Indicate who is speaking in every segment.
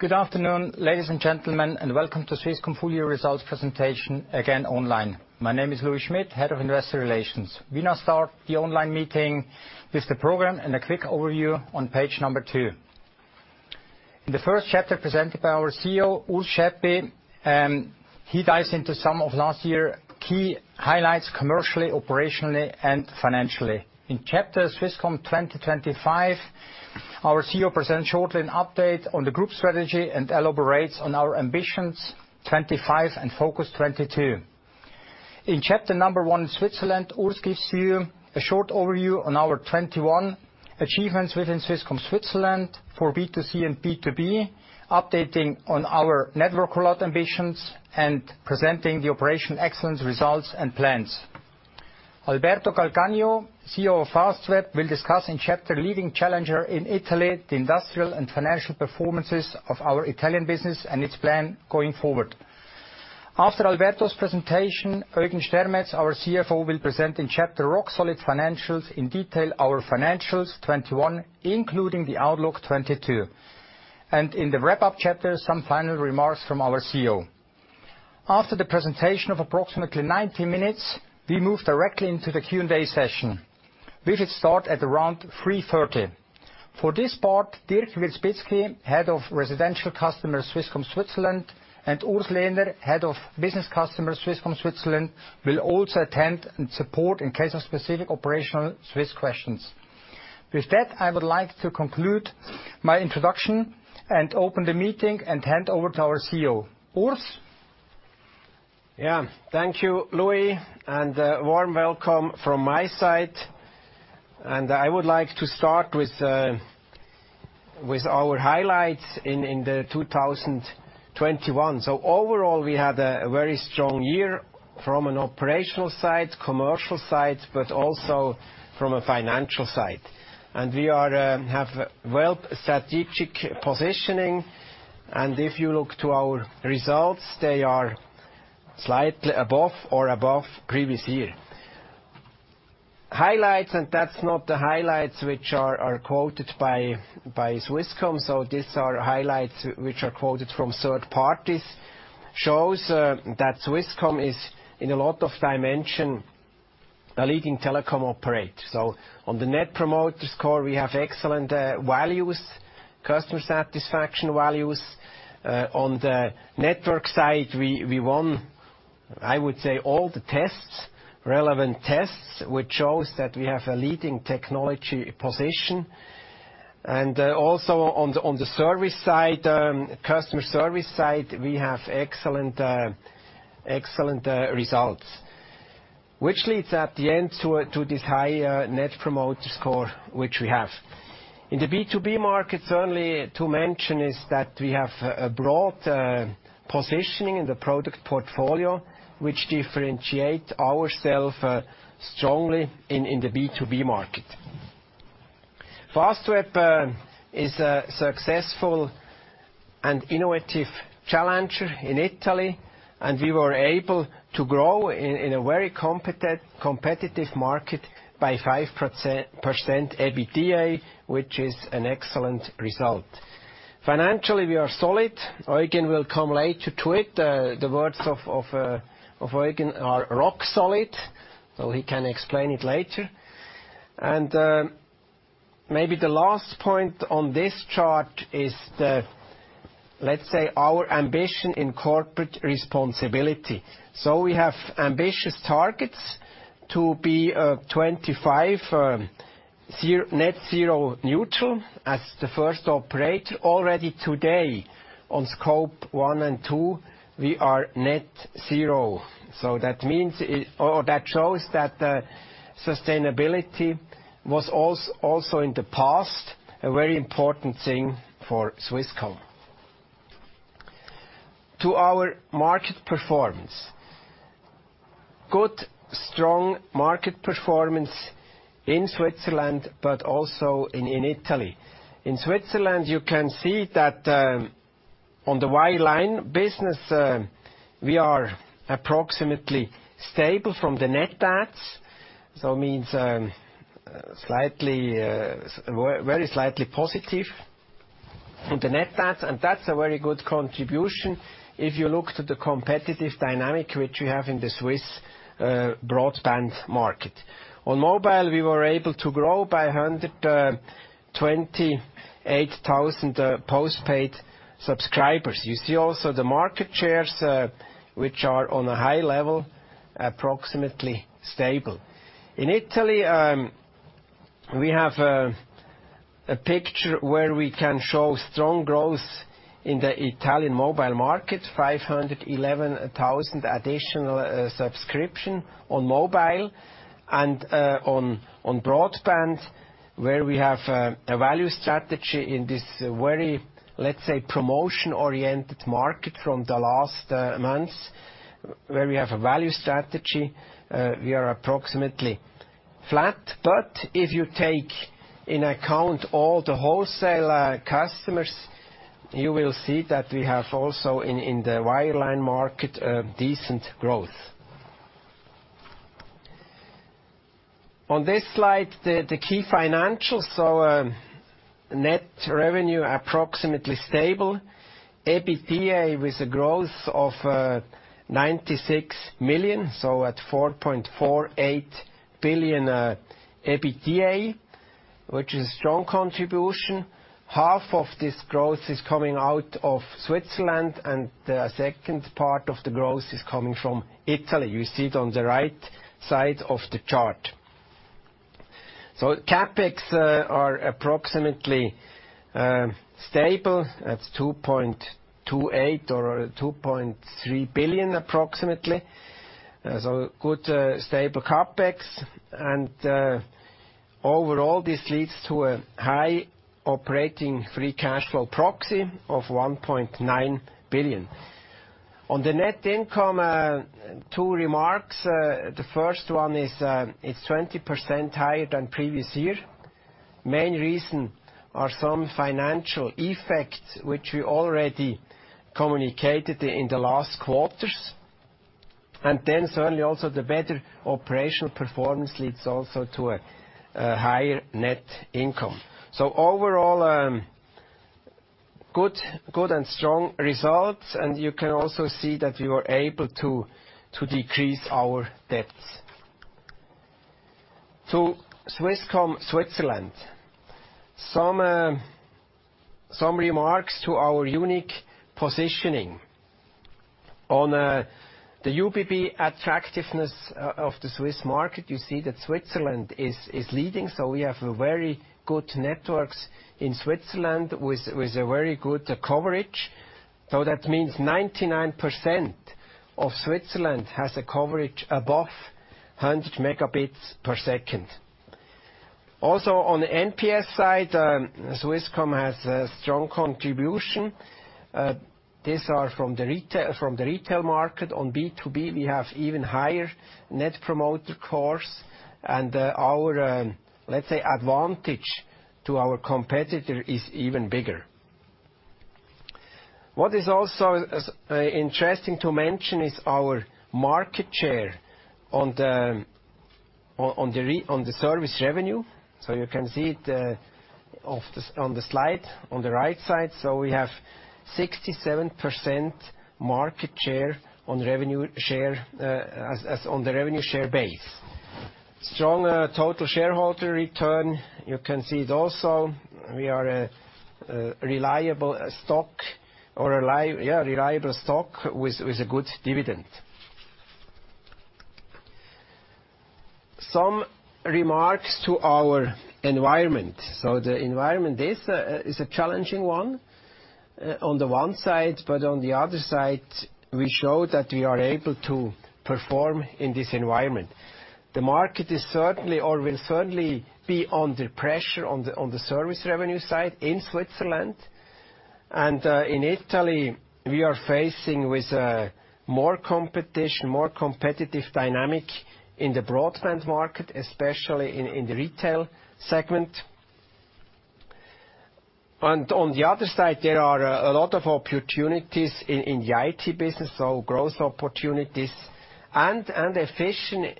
Speaker 1: Good afternoon, ladies and gentlemen, and welcome to Swisscom full year results presentation, again online. My name is Louis Schmid, Head of Investor Relations. We now start the online meeting with the program and a quick overview on page two. In the first chapter presented by our CEO, Urs Schaeppi, he dives into some of last year key highlights commercially, operationally, and financially. In chapter Swisscom 2025, our CEO presents shortly an update on the group strategy and elaborates on our ambitions 25 and focus 22. In chapter one, Switzerland, Urs gives you a short overview on our 21 achievements within Swisscom Switzerland for B2C and B2B, updating on our network rollout ambitions and presenting the operational excellence results and plans. Alberto Calcagno, CEO of Fastweb, will discuss in chapter Leading Challenger in Italy the industrial and financial performances of our Italian business and its plan going forward. After Alberto's presentation, Eugen Stermetz, our CFO, will present in chapter Rock-Solid Financials in detail our financials 2021, including the outlook 2022. In the wrap-up chapter, some final remarks from our CEO. After the presentation of approximately 90 minutes, we move directly into the Q&A session, which would start at around 3:30 P.M. For this part, Dirk Wierzbitzki, Head of Residential Customers, Swisscom Switzerland, and Urs Lehner, Head of Business Customers, Swisscom Switzerland, will also attend and support in case of specific operational Swisscom questions. With that, I would like to conclude my introduction and open the meeting and hand over to our CEO. Urs?
Speaker 2: Yeah. Thank you, Louis, and a warm welcome from my side. I would like to start with our highlights in 2021. Overall, we had a very strong year from an operational side, commercial side, but also from a financial side. We have well strategic positioning. If you look to our results, they are slightly above previous year. Highlights, and that's not the highlights which are quoted by Swisscom. These are highlights which are quoted from third parties, which shows that Swisscom is in a lot of dimensions a leading telecom operator. On the Net Promoter Score, we have excellent values, customer satisfaction values. On the network side, we won, I would say, all the relevant tests, which shows that we have a leading technology position. Also on the service side, customer service side, we have excellent results, which leads at the end to this high Net Promoter Score which we have. In the B2B market, certainly to mention is that we have a broad positioning in the product portfolio which differentiate ourself strongly in the B2B market. Fastweb is a successful and innovative challenger in Italy, and we were able to grow in a very competitive market by 5% EBITDA, which is an excellent result. Financially, we are solid. Eugen will come later to it. The words of Eugen are rock solid. He can explain it later. Maybe the last point on this chart is, let's say, our ambition in corporate responsibility. We have ambitious targets to be net zero by 2025 as the first operator. Already today on Scope one and two, we are net zero. That means or that shows that sustainability was also in the past a very important thing for Swisscom. To our market performance. Good, strong market performance in Switzerland but also in Italy. In Switzerland, you can see that on the wireline business we are approximately stable from the net adds. Means slightly very slightly positive in the net adds, and that's a very good contribution if you look to the competitive dynamic which we have in the Swiss broadband market. On mobile, we were able to grow by 128,000 postpaid subscribers. You see also the market shares which are on a high level, approximately stable. In Italy, we have a picture where we can show strong growth in the Italian mobile market, 511,000 additional subscriptions on mobile and on broadband, where we have a value strategy in this very, let's say, promotion-oriented market from the last months. Where we have a value strategy, we are approximately flat. If you take into account all the wholesale customers, you will see that we have also in the wireline market decent growth. On this slide, the key financials. Net revenue approximately stable. EBITDA with a growth of 96 million, so at 4.48 billion EBITDA, which is strong contribution. Half of this growth is coming out of Switzerland and the second part of the growth is coming from Italy. You see it on the right side of the chart. CapEx are approximately stable at 2.28 billion or 2.3 billion approximately. Good stable CapEx. Overall, this leads to a high operating free cash flow proxy of 1.9 billion. On the net income, two remarks. The first one is it's 20% higher than previous year. Main reason are some financial effects which we already communicated in the last quarters. Then certainly also the better operational performance leads also to a higher net income. Overall, good and strong results. You can also see that we were able to decrease our debts. Swisscom Switzerland. Some remarks to our unique positioning. On the UBB attractiveness of the Swiss market, you see that Switzerland is leading. We have very good networks in Switzerland with a very good coverage. That means 99% of Switzerland has a coverage above 100 Mbps. Also, on the NPS side, Swisscom has a strong contribution. These are from the retail market. On B2B, we have even higher Net Promoter Score and our let's say advantage to our competitor is even bigger. What is also interesting to mention is our market share on the service revenue. You can see it on the slide on the right side. We have 67% market share on revenue share as on the revenue share basis. Strong total shareholder return, you can see it also. We are a reliable stock with a good dividend. Some remarks to our environment. The environment is a challenging one on the one side, but on the other side, we show that we are able to perform in this environment. The market will certainly be under pressure on the service revenue side in Switzerland. In Italy, we are facing with more competition, more competitive dynamic in the broadband market, especially in the retail segment. On the other side, there are a lot of opportunities in the IT business, so growth opportunities.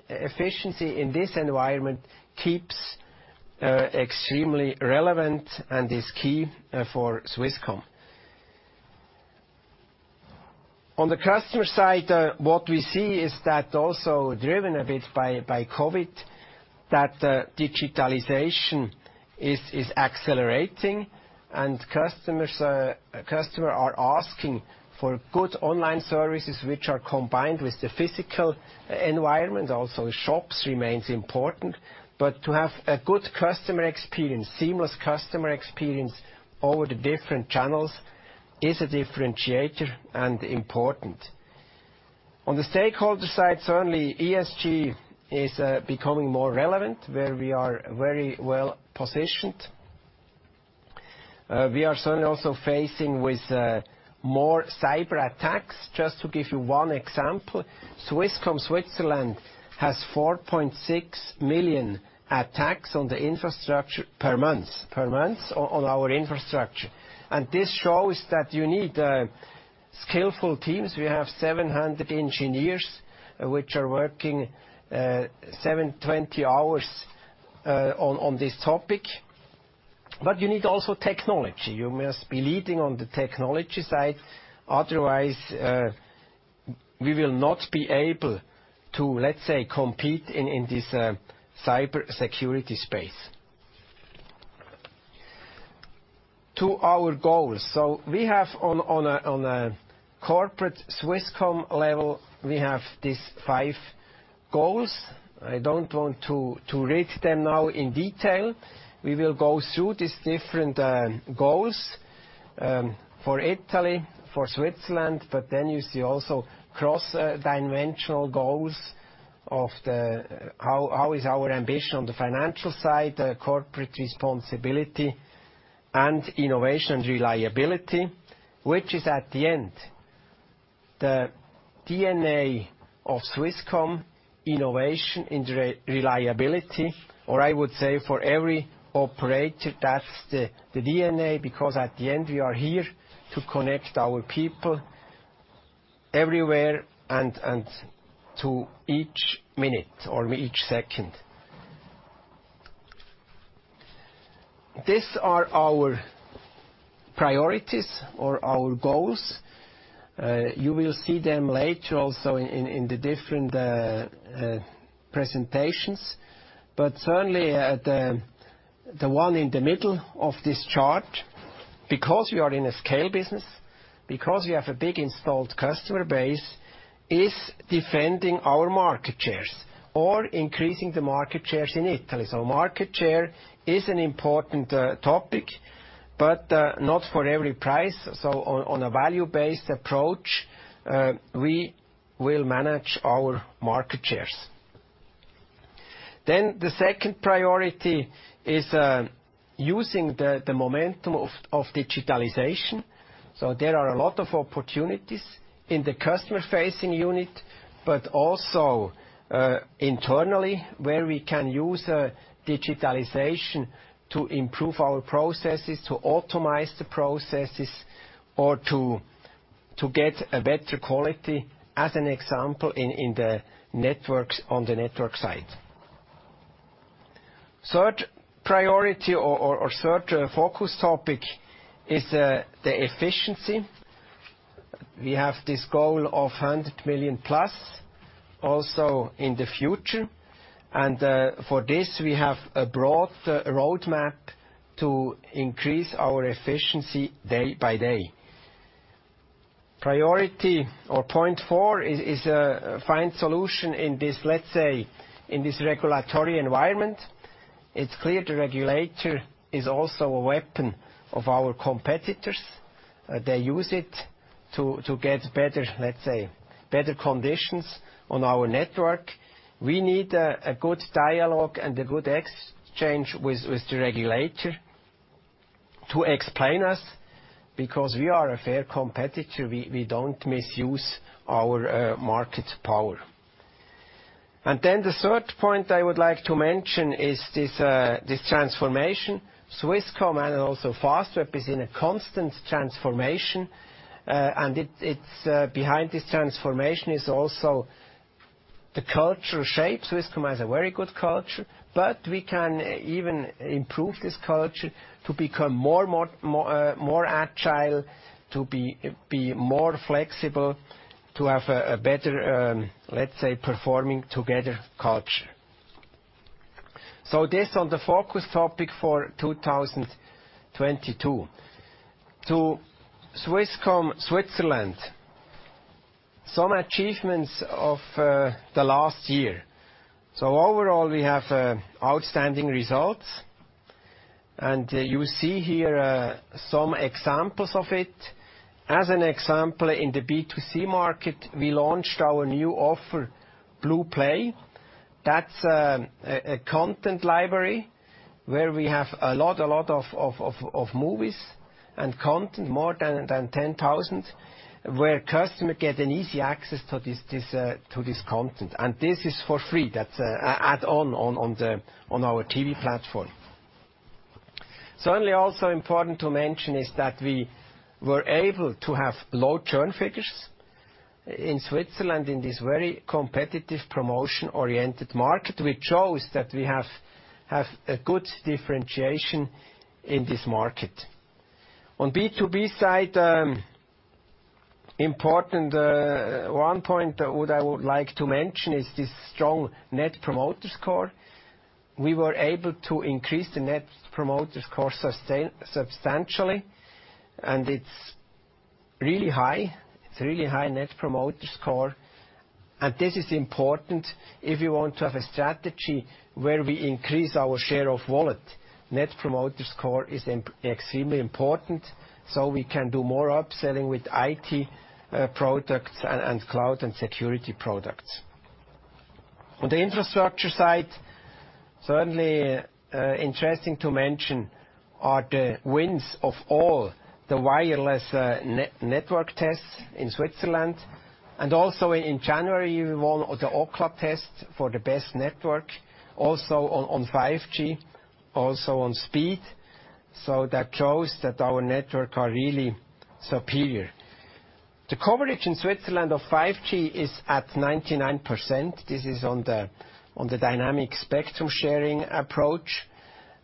Speaker 2: Efficiency in this environment keeps extremely relevant and is key for Swisscom. On the customer side, what we see is that also driven a bit by COVID, that digitalization is accelerating and customers are asking for good online services which are combined with the physical environment. Shops remains important. To have a good customer experience, seamless customer experience over the different channels is a differentiator and important. On the stakeholder side, certainly ESG is becoming more relevant, where we are very well positioned. We are certainly also facing with more cyberattacks. Just to give you one example, Swisscom Switzerland has 4.6 million attacks on the infrastructure per month on our infrastructure. This shows that you need skillful teams. We have 700 engineers which are working 24/7 hours on this topic. You need also technology. You must be leading on the technology side. Otherwise, we will not be able to, let's say, compete in this cybersecurity space. To our goals. We have on a corporate Swisscom level, we have these five goals. I don't want to read them now in detail. We will go through these different goals for Italy, for Switzerland, but then you see also cross-dimensional goals of the how is our ambition on the financial side, corporate responsibility and innovation and reliability, which is at the end the DNA of Swisscom innovation and reliability. I would say for every operator, that's the DNA, because at the end, we are here to connect our people everywhere and to each minute or each second. These are our priorities or our goals. You will see them later also in the different presentations. Certainly, the one in the middle of this chart, because we are in a scale business, because we have a big installed customer base, is defending our market shares or increasing the market shares in Italy. Market share is an important topic, but not for every price. On a value-based approach, we will manage our market shares. The second priority is using the momentum of digitalization. There are a lot of opportunities in the customer-facing unit, but also internally where we can use digitalization to improve our processes, to automate the processes or to get a better quality, as an example, in the networks on the network side. Third priority or third focus topic is the efficiency. We have this goal of 100 million plus also in the future. For this, we have a broad roadmap to increase our efficiency day by day. Priority or point four is find solution in this, let's say, in this regulatory environment. It's clear the regulator is also a weapon of our competitors. They use it to get better, let's say, better conditions on our network. We need a good dialogue and a good exchange with the regulator to explain us because we are a fair competitor. We don't misuse our market power. The third point I would like to mention is this transformation. Swisscom and also Fastweb is in a constant transformation. It it's behind this transformation is also the cultural shape. Swisscom has a very good culture, but we can even improve this culture to become more agile, to be more flexible, to have a better, let's say, performing together culture. This is on the focus topic for 2022. To Swisscom Switzerland, some achievements of the last year. Overall, we have outstanding results. You see here some examples of it. In the B2C market, we launched our new offer, blue Play. That's a content library where we have a lot of movies and content, more than 10,000, where customer get an easy access to this content. This is for free. That's an add-on on our TV platform. Certainly, also important to mention is that we were able to have low churn figures in Switzerland in this very competitive promotion-oriented market, which shows that we have a good differentiation in this market. On B2B side, important one point what I would like to mention is this strong Net Promoter Score. We were able to increase the Net Promoter Score substantially, and it's really high. It's really high Net Promoter Score. This is important if you want to have a strategy where we increase our share of wallet. Net Promoter Score is extremely important, so we can do more upselling with IT products and cloud and security products. On the infrastructure side, certainly, interesting to mention are the wins of all the wireless network tests in Switzerland, and also in January, we won the Ookla test for the best network, also on 5G, also on speed. That shows that our network are really superior. The coverage in Switzerland of 5G is at 99%. This is on the dynamic spectrum sharing approach,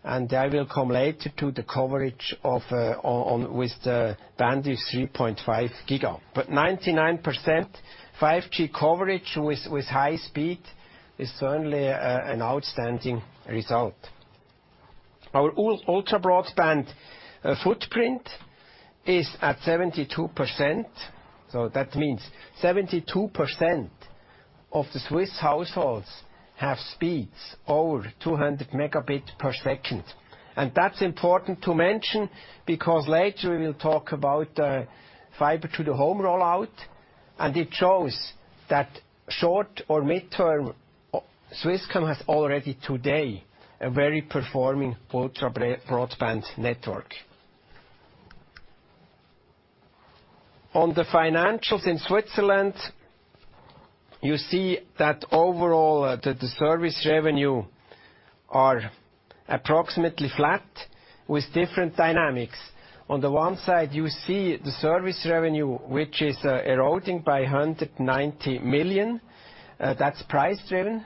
Speaker 2: and I will come later to the coverage of, on, with the band is 3.5 GHz. Ninety-nine percent 5G coverage with high speed is certainly an outstanding result. Our ultrabroadband footprint is at 72%, so that means 72% of the Swiss households have speeds over 200 Mbps. That's important to mention because later we will talk about fiber to the home rollout, and it shows that short or mid-term, Swisscom has already today a very performing ultra-broadband network. On the financials in Switzerland. You see that overall the service revenue are approximately flat with different dynamics. On the one side, you see the service revenue, which is eroding by 190 million. That's price-driven,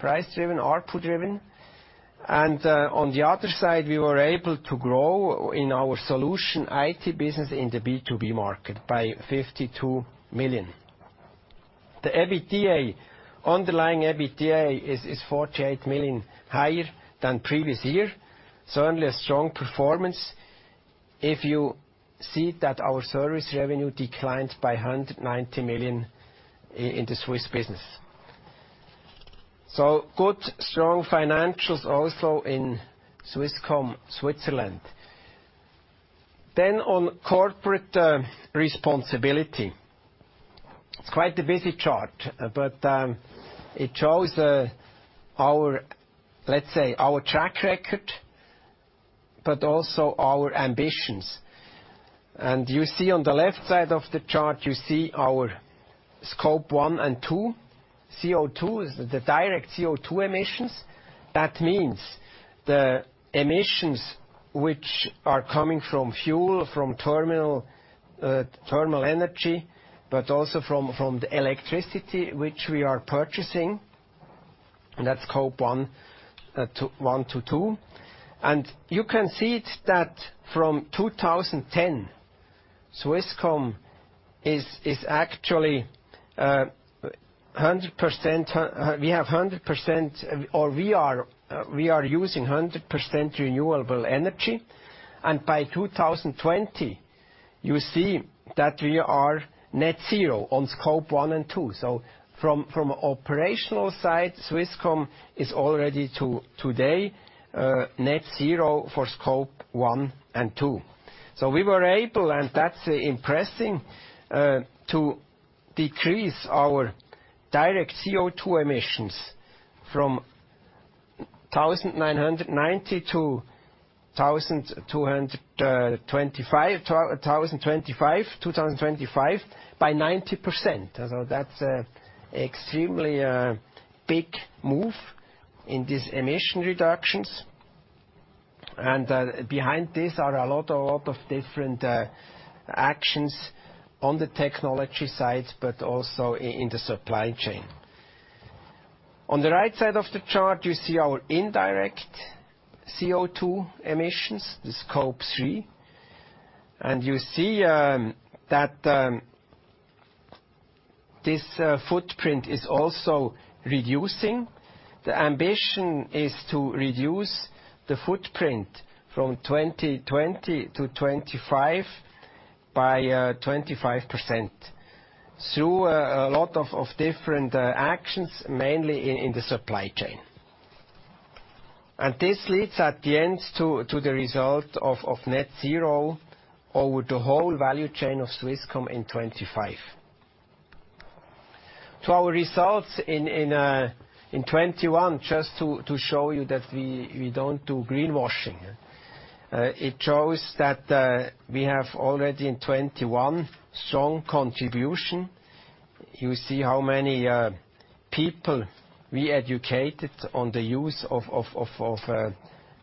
Speaker 2: ARPU-driven. On the other side, we were able to grow in our solution IT business in the B2B market by 52 million. The EBITDA, underlying EBITDA is 48 million higher than previous year. Certainly a strong performance if you see that our service revenue declined by 190 million in the Swiss business. Good, strong financials also in Swisscom Switzerland. On corporate responsibility. It's quite a busy chart, but it shows our, let's say, our track record, but also our ambitions. You see on the left side of the chart, you see our Scope one and two. CO2 is the direct CO2 emissions. That means the emissions which are coming from fuel, from terminal energy, but also from the electricity which we are purchasing. That's Scope one to two. You can see that from 2010, Swisscom is actually 100%, we have 100% or we are using 100% renewable energy. By 2020, you see that we are net zero on Scope one and two. From operational side, Swisscom is already today net zero for Scope one and two. We were able, and that's impressive, to decrease our direct CO2 emissions from 1990 to 2025 by 90%. That's an extremely big move in these emission reductions. Behind this are a lot of different actions on the technology side, but also in the supply chain. On the right side of the chart, you see our indirect CO2 emissions, the Scope three, and you see that this footprint is also reducing. The ambition is to reduce the footprint from 2020 to 2025 by 25% through a lot of different actions, mainly in the supply chain. This leads at the end to the result of net zero over the whole value chain of Swisscom in 2025. Our results in 2021 just to show you that we don't do greenwashing. It shows that we have already in 2021 strong contribution. You see how many people we educated on the use of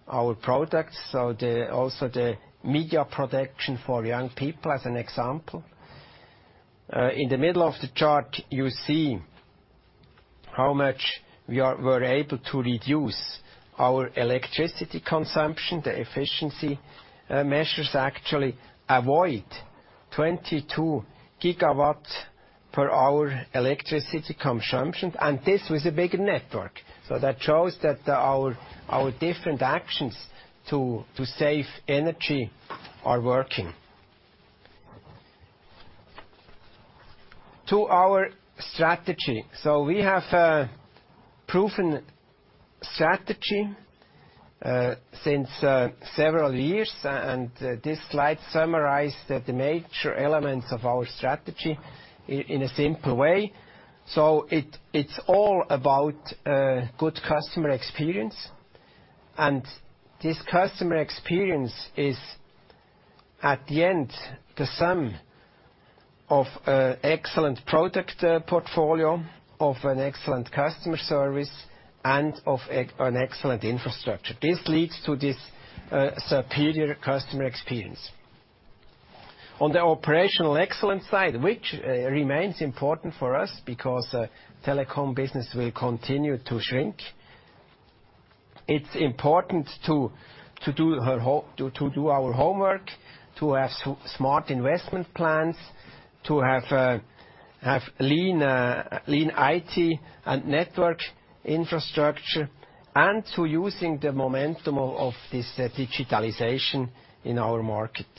Speaker 2: our products. Also the media production for young people as an example. In the middle of the chart, you see how much we're able to reduce our electricity consumption. The efficiency measures actually avoid 22 GW-hours electricity consumption, and this was a bigger network. That shows that our different actions to save energy are working. Our strategy. We have a proven strategy since several years, and this slide summarizes the major elements of our strategy in a simple way. It’s all about good customer experience. This customer experience is at the end the sum of an excellent product portfolio, of an excellent customer service, and of an excellent infrastructure. This leads to this superior customer experience. On the operational excellence side, which remains important for us because telecom business will continue to shrink, it’s important to do our homework, to have smart investment plans, to have lean IT and network infrastructure, and to use the momentum of this digitalization in our market.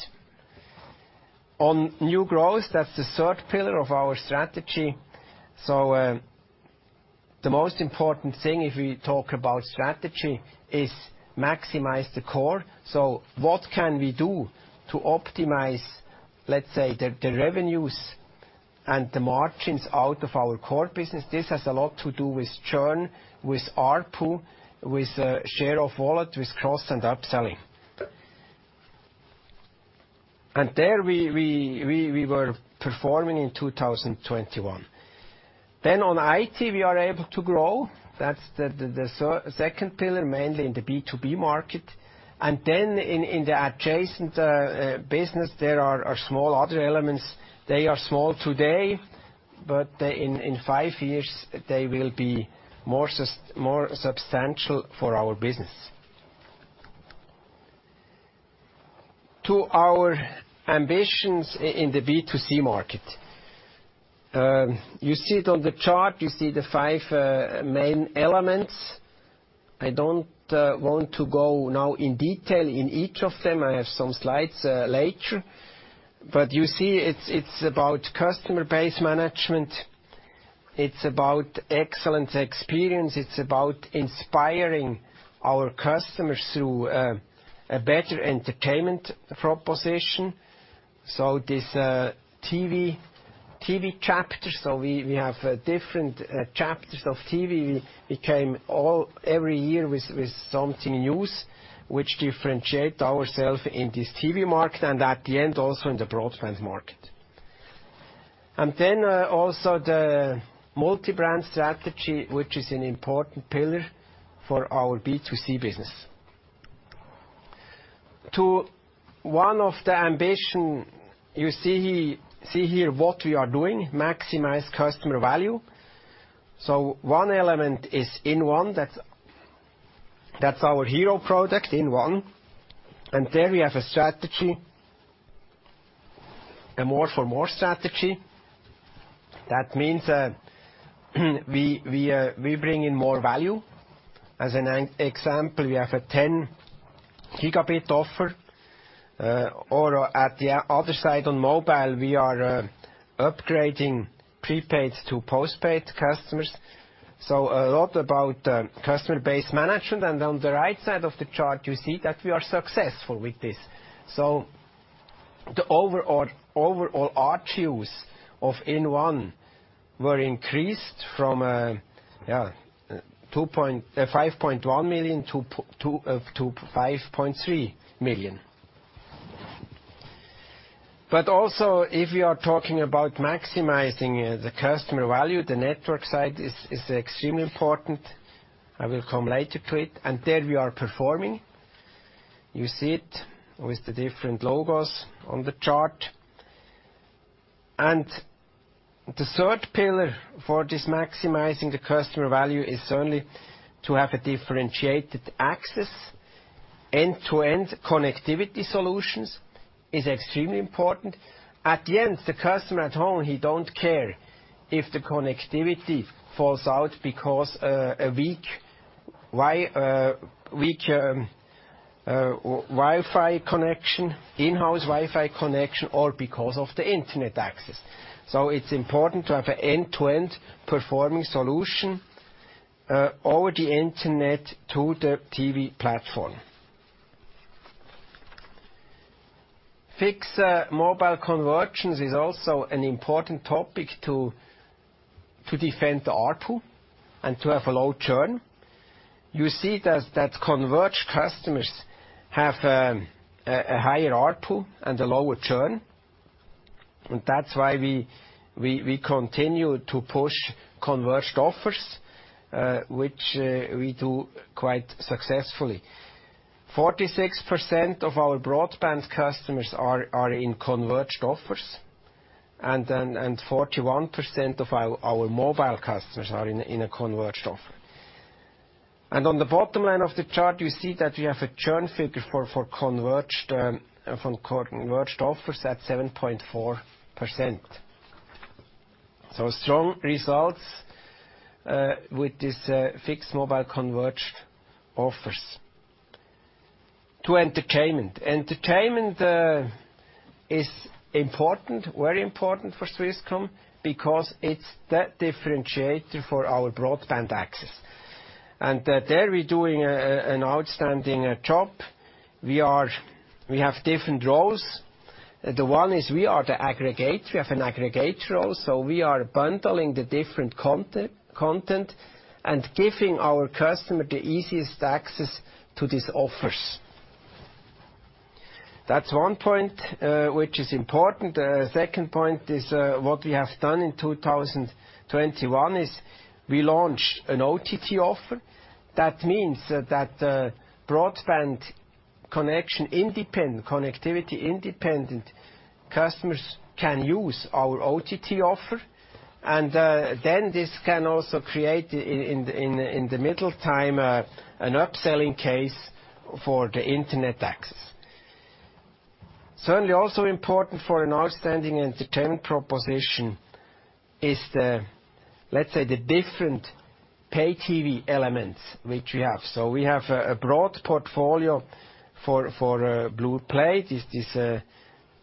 Speaker 2: On new growth, that’s the third pillar of our strategy. The most important thing if we talk about strategy is maximize the core. What can we do to optimize, let's say, the revenues and the margins out of our core business? This has a lot to do with churn, with ARPU, with share of wallet, with cross and upselling. There we were performing in 2021. On IT, we are able to grow. That's the second pillar, mainly in the B2B market. In the adjacent business, there are small other elements. They are small today, but in five years, they will be more substantial for our business. To our ambitions in the B2C market. You see it on the chart, you see the five main elements. I don't want to go now in detail in each of them. I have some slides later. You see it's about customer base management. It's about excellent experience. It's about inspiring our customers through a better entertainment proposition. This TV chapter. We have different chapters of TV. We come every year with something new which differentiates ourselves in this TV market and at the end, also in the broadband market. Then also the multi-brand strategy, which is an important pillar for our B2C business. One of the ambitions, you see here what we are doing, maximize customer value. One element is inOne, that's our hero product, inOne. There we have a strategy. A more for more strategy. That means we bring in more value. As an example, we have a 10 GB offer, or at the other side on mobile, we are upgrading prepaid to postpaid customers. A lot about customer base management. On the right side of the chart, you see that we are successful with this. The overall ARPUs of inOne were increased from 5.1 million to 5.3 million. Also, if you are talking about maximizing the customer value, the network side is extremely important. I will come later to it, and there we are performing. You see it with the different logos on the chart. The third pillar for this maximizing the customer value is only to have a differentiated access. End-to-end connectivity solutions is extremely important. At the end, the customer at home, he don't care if the connectivity falls out because a weak Wi-Fi connection, in-house Wi-Fi connection, or because of the internet access. It's important to have an end-to-end performing solution over the internet to the TV platform. Fixed mobile convergence is also an important topic to defend the ARPU and to have a low churn. You see that converged customers have a higher ARPU and a lower churn. That's why we continue to push converged offers, which we do quite successfully. 46% of our broadband customers are in converged offers, and 41% of our mobile customers are in a converged offer. On the bottom line of the chart, you see that we have a churn figure for converged offers at 7.4%. Strong results with this fixed mobile converged offers. To entertainment. Entertainment is important, very important for Swisscom because it's that differentiator for our broadband access. There we're doing an outstanding job. We have different roles. The one is we are the aggregator. We have an aggregator role, so we are bundling the different content and giving our customer the easiest access to these offers. That's one point which is important. Second point is what we have done in 2021 is we launched an OTT offer. That means that broadband connection independent, connectivity-independent customers can use our OTT offer. This can also create in the medium term an upselling case for the internet access. Certainly also important for an outstanding entertainment proposition is the, let's say, the different pay-TV elements which we have. We have a broad portfolio for blue Play. This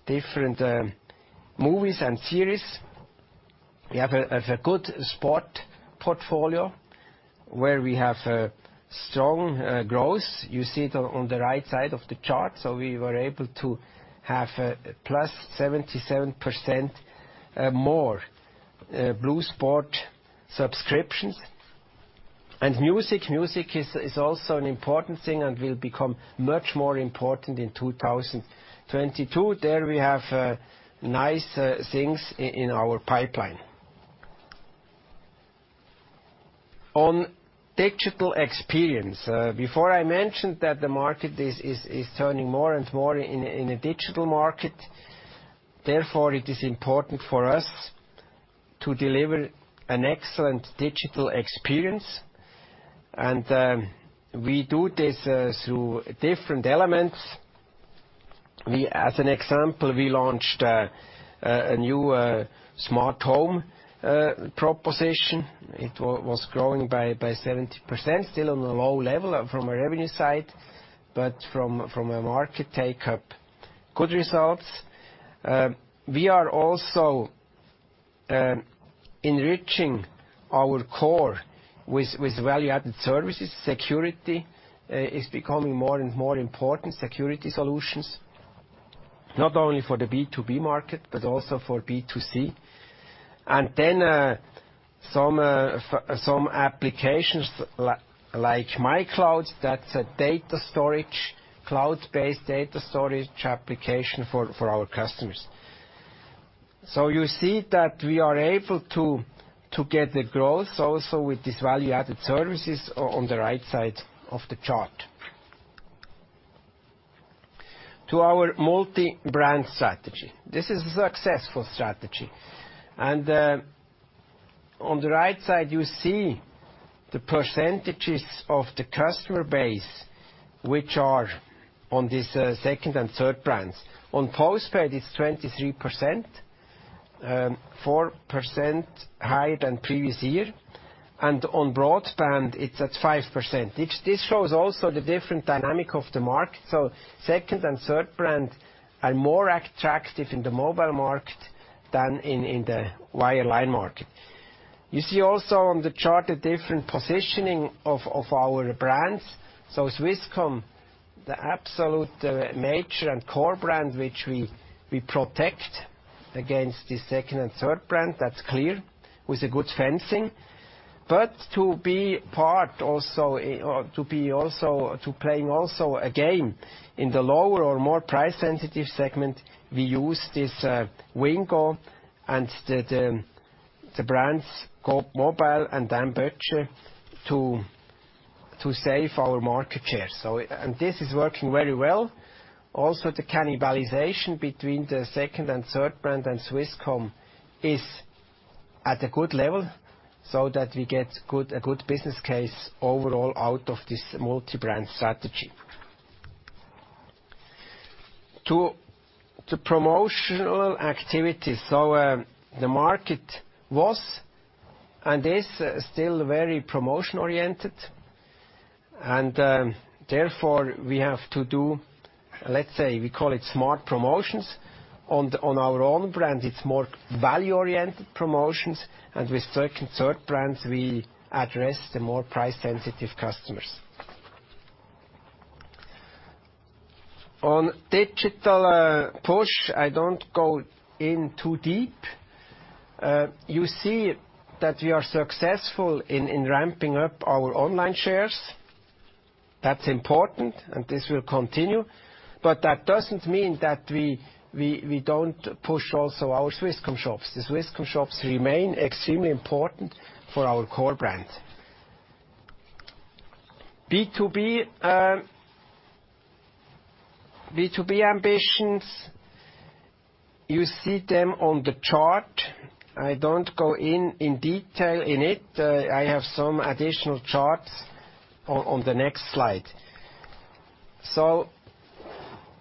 Speaker 2: different movies and series. We have a good sport portfolio where we have a strong growth. You see it on the right side of the chart. We were able to have +77% more blue Sport subscriptions. Music is also an important thing and will become much more important in 2022. There we have nice things in our pipeline. On digital experience. Before I mentioned that the market is turning more and more into a digital market. Therefore, it is important for us to deliver an excellent digital experience. We do this through different elements. As an example, we launched a new smart home proposition. It was growing by 70%, still on a low level from a revenue side, but from a market take-up, good results. We are also enriching our core with value-added services. Security is becoming more and more important. Security solutions, not only for the B2B market but also for B2C. Some applications like myCloud, that's a cloud-based data storage application for our customers. You see that we are able to get the growth also with these value-added services on the right side of the chart. To our multi-brand strategy. This is a successful strategy. On the right side, you see the percentages of the customer base which are on these second and third brands. On postpaid, it's 23%, 4% higher than previous year. On broadband, it's at 5%. This shows also the different dynamic of the market. Second and third brand are more attractive in the mobile market than in the wireline market. You see also on the chart the different positioning of our brands. Swisscom, the absolute major and core brand, which we protect against the second and third brand. That's clear, with a good fencing. To be part also in... To play also a game in the lower or more price-sensitive segment, we use Wingo and the brands, Coop Mobile and M-Budget, to save our market share. This is working very well. Also, the cannibalization between the second and third brand and Swisscom is at a good level, so that we get a good business case overall out of this multi-brand strategy. To promotional activities. The market was and is still very promotion-oriented. Therefore, we have to do, let's say, we call it smart promotions. On our own brand, it's more value-oriented promotions, and with second, third brands, we address the more price-sensitive customers. On digital push, I don't go in too deep. You see that we are successful in ramping up our online shares. That's important, and this will continue. That doesn't mean that we don't push also our Swisscom shops. The Swisscom shops remain extremely important for our core brand. B2B ambitions, you see them on the chart. I don't go in detail in it. I have some additional charts on the next slide.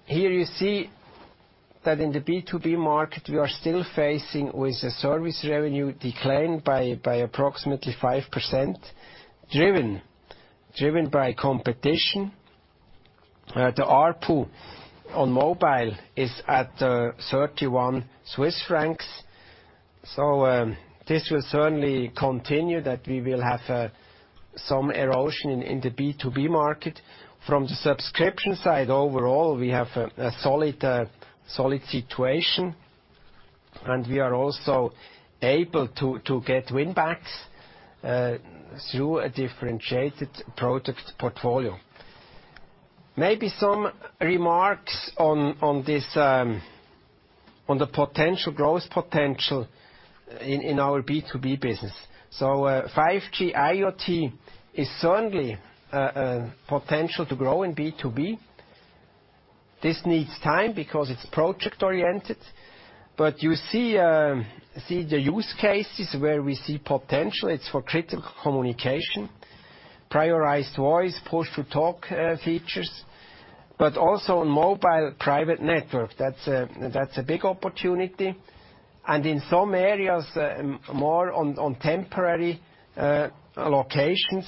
Speaker 2: Here you see that in the B2B market, we are still facing with a service revenue decline by approximately 5%, driven by competition. The ARPU on mobile is at 31 Swiss francs. This will certainly continue, that we will have some erosion in the B2B market. From the subscription side overall, we have a solid situation, and we are also able to get winbacks through a differentiated product portfolio. Maybe some remarks on the potential growth potential in our B2B business. 5G IoT is certainly potential to grow in B2B. This needs time because it's project-oriented. You see the use cases where we see potential. It's for critical communication, prioritized voice, push-to-talk features, but also on mobile private network. That's a big opportunity. In some areas, more on temporary allocations,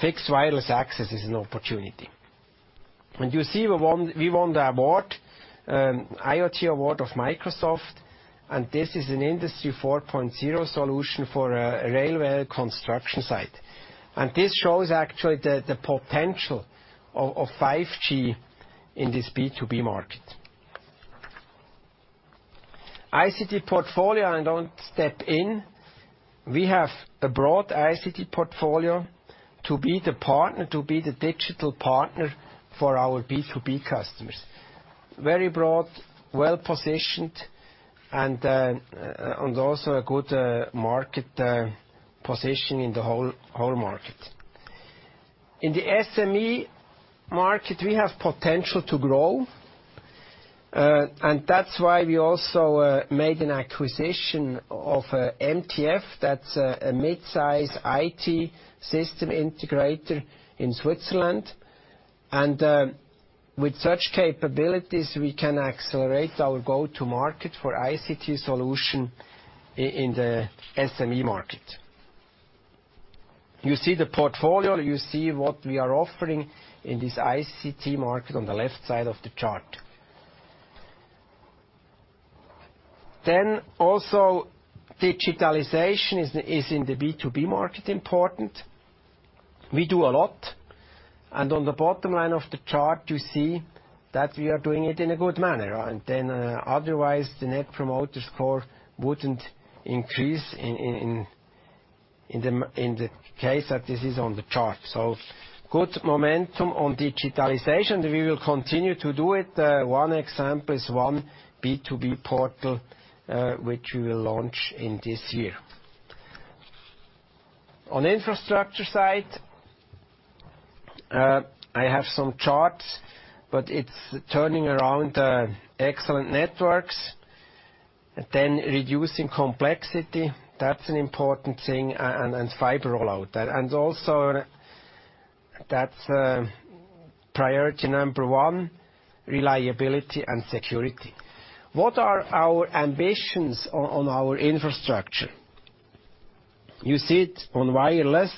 Speaker 2: fixed wireless access is an opportunity. You see we won the award, IoT award of Microsoft, and this is an Industry 4.0 solution for a railway construction site. This shows actually the potential of 5G in this B2B market. ICT portfolio, I don't step in. We have a broad ICT portfolio to be the partner, to be the digital partner for our B2B customers. Very broad, well-positioned, and also a good market position in the whole market. In the SME market, we have potential to grow. That's why we also made an acquisition of MTF. That's a mid-size IT system integrator in Switzerland. With such capabilities, we can accelerate our go-to-market for ICT solution in the SME market. You see the portfolio, you see what we are offering in this ICT market on the left side of the chart. Digitalization is in the B2B market important. We do a lot, and on the bottom line of the chart you see that we are doing it in a good manner. Otherwise, the Net Promoter Score wouldn't increase in the case that this is on the chart. Good momentum on digitalization. We will continue to do it. One example is one B2B portal, which we will launch in this year. On infrastructure side, I have some charts, but it's turning around, excellent networks, then reducing complexity, that's an important thing, and fiber rollout. That's priority number one, reliability and security. What are our ambitions on our infrastructure? You see it on wireless.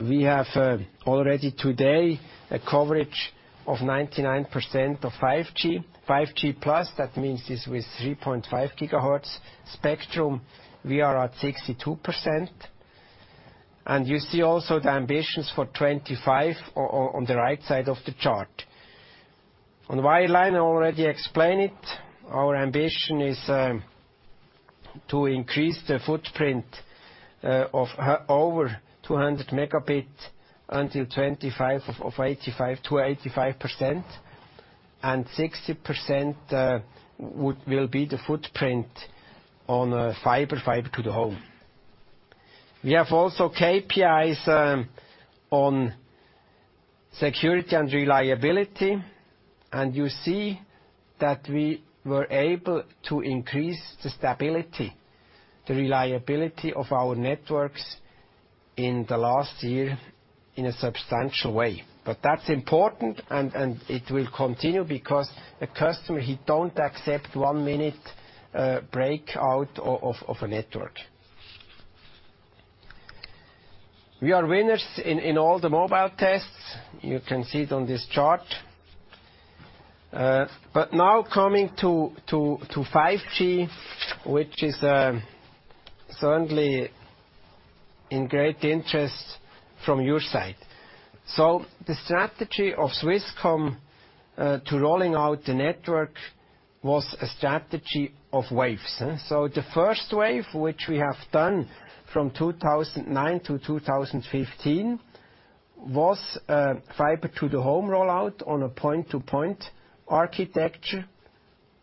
Speaker 2: We have already today a coverage of 99% of 5G. 5G+, that means this with 3.5 GHz spectrum, we are at 62%. You see also the ambitions for 2025 on the right side of the chart. On wireline, I already explain it. Our ambition is to increase the footprint of over 200 MB until 2025 to 85%, and 60% will be the footprint on fiber to the home. We have also KPIs on security and reliability, and you see that we were able to increase the stability, the reliability of our networks in the last year in a substantial way. That's important and it will continue because a customer, he don't accept 1-minute breakout of a network. We are winners in all the mobile tests. You can see it on this chart. Now coming to 5G, which is certainly in great interest from your side. The strategy of Swisscom to rolling out the network was a strategy of waves. The first wave, which we have done from 2009 to 2015, was a fiber to the home rollout on a point-to-point architecture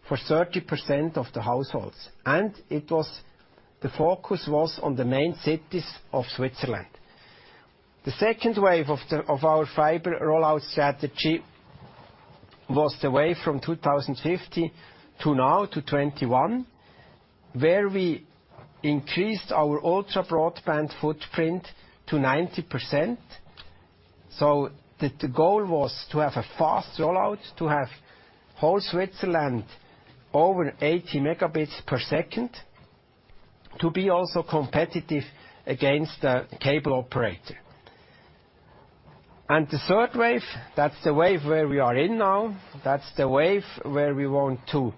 Speaker 2: for 30% of the households. It was. The focus was on the main cities of Switzerland. The second wave of our fiber rollout strategy was the wave from 2015 to now, to 2021, where we increased our ultra-broadband footprint to 90%. The goal was to have a fast rollout, to have whole Switzerland over 80 Mbps, to be also competitive against a cable operator. The third wave, that's the wave where we are in now. That's the wave where we want to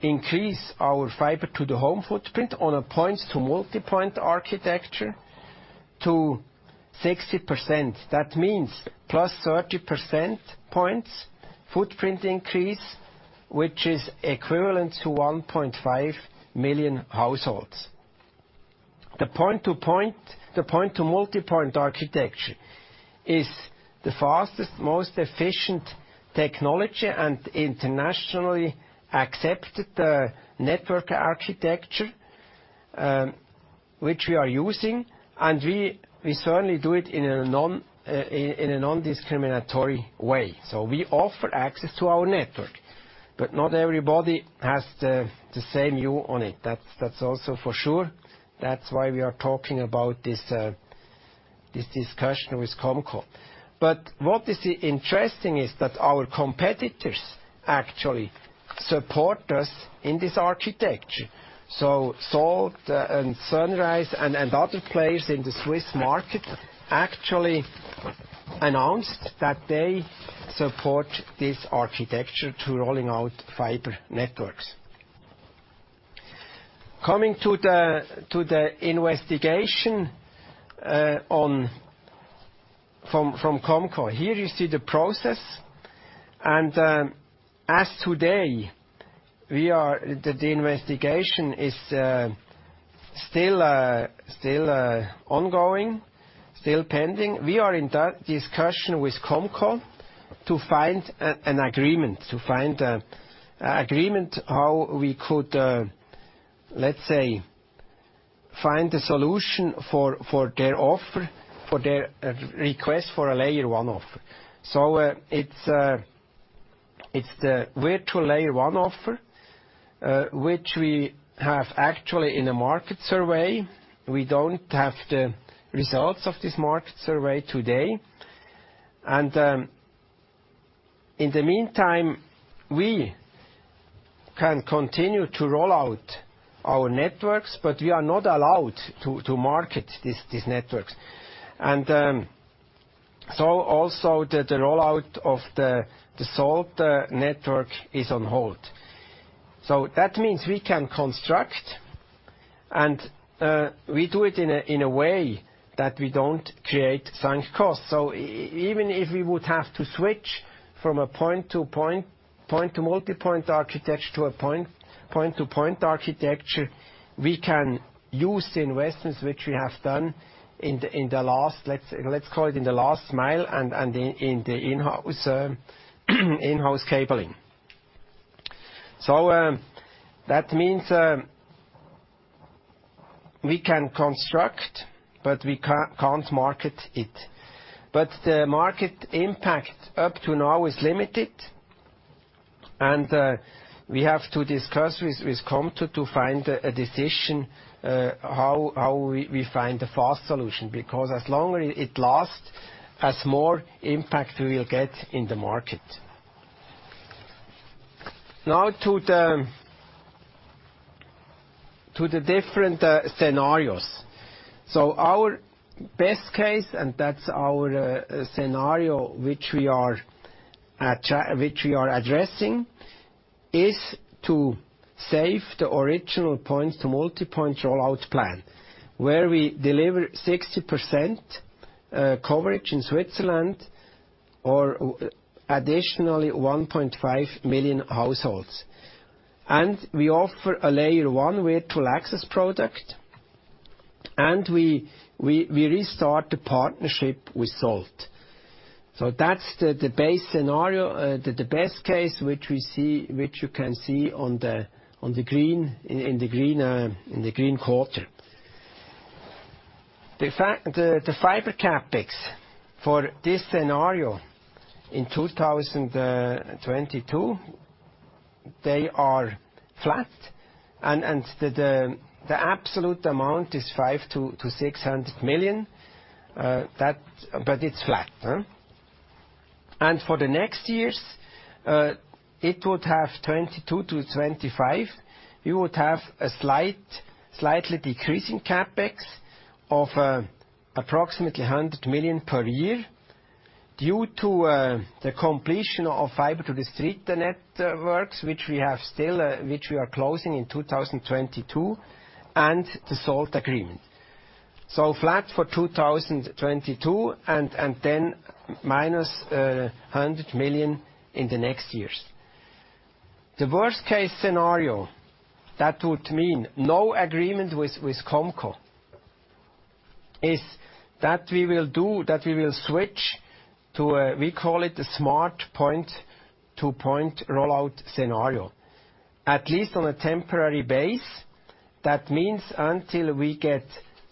Speaker 2: increase our fiber to the home footprint on a point-to-multipoint architecture to 60%. That means +30 percentage points footprint increase, which is equivalent to 1.5 million households. The point-to-point, point-to-multipoint architecture is the fastest, most efficient technology and internationally accepted network architecture, which we are using. We certainly do it in a nondiscriminatory way. We offer access to our network, but not everybody has the same view on it. That's also for sure. That's why we are talking about this discussion with COMCO. What is interesting is that our competitors actually support us in this architecture. Salt and Sunrise and other players in the Swiss market actually announced that they support this architecture to rolling out fiber networks. Coming to the investigation from COMCO, here you see the process and, as of today, the investigation is still ongoing, still pending. We are in that discussion with COMCO to find an agreement. To find an agreement how we could, let's say, find a solution for their offer. For their request for a Layer one offer. It's the virtual Layer one offer, which we have actually in a market survey. We don't have the results of this market survey today. In the meantime, we can continue to roll out our networks, but we are not allowed to market these networks. Also the rollout of the Salt network is on hold. That means we can construct and we do it in a way that we don't create sunk costs. Even if we would have to switch from a point-to-point, point-to-multipoint architecture to a point-to-point architecture, we can use the investments which we have done in the last, let's call it in the last mile and in the in-house cabling. That means we can construct, but we can't market it. The market impact up to now is limited and we have to discuss with COMCO to find a decision how we find a fast solution. Because the longer it lasts, the more impact we will get in the market. Now to the different scenarios. Our best case, and that's our scenario which we are addressing, is to save the original point-to-multipoint rollout plan, where we deliver 60% coverage in Switzerland or additionally 1.5 million households. We offer a Layer one virtual access product, and we restart the partnership with Salt. That's the base scenario, the best case which we see, which you can see in the green chart. The fiber CapEx for this scenario in 2022, they are flat and the absolute amount is 500-600 million. It's flat, huh? For the next years, it would have 2022-2025. We would have a slightly decreasing CapEx of approximately 100 million per year due to the completion of fiber to the street networks, which we are closing in 2022 and the Salt agreement. Flat for 2022 and then -100 million in the next years. The worst case scenario, that would mean no agreement with Comco, is that we will switch to we call it a smart point-to-point rollout scenario. At least on a temporary basis. That means until we get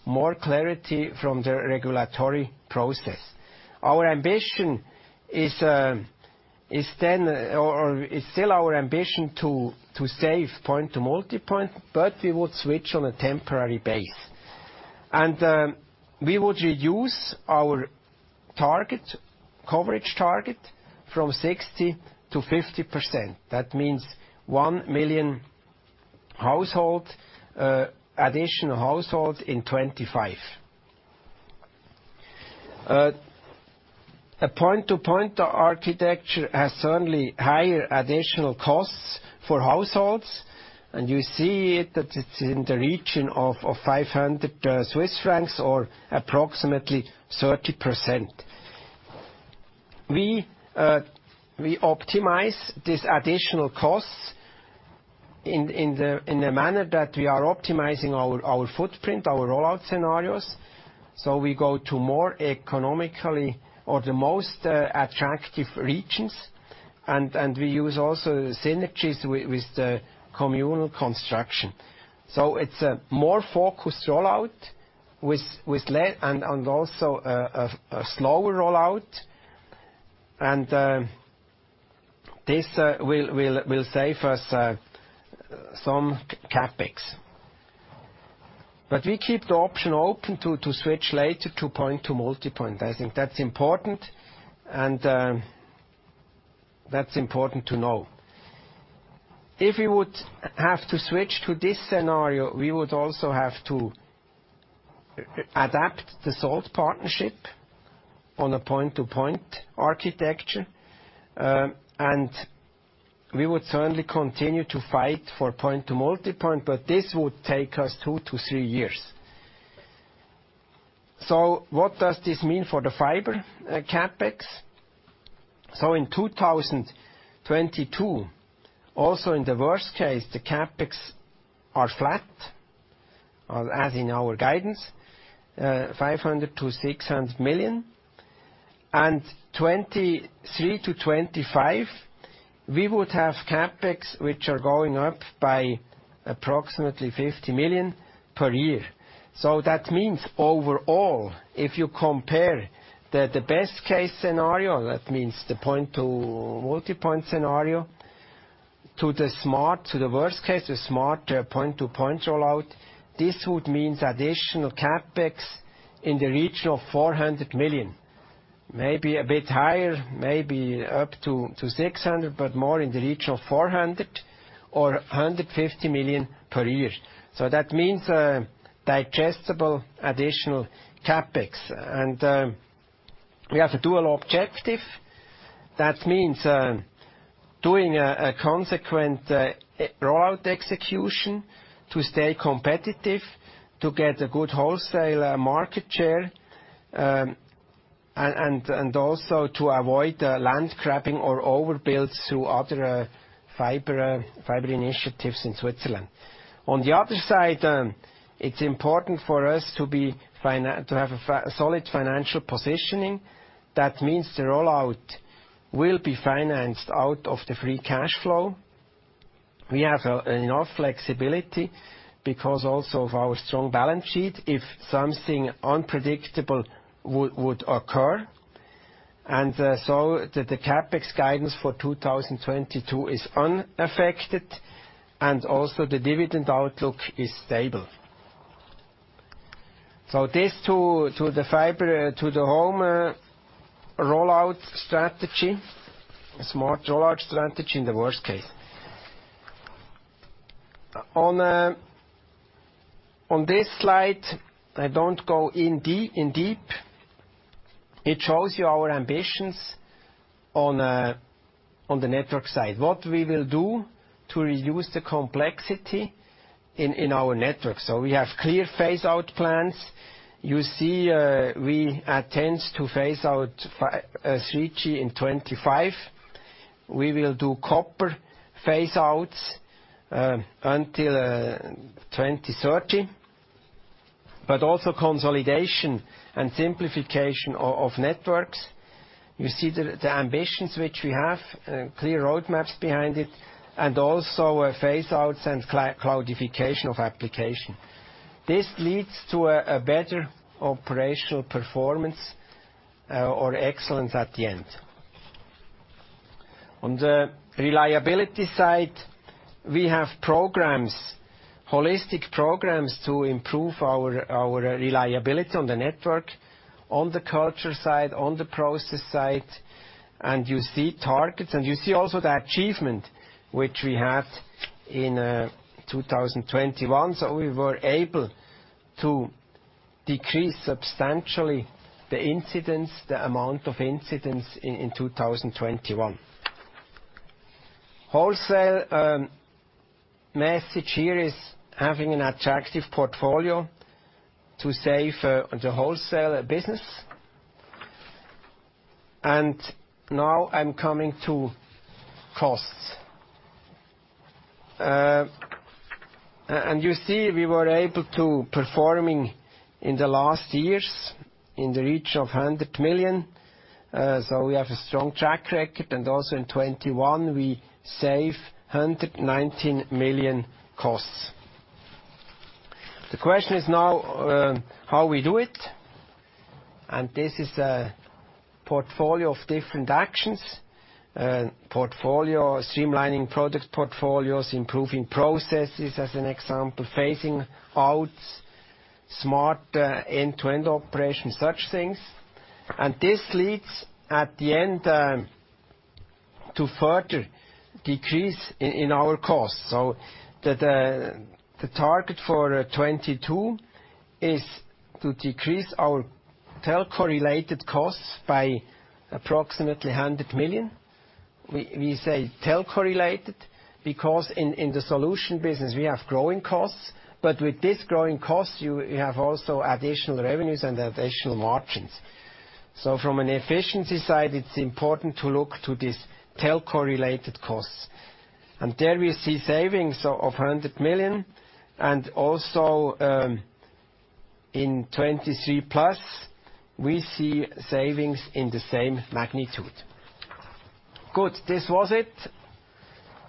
Speaker 2: more clarity from the regulatory process. Our ambition is still our ambition to save point-to-multipoint, but we would switch on a temporary basis. We would reduce our target, coverage target from 60%-50%. That means 1 million households, additional households in 25. A point-to-point architecture has certainly higher additional costs for households, and you see it that it's in the region of 500 Swiss francs or approximately 30%. We optimize these additional costs in the manner that we are optimizing our footprint, our rollout scenarios. We go to more economically or the most attractive regions, and we use also synergies with the communal construction. It's a more focused rollout and also a slower rollout. This will save us some CapEx. But we keep the option open to switch later to point-to-multipoint. I think that's important, and that's important to know. If we would have to switch to this scenario, we would also have to adapt the Salt partnership on a point-to-point architecture, and we would certainly continue to fight for point-to-multipoint, but this would take us two to three years. What does this mean for the fiber CapEx? In 2022, also in the worst case, the CapEx are flat or as in our guidance, 500 million-600 million. In 2023-2025, we would have CapEx which are going up by approximately 50 million per year. That means overall, if you compare the best case scenario, that means the point-to-multipoint scenario, to the worst case, the smarter point-to-point rollout. This would mean additional CapEx in the region of 400 million, maybe a bit higher, maybe up to six hundred, but more in the region of 400 million or 150 million per year. That means digestible additional CapEx. We have a dual objective. That means doing a consequent rollout execution to stay competitive, to get a good wholesale market share, and also to avoid land grabbing or overbuilds through other fiber initiatives in Switzerland. On the other side, it's important for us to have a solid financial positioning. That means the rollout will be financed out of the free cash flow. We have enough flexibility because also of our strong balance sheet, if something unpredictable would occur. The CapEx guidance for 2022 is unaffected and also the dividend outlook is stable. This to the fiber to the home rollout strategy, a smart rollout strategy in the worst case. On this slide, I don't go in deep. It shows you our ambitions on the network side. What we will do to reduce the complexity in our network. We have clear phase out plans. You see, we intend to phase out 3G in 2025. We will do copper phase outs until 2030. Also consolidation and simplification of networks. You see the ambitions which we have, clear roadmaps behind it, and also phase outs and cloudification of application. This leads to a better operational performance or excellence at the end. On the reliability side, we have programs, holistic programs to improve our reliability on the network, on the culture side, on the process side, and you see targets and you see also the achievement which we had in 2021. We were able to decrease substantially the incidents, the amount of incidents in 2021. Wholesale, message here is having an attractive portfolio to save the wholesale business. Now I'm coming to costs. And you see we were able to perform in the last years in the range of 100 million. We have a strong track record, and also in 2021, we saved 119 million costs. The question is now how we do it. This is a portfolio of different actions. Portfolio, streamlining product portfolios, improving processes, as an example, phasing out smart end-to-end operations, such things. This leads at the end to further decrease in our costs. The target for 2022 is to decrease our telco-related costs by approximately 100 million. We say telco-related because in the solution business, we have growing costs. With this growing costs, you have also additional revenues and additional margins. From an efficiency side, it's important to look to these telco-related costs. There we see savings of 100 million and also in 2023 plus, we see savings in the same magnitude. Good. This was it.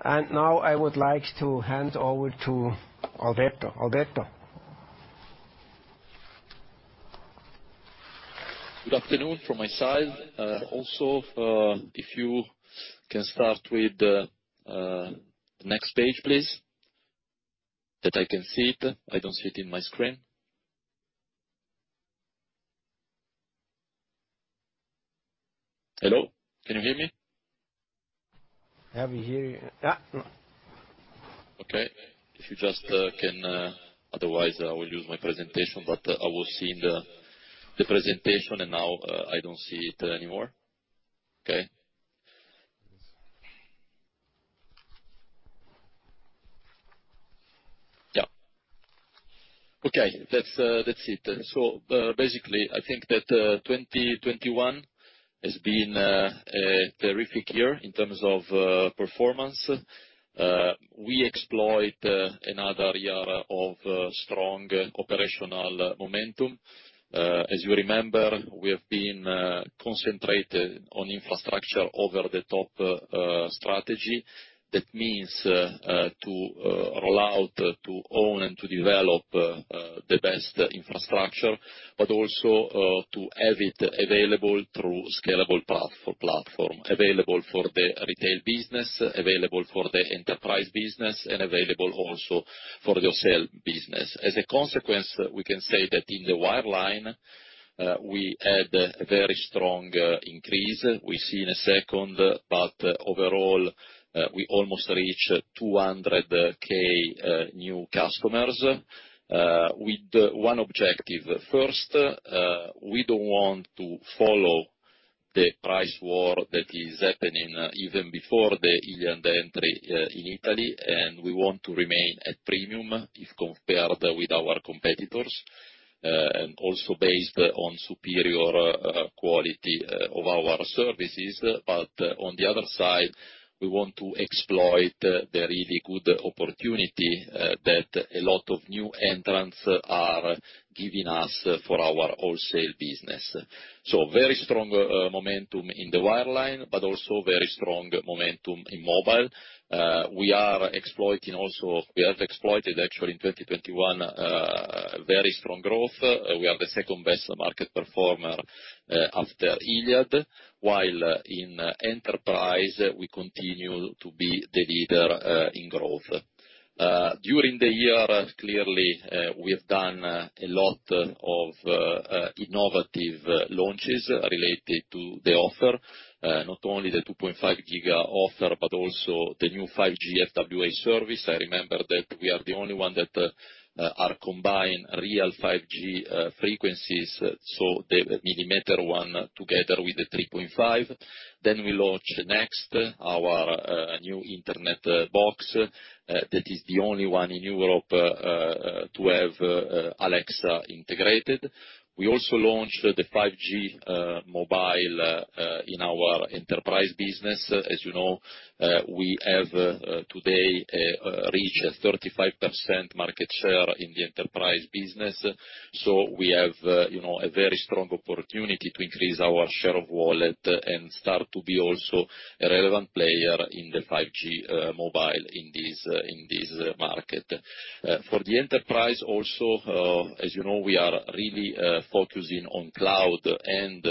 Speaker 2: Now I would like to hand over to Alberto. Alberto?
Speaker 3: Good afternoon from my side. Also, if you can start with the next page, please. That I can see it. I don't see it in my screen. Hello? Can you hear me?
Speaker 1: Yeah, we hear you.
Speaker 3: Okay. If you just can... Otherwise, I will use my presentation, but I was seeing the presentation, and now I don't see it anymore. Okay. Yeah. Okay, that's it. Basically, I think that 2021 has been a terrific year in terms of performance. We exploit another year of strong operational momentum. As you remember, we have been concentrated on infrastructure over the top strategy. That means to roll out, to own, and to develop the best infrastructure, but also to have it available through scalable platform. Available for the retail business, available for the enterprise business, and available also for the wholesale business. As a consequence, we can say that in the wireline, we had a very strong increase. We see in a second, but overall, we almost reached 200,000 new customers, with one objective. First, we don't want to follow the price war that is happening even before the Iliad entry, in Italy, and we want to remain at premium if compared with our competitors, and also based on superior, quality, of our services. On the other side, we want to exploit the really good opportunity, that a lot of new entrants are giving us for our wholesale business. Very strong, momentum in the wireline, but also very strong momentum in mobile. We have exploited actually in 2021, very strong growth. We are the second-best market performer after Iliad, while in enterprise, we continue to be the leader in growth. During the year, clearly, we have done a lot of innovative launches related to the offer. Not only the 2.5G offer, but also the new 5G FWA service. I remember that we are the only one that are combining real 5G frequencies, so the millimeter one together with the 3.5. Then we launched next our new Internet-Box that is the only one in Europe to have Alexa integrated. We also launched the 5G mobile in our enterprise business. As you know, we have today reached 35% market share in the enterprise business. We have, you know, a very strong opportunity to increase our share of wallet and start to be also a relevant player in the 5G mobile in this market. For the enterprise also, as you know, we are really focusing on cloud and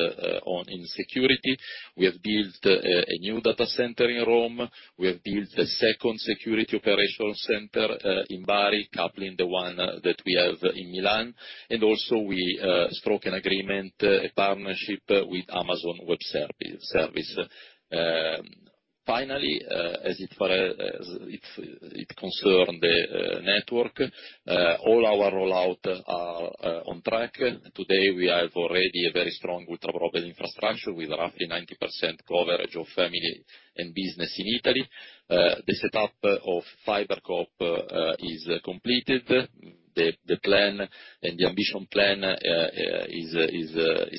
Speaker 3: on security. We have built a new data center in Rome. We have built a second security operational center in Bari, coupling the one that we have in Milan. We struck an agreement, a partnership with Amazon Web Services. Finally, as it concerns the network, all our rollout are on track. Today, we have already a very strong ultra-broadband infrastructure with roughly 90% coverage of family and business in Italy. The setup of FiberCop is completed. The plan and the ambition plan is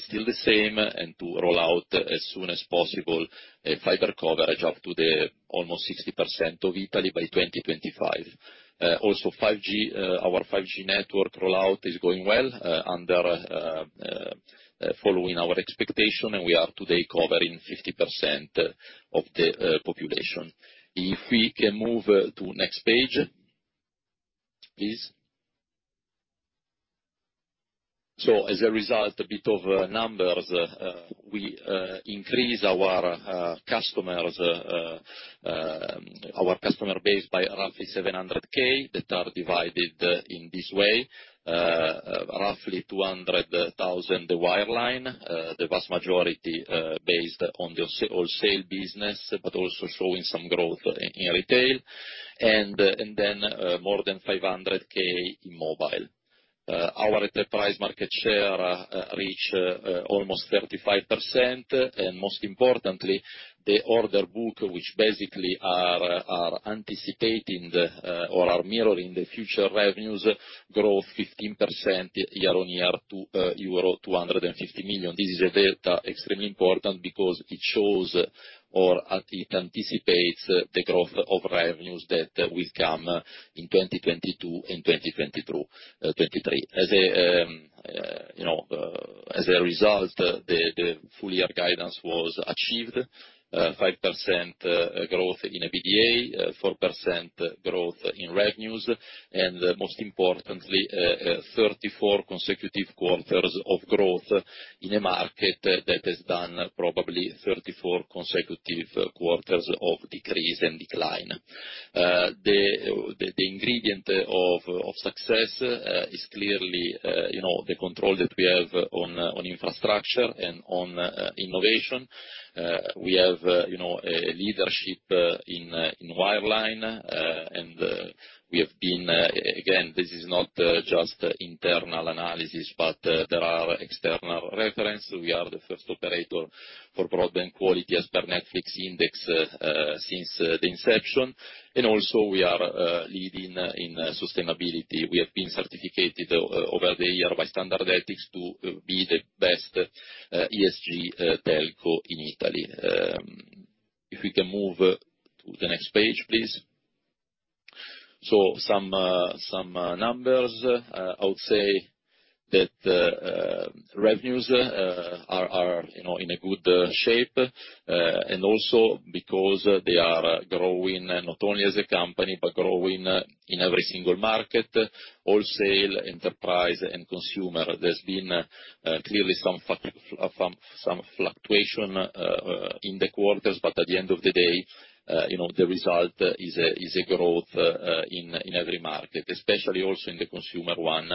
Speaker 3: still the same, and to roll out as soon as possible a fiber coverage up to almost 60% of Italy by 2025. Also 5G, our 5G network rollout is going well, following our expectation, and we are today covering 50% of the population. If we can move to next page, please. As a result, a bit of numbers. We increase our customer base by roughly 700,000 that are divided in this way. Roughly 200,000, the wireline, the vast majority based on the wholesale business, but also showing some growth in retail, and then more than 500,000 in mobile. Our enterprise market share reach almost 35%, and most importantly, the order book, which basically are anticipating or are mirroring the future revenues growth 15% year-over-year to euro 250 million. This is data extremely important because it shows or it anticipates the growth of revenues that will come in 2022 and 2023. As you know, as a result, the full year guidance was achieved, 5% growth in EBITDA, 4% growth in revenues, and most importantly, 34 consecutive quarters of growth in a market that has done probably 34 consecutive quarters of decrease and decline. The ingredient of success is clearly, you know, the control that we have on infrastructure and on innovation. We have, you know, a leadership in wireline, and we have been, again, this is not just internal analysis, but there are external reference. We are the first operator for broadband quality as per Netflix index since the inception. Also we are leading in sustainability. We have been certificated over the year by Standard Ethics to be the best ESG telco in Italy. If we can move to the next page, please. Some numbers, I would say that revenues are, you know, in a good shape, and also because they are growing not only as a company, but growing in every single market, wholesale, enterprise, and consumer. There's been clearly some fluctuation in the quarters. At the end of the day, you know, the result is a growth in every market, especially also in the consumer one,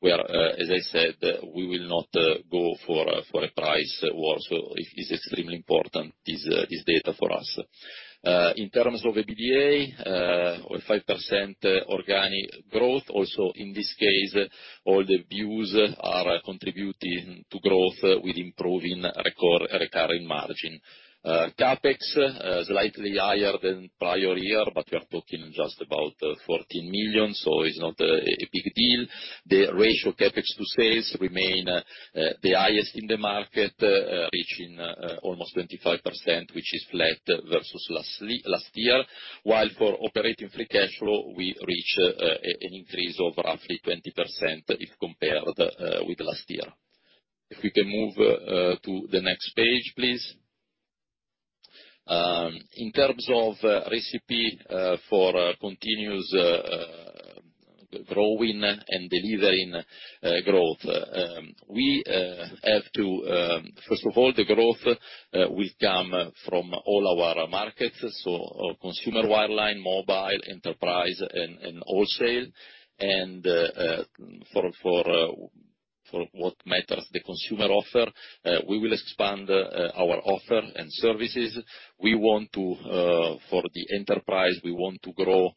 Speaker 3: where, as I said, we will not go for a price war, so it is extremely important, this data for us. In terms of the EBITDA, we've 5% organic growth. Also in this case, all the units are contributing to growth with improving recurring margin. CapEx slightly higher than prior year, but we are talking just about 14 million, so it's not a big deal. The ratio CapEx to sales remains the highest in the market, reaching almost 25% which is flat versus last year. While for operating free cash flow, we reach an increase of roughly 20% if compared with last year. If we can move to the next page, please. In terms of recipe for continuous growing and delivering growth, we have to. First of all, the growth will come from all our markets, so our consumer wireline, mobile, enterprise, and wholesale. For what matters the consumer offer, we will expand our offer and services. We want to for the enterprise, we want to grow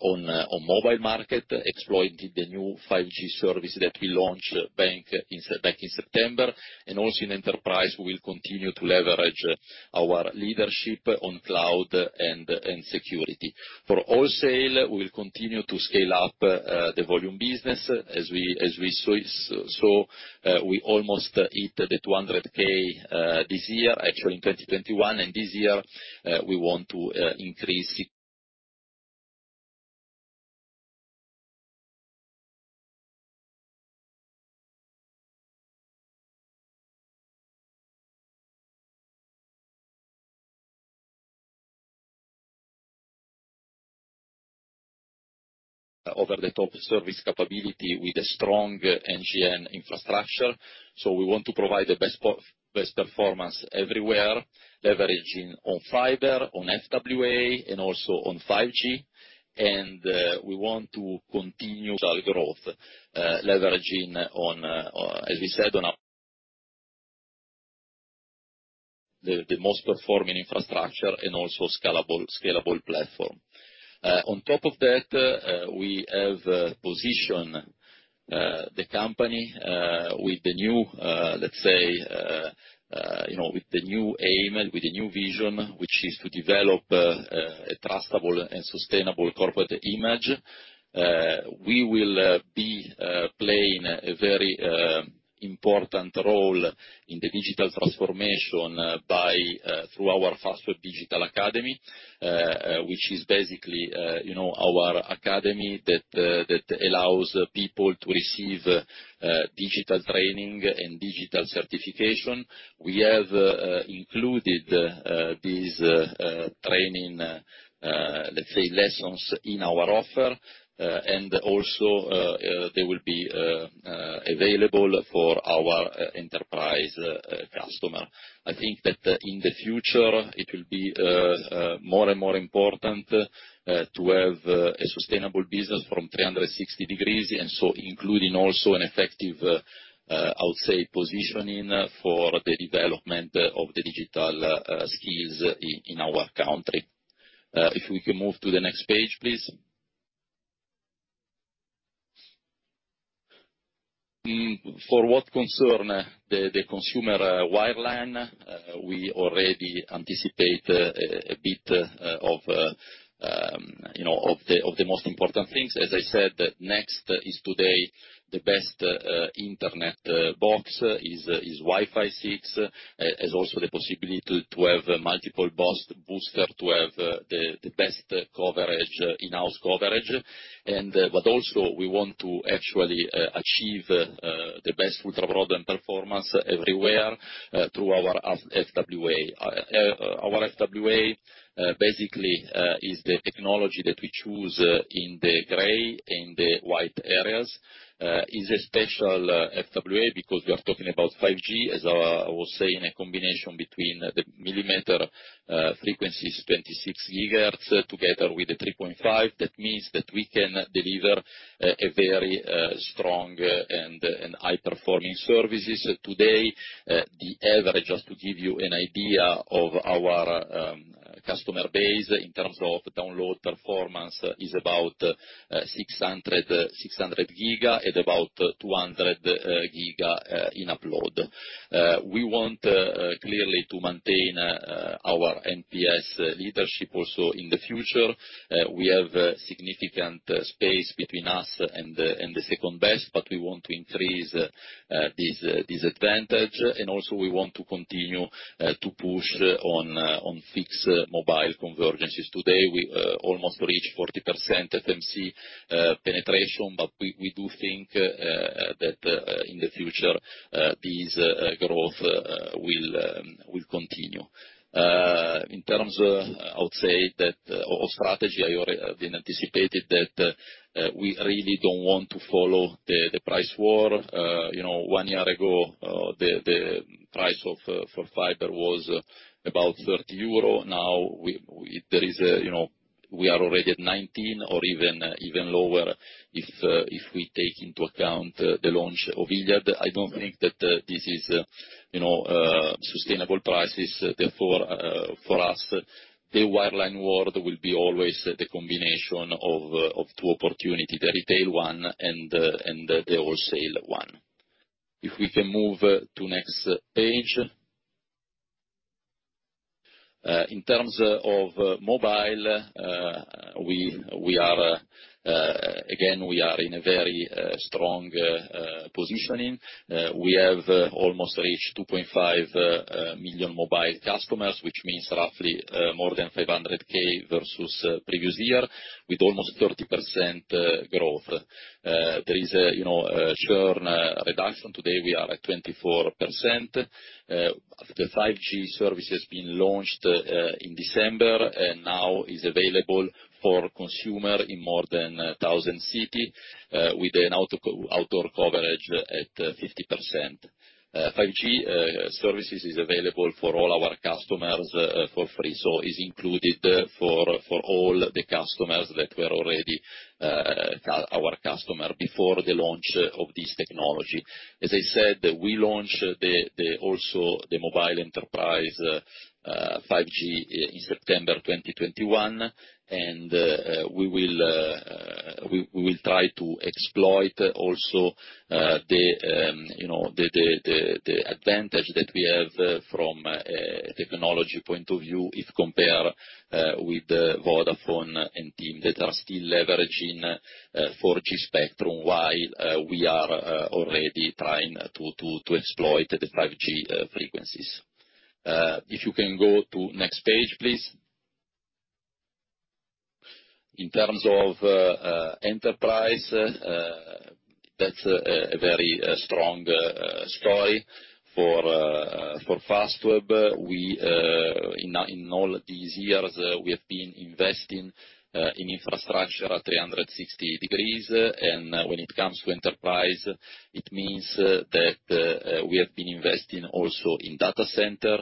Speaker 3: on mobile market, exploiting the new 5G service that we launched back in September. Also in enterprise, we will continue to leverage our leadership on cloud and security. For wholesale, we will continue to scale up the volume business. As we saw, we almost hit 200,000 this year, actually in 2021. This year, we want to increase it. Over-the-top service capability with a strong NGN infrastructure, so we want to provide the best performance everywhere, leveraging on fiber, on FWA, and also on 5G. We want to continue our growth, leveraging on, as we said, on our most performing infrastructure and also scalable platform. On top of that, we have positioned the company with the new, let's say, you know, with the new aim and with the new vision, which is to develop a trustable and sustainable corporate image. We will be playing a very important role in the digital transformation by through our Fastweb Digital Academy, which is basically, you know, our academy that allows people to receive digital training and digital certification. We have included these training, let's say, lessons in our offer, and also they will be available for our enterprise customer. I think that in the future it will be more and more important to have a sustainable business from 360 degrees, and so including also an effective, I would say, positioning for the development of the digital skills in our country. If we can move to the next page, please. For what concerns the consumer wireline, we already anticipate a bit, you know, of the most important things. As I said, Next is today the best internet box. It is Wi-Fi 6. It has also the possibility to have multiple booster to have the best coverage, in-house coverage. But also, we want to actually achieve the best ultra-broadband performance everywhere through our FWA. Our FWA basically is the technology that we choose in the gray and the white areas. It is a special FWA because we are talking about 5G, as I was saying, a combination between the millimeter frequencies 26 GHz together with the 3.5. That means that we can deliver a very strong and high-performing services. Today, the average, just to give you an idea of our customer base in terms of download performance is about 600G at about 200G in upload. We want clearly to maintain our NPS leadership also in the future. We have significant space between us and the second best, but we want to increase this advantage. We also want to continue to push on fixed mobile convergences. Today, we almost reached 40% FMC penetration, but we do think that in the future this growth will continue. In terms of, I would say that our strategy, I already have been anticipated that we really don't want to follow the price war. You know, one year ago, the price for fiber was about 30 euro. Now, you know, we are already at 19 or even lower if we take into account the launch of Iliad. I don't think that this is, you know, sustainable prices. Therefore, for us, the wireline world will always be the combination of two opportunities, the retail one and the wholesale one. If we can move to next page. In terms of mobile, we are again in a very strong positioning. We have almost reached 2.5 million mobile customers, which means roughly more than 500K versus previous year, with almost 30% growth. There is a churn reduction. Today, we are at 24%. The 5G service has been launched in December and now is available for consumers in more than 1,000 cities with an outdoor coverage at 50%. 5G services is available for all our customers for free, so it's included for all the customers that were already our customers before the launch of this technology. As I said, we launched also the mobile enterprise 5G in September 2021, and we will try to exploit also the you know the advantage that we have from a technology point of view if compared with the Vodafone and TIM that are still leveraging 4G spectrum, while we are already trying to exploit the 5G frequencies. If you can go to next page, please. In terms of enterprise, that's a very strong story for Fastweb. We in all these years have been investing in infrastructure at 360 degrees. When it comes to enterprise, it means that we have been investing also in data center,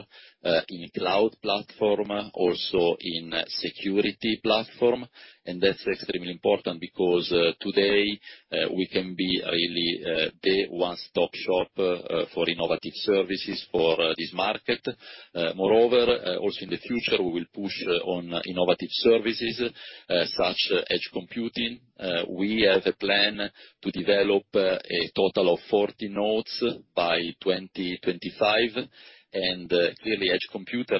Speaker 3: in cloud platform, also in security platform. That's extremely important because today we can be really the one-stop shop for innovative services for this market. Moreover, also in the future, we will push on innovative services such edge computing. We have a plan to develop a total of 40 nodes by 2025. Clearly, edge computing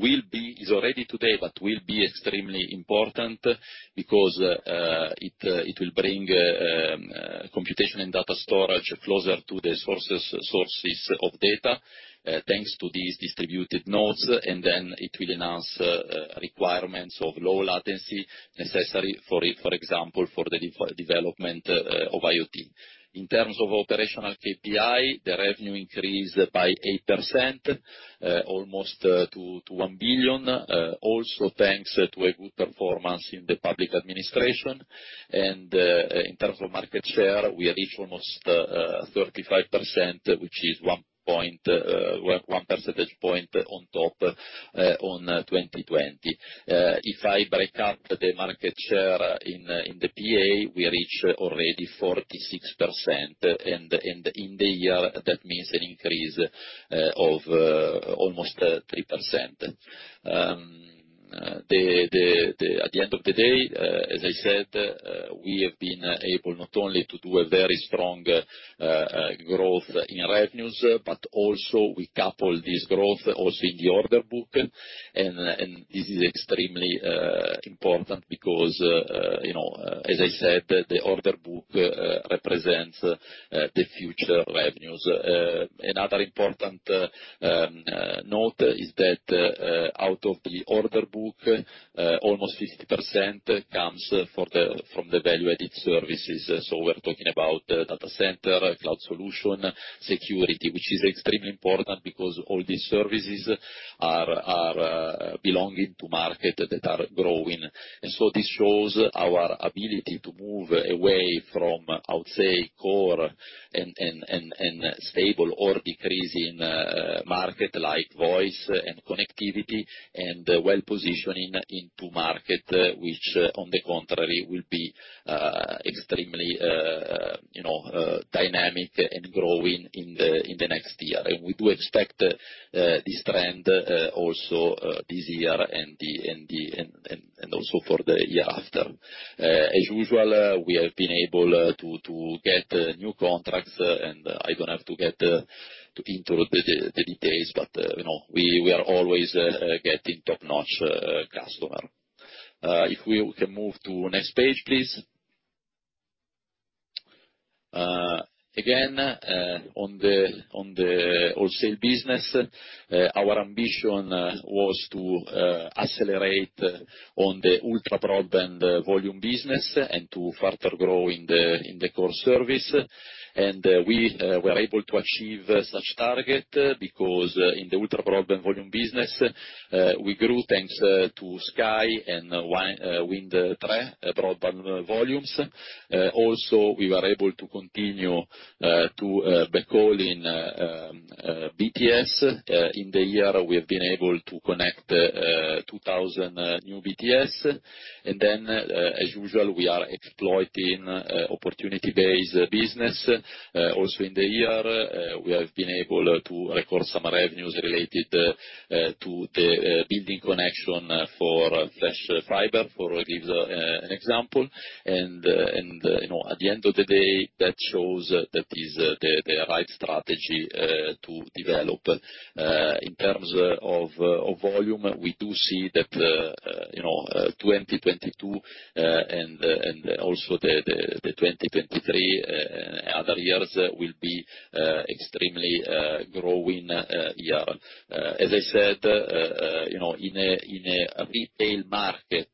Speaker 3: will be, is already today, but will be extremely important because it will bring computation and data storage closer to the sources of data thanks to these distributed nodes, and then it will enhance requirements of low latency necessary, for example, for the development of IoT. In terms of operational KPI, the revenue increased by 8% almost to 1 billion, also thanks to a good performance in the public administration. In terms of market share, we reached almost 35%, which is 1 percentage point on top on 2020. If I break up the market share in the PA, we reach already 46%, and in the year, that means an increase of almost 3%. At the end of the day, as I said, we have been able not only to do a very strong growth in revenues, but also we couple this growth also in the order book. This is extremely important because, you know, as I said, the order book represents the future revenues. Another important note is that, out of the order book, almost 50% comes from the value-added services. We're talking about data center, cloud solution, security, which is extremely important because all these services are belonging to markets that are growing. This shows our ability to move away from, I would say, core and stable or decreasing market like voice and connectivity and well-positioned into market, which, on the contrary, will be extremely dynamic and growing in the next year. We do expect this trend also this year and also for the year after. As usual, we have been able to get new contracts, and I don't have to enter the details, but we are always getting top-notch customer. If we can move to next page, please. Again, on the wholesale business, our ambition was to accelerate on the ultra broadband volume business and to further grow in the core service. We were able to achieve such target because in the ultra broadband volume business, we grew thanks to Sky and Wind Tre broadband volumes. Also, we were able to continue to backhaul in BTS. In the year, we have been able to connect 2,000 new BTS. As usual, we are exploiting opportunity-based business. Also in the year, we have been able to record some revenues related to the building connection for Flash Fiber, for example. You know, at the end of the day, that shows that is the right strategy to develop. In terms of volume, we do see that you know, 2022 and also 2023, other years will be extremely growing year. As I said, you know, in a retail market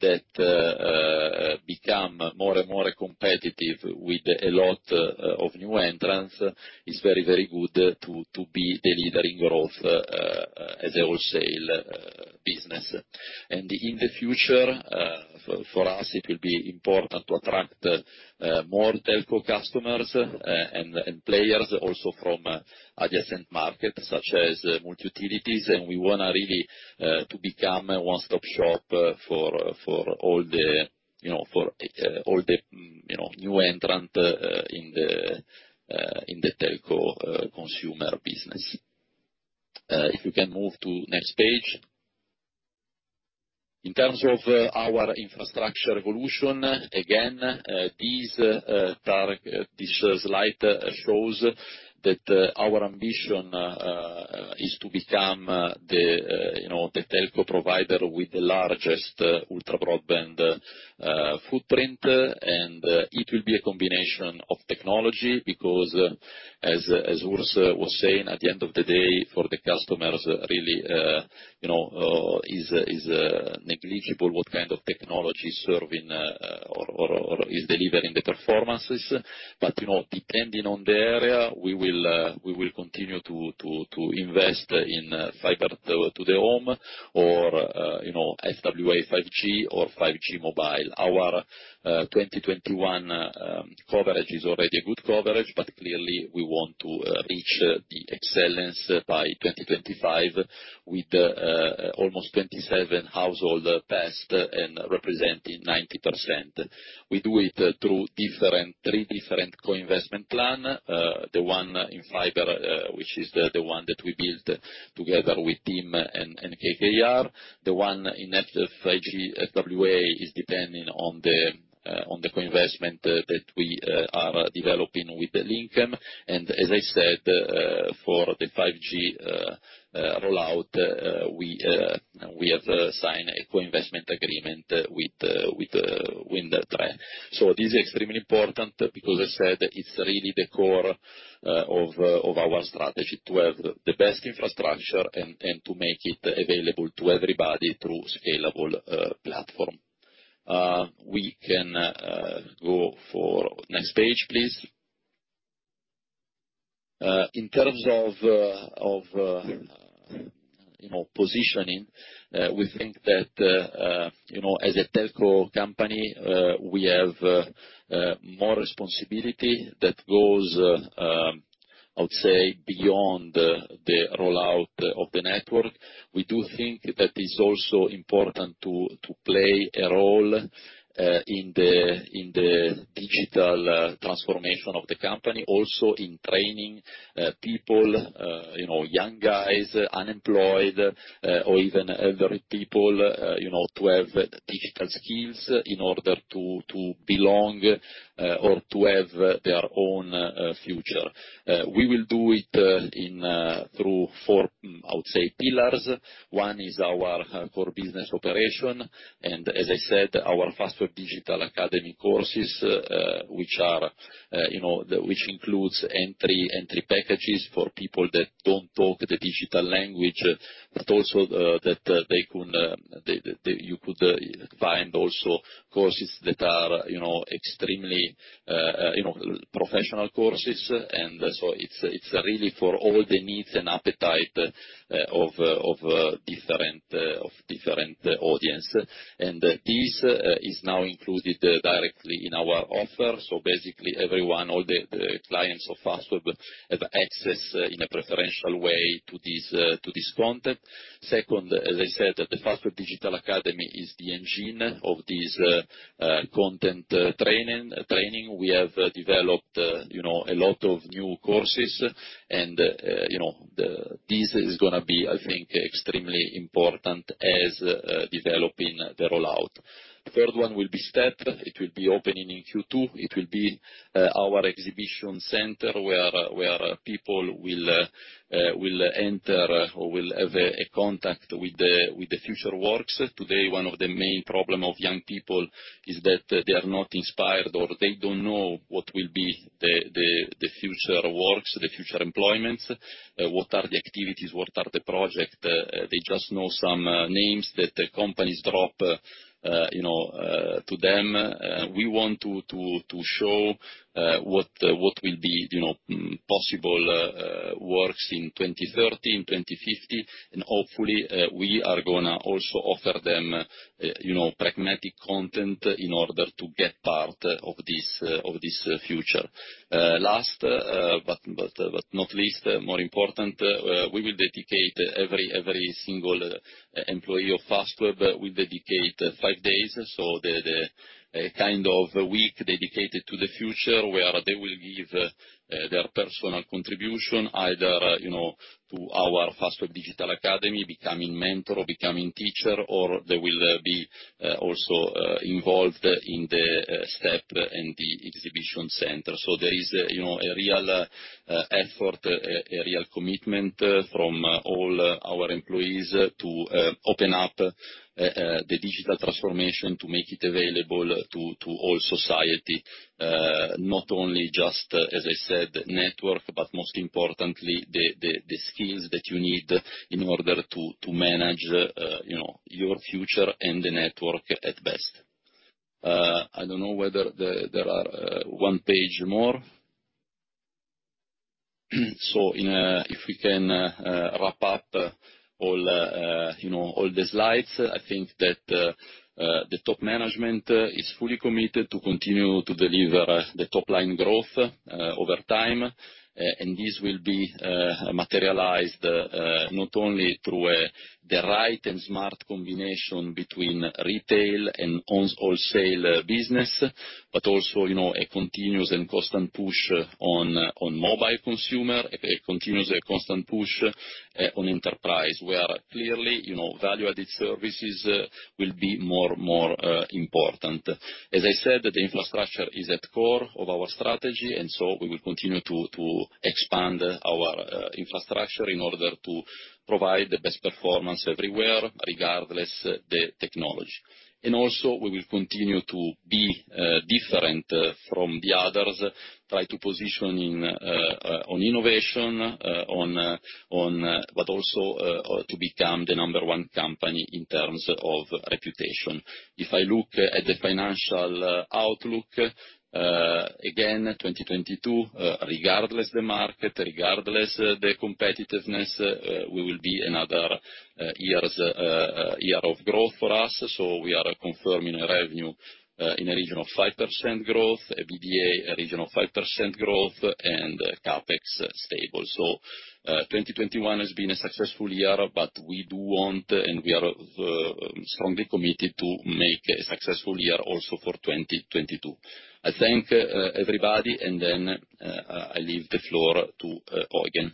Speaker 3: that become more and more competitive with a lot of new entrants, it's very good to be the leader in growth the wholesale business. In the future, for us, it will be important to attract more telco customers and players also from adjacent markets, such as multi-utilities. We wanna really to become a one-stop shop for all the, you know, new entrant in the telco consumer business. If you can move to next page. In terms of our infrastructure evolution, again, this slide shows that our ambition is to become the, you know, the telco provider with the largest ultra broadband footprint. It will be a combination of technology, because as Urs was saying, at the end of the day, for the customers, really, you know, is negligible what kind of technology is serving or is delivering the performances. You know, depending on the area, we will continue to invest in fiber to the home or FWA 5G or 5G mobile. Our 2021 coverage is already a good coverage, but clearly we want to reach the excellence by 2025 with almost 27 households passed and representing 90%. We do it through three different co-investment plans. The one in fiber, which is the one that we built together with TIM and KKR. The one in FWA 5G depends on the co-investment that we are developing with Linkem. As I said, for the 5G rollout, we have signed a co-investment agreement with Wind Tre. This is extremely important because I said it's really the core of our strategy to have the best infrastructure and to make it available to everybody through scalable platform. We can go for next page, please. In terms of you know positioning we think that you know as a telco company we have more responsibility that goes I would say beyond the rollout of the network. We do think that it's also important to play a role in the digital transformation of the company also in training people you know young guys unemployed or even elderly people you know to have digital skills in order to belong or to have their own future. We will do it through four, I would say, pillars. One is our core business operation. As I said, our Fastweb Digital Academy courses, you know, which includes entry packages for people that don't talk the digital language, but also you could find also courses that are, you know, extremely, you know, professional courses. It's really for all the needs and appetite of different audience. This is now included directly in our offer. Basically everyone, all the clients of Fastweb have access in a preferential way to this content. Second, as I said, the Fastweb Digital Academy is the engine of this content training. We have developed, you know, a lot of new courses, and, you know, this is gonna be, I think, extremely important as developing the rollout. Third one will be Step. It will be opening in Q2. It will be our exhibition center where people will enter or will have a contact with the future works. Today, one of the main problem of young people is that they are not inspired or they don't know what will be the future works, the future employments, what are the activities, what are the projects. They just know some names that the companies drop, you know, to them. We want to show what will be, you know, possible works in 2030, in 2050. Hopefully, we are gonna also offer them, you know, pragmatic content in order to get part of this, of this future. Last, but not least, more important, every single employee of Fastweb will dedicate five days, a kind of a week dedicated to the future, where they will give their personal contribution, either, you know, to our Fastweb Digital Academy, becoming mentor or becoming teacher, or they will be also involved in the Step and the exhibition center. There is, you know, a real effort, a real commitment from all our employees to open up the digital transformation, to make it available to all society. Not only just, as I said, network, but most importantly, the skills that you need in order to manage, you know, your future and the network at best. I don't know whether there are one page more. So if we can wrap up all, you know, all the slides. I think that the top management is fully committed to continue to deliver the top line growth over time. This will be materialized not only through the right and smart combination between retail and own wholesale business. But also, you know, a continuous and constant push on mobile consumer. A continuous and constant push on enterprise. Where clearly, you know, value-added services will be more important. As I said, the infrastructure is at the core of our strategy. We will continue to expand our infrastructure in order to provide the best performance everywhere, regardless of the technology. We will continue to be different from the others, try to position on innovation but also to become the number one company in terms of reputation. If I look at the financial outlook, again, 2022, regardless of the market, regardless of the competitiveness, we will be another year of growth for us. We are confirming revenue in the region of 5% growth. EBITDA in the region of 5% growth. CapEx stable. 2021 has been a successful year. We do want, and we are, strongly committed to make a successful year also for 2022. I thank everybody and then I leave the floor to Eugen.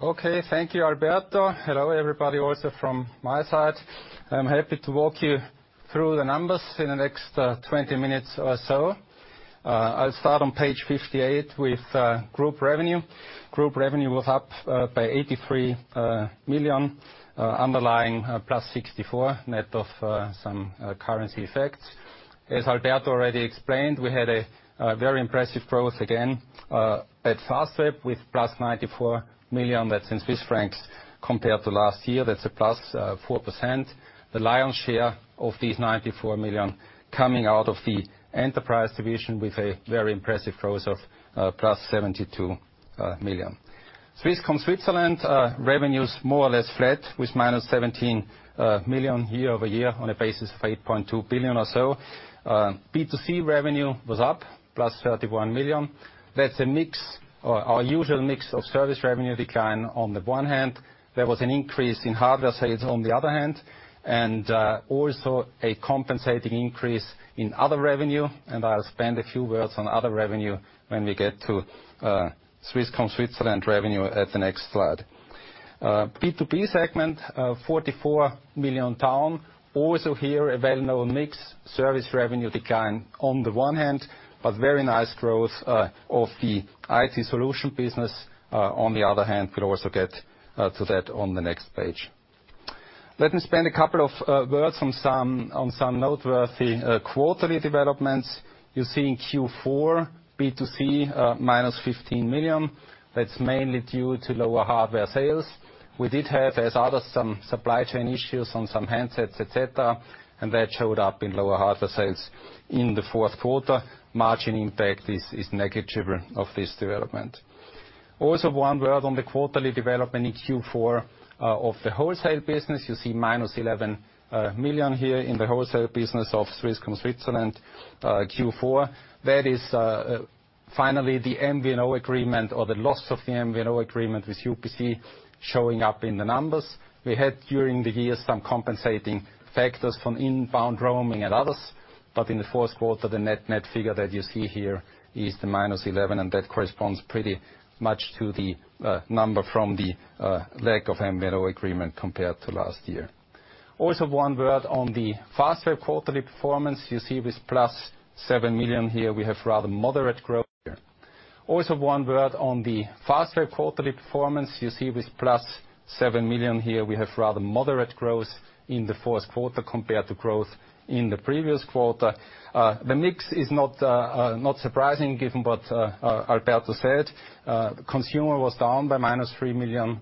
Speaker 4: Okay, thank you, Alberto. Hello everybody, also from my side. I'm happy to walk you through the numbers in the next 20 minutes or so. I'll start on page 58 with group revenue. Group revenue was up by 83 million. Underlying +64, net of some currency effects. As Alberto already explained, we had a very impressive growth again at Fastweb with +94 million. That's in Swiss francs compared to last year, that's a +4%. The lion's share of these 94 million coming out of the enterprise division with a very impressive growth of +72 million. Swisscom Switzerland revenues more or less flat, with -17 million year-over-year on a basis of 8.2 billion or so. B2C revenue was up +31 million. That's a mix, or our usual mix of service revenue decline on the one hand. There was an increase in hardware sales on the other hand. also a compensating increase in other revenue. I'll spend a few words on other revenue when we get to Swisscom Switzerland revenue at the next slide. B2B segment, 44 million down. Also here, a well-known mix. Service revenue decline on the one hand, but very nice growth of the IT solution business on the other hand. We'll also get to that on the next page. Let me spend a couple of words on some noteworthy quarterly developments. You see in Q4, B2C, -15 million. That's mainly due to lower hardware sales. We did have, as others, some supply chain issues on some handsets, et cetera. That showed up in lower hardware sales in the fourth quarter. Margin impact is negligible of this development. Also, one word on the quarterly development in Q4 of the wholesale business. You see -11 million here in the wholesale business of Swisscom Switzerland, Q4. That is finally the MVNO agreement or the loss of the MVNO agreement with UPC showing up in the numbers. We had during the year some compensating factors from inbound roaming and others. In the fourth quarter, the net net figure that you see here is the minus eleven, and that corresponds pretty much to the number from the lack of MVNO agreement compared to last year. Also, one word on the Fastweb quarterly performance. You see with 7 million here, we have rather moderate growth here. You see with +7 million here, we have rather moderate growth in the fourth quarter compared to growth in the previous quarter. The mix is not surprising given what Alberto said. Consumer was down by -3 million.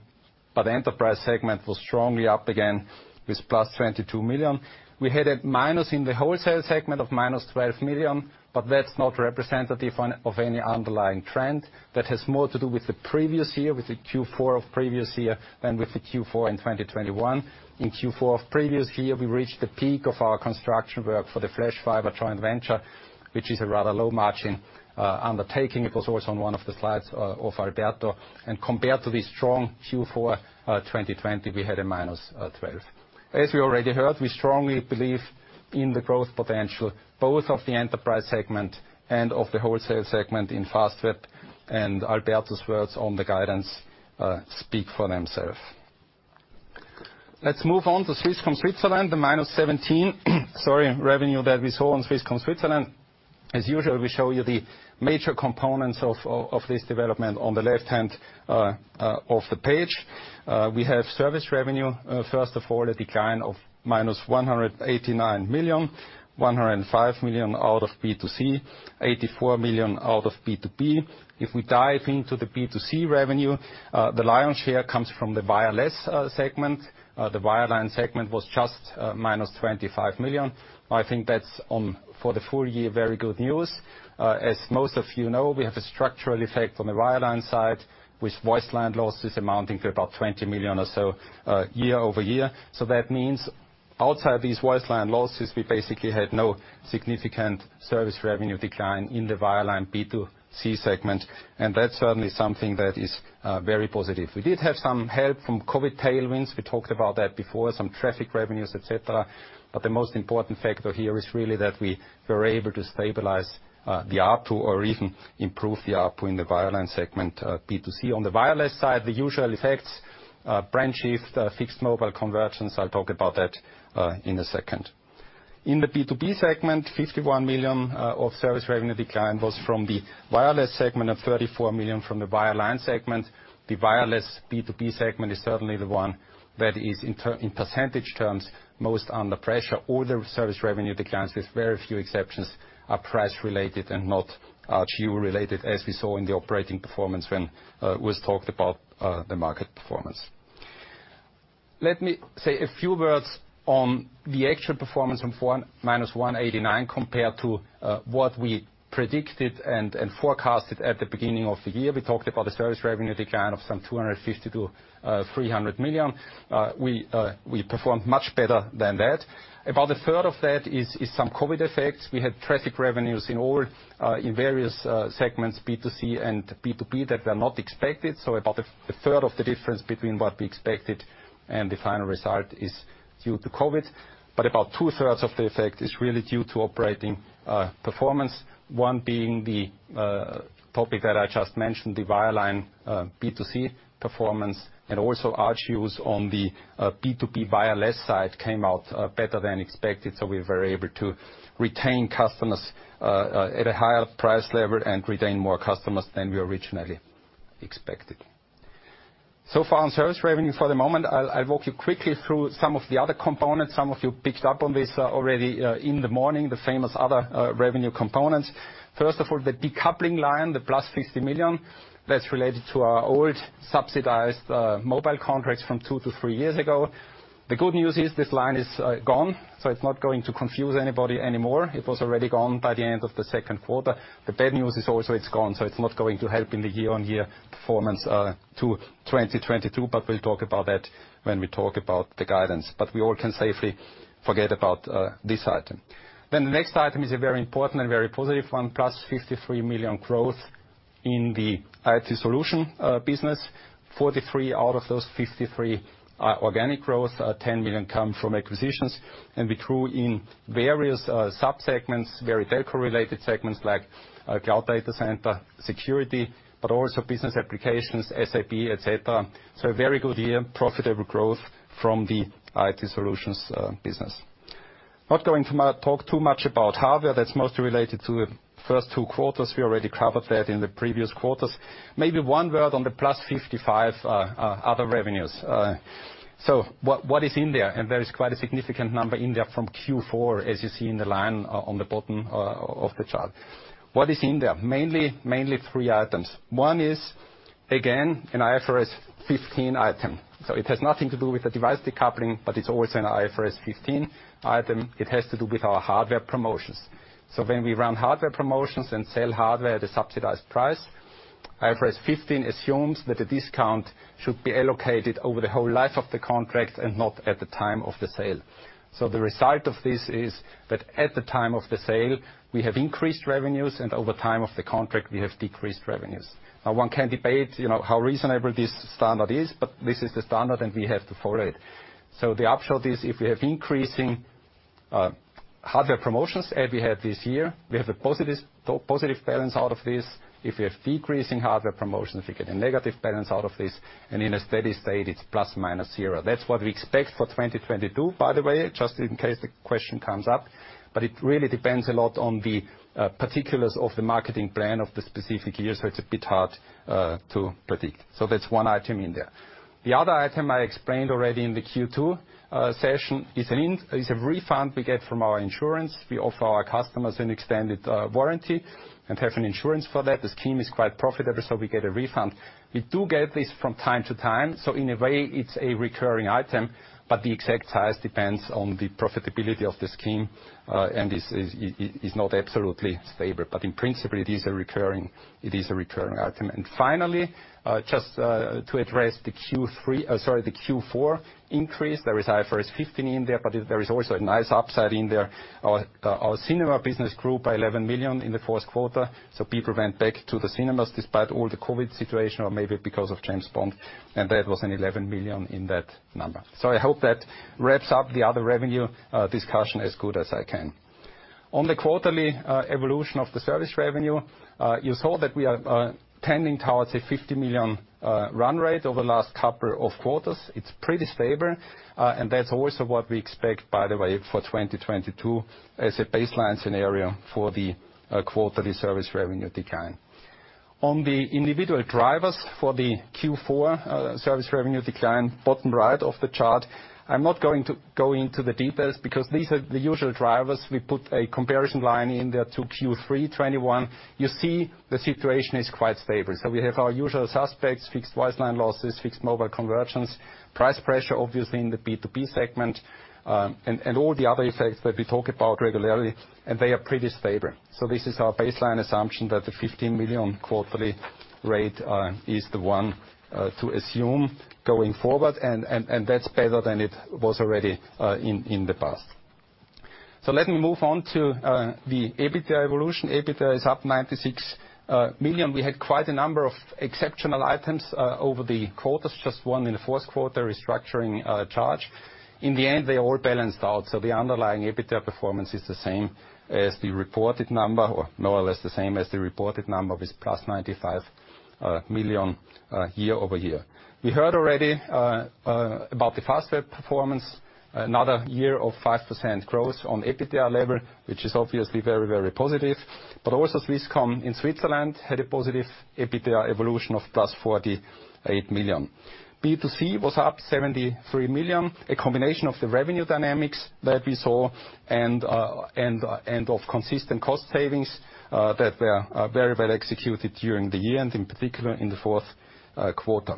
Speaker 4: Enterprise segment was strongly up again with +22 million. We had a minus in the wholesale segment of -12 million, but that's not representative of any underlying trend. That has more to do with the previous year, with the Q4 of previous year, than with the Q4 in 2021. In Q4 of previous year, we reached the peak of our construction work for the Flash Fiber joint venture, which is a rather low margin undertaking. It was also on one of the slides of Alberto. Compared to the strong Q4 2020, we had a -12%. As we already heard, we strongly believe in the growth potential both of the enterprise segment and of the wholesale segment in Fastweb. Alberto's words on the guidance speak for themselves. Let's move on to Swisscom Switzerland, the -1.7%, sorry, revenue that we saw on Swisscom Switzerland. As usual, we show you the major components of this development on the left-hand side of the page. We have service revenue, first of all, a decline of -189 million. 105 million out of B2C, 84 million out of B2B. If we dive into the B2C revenue, the lion's share comes from the wireless segment. The wireline segment was just -25 million. I think that's one, for the full year, very good news. As most of you know, we have a structural effect on the wireline side, with voice line losses amounting to about 20 million or so, year-over-year. That means outside these voice line losses, we basically had no significant service revenue decline in the wireline B2C segment, and that's certainly something that is very positive. We did have some help from COVID tailwinds. We talked about that before, some traffic revenues, et cetera. The most important factor here is really that we were able to stabilize the ARPU or even improve the ARPU in the wireline segment B2C. On the wireless side, the usual effects, brand shift, fixed mobile convergence. I'll talk about that in a second. In the B2B segment, 51 million of service revenue decline was from the wireless segment of 34 million from the wireline segment. The wireless B2B segment is certainly the one that is, in percentage terms, most under pressure. All the service revenue declines, with very few exceptions, are price related and not ARPU related, as we saw in the operating performance when it was talked about the market performance. Let me say a few words on the actual performance from -189 compared to what we predicted and forecasted at the beginning of the year. We talked about a service revenue decline of some 250 million-300 million. We performed much better than that. About a third of that is some COVID effects. We had traffic revenues in all in various segments, B2C and B2B, that were not expected. About a third of the difference between what we expected and the final result is due to COVID. About two-thirds of the effect is really due to operating performance, one being the topic that I just mentioned, the wireline B2C performance, and also ARPUs on the B2B wireless side came out better than expected, so we were able to retain customers at a higher price level and retain more customers than we originally expected. So far on service revenue for the moment, I'll walk you quickly through some of the other components. Some of you picked up on this already in the morning, the famous other revenue components. First of all, the decoupling line, the +50 million, that's related to our old subsidized mobile contracts from two to three years ago. The good news is this line is gone, so it's not going to confuse anybody anymore. It was already gone by the end of the second quarter. The bad news is also it's gone, so it's not going to help in the year-on-year performance to 2022, but we'll talk about that when we talk about the guidance. We all can safely forget about this item. The next item is a very important and very positive one, +53 million growth in the IT solution business. 43 out of those 53 are organic growth, 10 million come from acquisitions. We grew in various sub-segments, very telco related segments like cloud data center, security, but also business applications, SAP, etc. A very good year, profitable growth from the IT solutions business. Not going to talk too much about hardware. That's mostly related to first two quarters. We already covered that in the previous quarters. Maybe 1 word on the +55 other revenues. What is in there? There is quite a significant number in there from Q4, as you see in the line on the bottom of the chart. What is in there? Mainly three items. One is, again, an IFRS 15 item. It has nothing to do with the device decoupling, but it's always an IFRS 15 item. It has to do with our hardware promotions. When we run hardware promotions and sell hardware at a subsidized price, IFRS 15 assumes that the discount should be allocated over the whole life of the contract and not at the time of the sale. The result of this is that at the time of the sale, we have increased revenues, and over time of the contract, we have decreased revenues. Now, one can debate, you know, how reasonable this standard is, but this is the standard, and we have to follow it. The upshot is if we have increasing hardware promotions, as we had this year, we have a positive balance out of this. If we have decreasing hardware promotions, we get a negative balance out of this. In a steady state, it's plus or minus zero. That's what we expect for 2022, by the way, just in case the question comes up. It really depends a lot on the particulars of the marketing plan of the specific year, so it's a bit hard to predict. That's one item in there. The other item I explained already in the Q2 session is a refund we get from our insurance. We offer our customers an extended warranty and have an insurance for that. The scheme is quite profitable, so we get a refund. We do get this from time to time, so in a way, it's a recurring item, but the exact size depends on the profitability of the scheme, and it's not absolutely stable. In principle, it is a recurring item. Finally, just to address the Q3, sorry, the Q4 increase, there is IFRS 15 in there, but there is also a nice upside in there. Our cinema business grew by 11 million in the fourth quarter, so people went back to the cinemas despite all the COVID situation or maybe because of James Bond, and that was 11 million in that number. I hope that wraps up the other revenue discussion as good as I can. On the quarterly evolution of the service revenue, you saw that we are tending towards a 50 million run rate over the last couple of quarters. It's pretty stable, and that's also what we expect, by the way, for 2022 as a baseline scenario for the quarterly service revenue decline. On the individual drivers for the Q4 service revenue decline, bottom right of the chart, I'm not going to go into the details because these are the usual drivers. We put a comparison line in there to Q3 2021. You see the situation is quite stable. We have our usual suspects, fixed voice line losses, fixed-mobile convergence, price pressure obviously in the B2B segment, and all the other effects that we talk about regularly, and they are pretty stable. This is our baseline assumption that the 15 million quarterly rate is the one to assume going forward and that's better than it was already in the past. Let me move on to the EBITDA evolution. EBITDA is up 96 million. We had quite a number of exceptional items over the quarters, just one in the fourth quarter, restructuring charge. In the end, they all balanced out, so the underlying EBITDA performance is the same as the reported number, or more or less the same as the reported number with +95 million year-over-year. We heard already about the Fastweb performance. Another year of 5% growth on EBITDA level, which is obviously very, very positive. Also Swisscom in Switzerland had a positive EBITDA evolution of +48 million. B2C was up 73 million, a combination of the revenue dynamics that we saw and of consistent cost savings that were very well executed during the year, and in particular in the fourth quarter.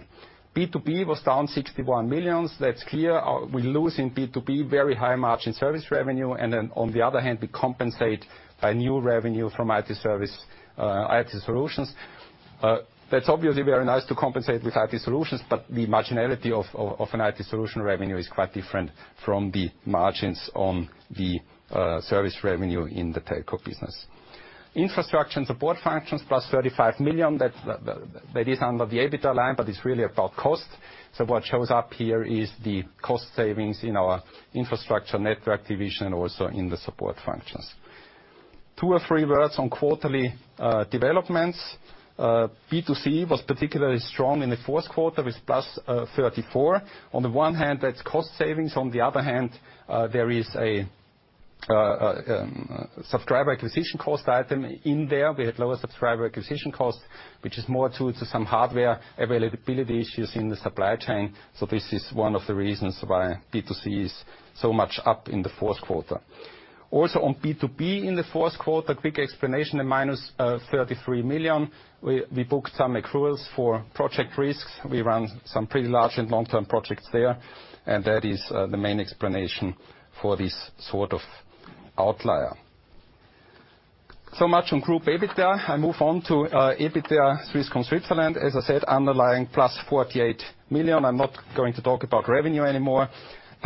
Speaker 4: B2B was down 61 million. That's clear. We lose in B2B very high margin service revenue, and then on the other hand, we compensate a new revenue from IT service, IT solutions. That's obviously very nice to compensate with IT solutions, but the marginality of an IT solution revenue is quite different from the margins on the service revenue in the telco business. Infrastructure and support functions, 35 million. That is under the EBITDA line, but it's really about cost. What shows up here is the cost savings in our infrastructure network division, also in the support functions. Two or three words on quarterly developments. B2C was particularly strong in the fourth quarter with +34 million. On the one hand, that's cost savings. On the other hand, there is a subscriber acquisition cost item in there. We had lower subscriber acquisition costs, which is more due to some hardware availability issues in the supply chain. This is one of the reasons why B2C is so much up in the fourth quarter. Also, on B2B in the fourth quarter, quick explanation in minus 33 million. We booked some accruals for project risks. We ran some pretty large and long-term projects there, and that is the main explanation for this sort of outlier. Much on group EBITDA. I move on to EBITDA, Swisscom Switzerland. As I said, underlying +48 million. I'm not going to talk about revenue anymore.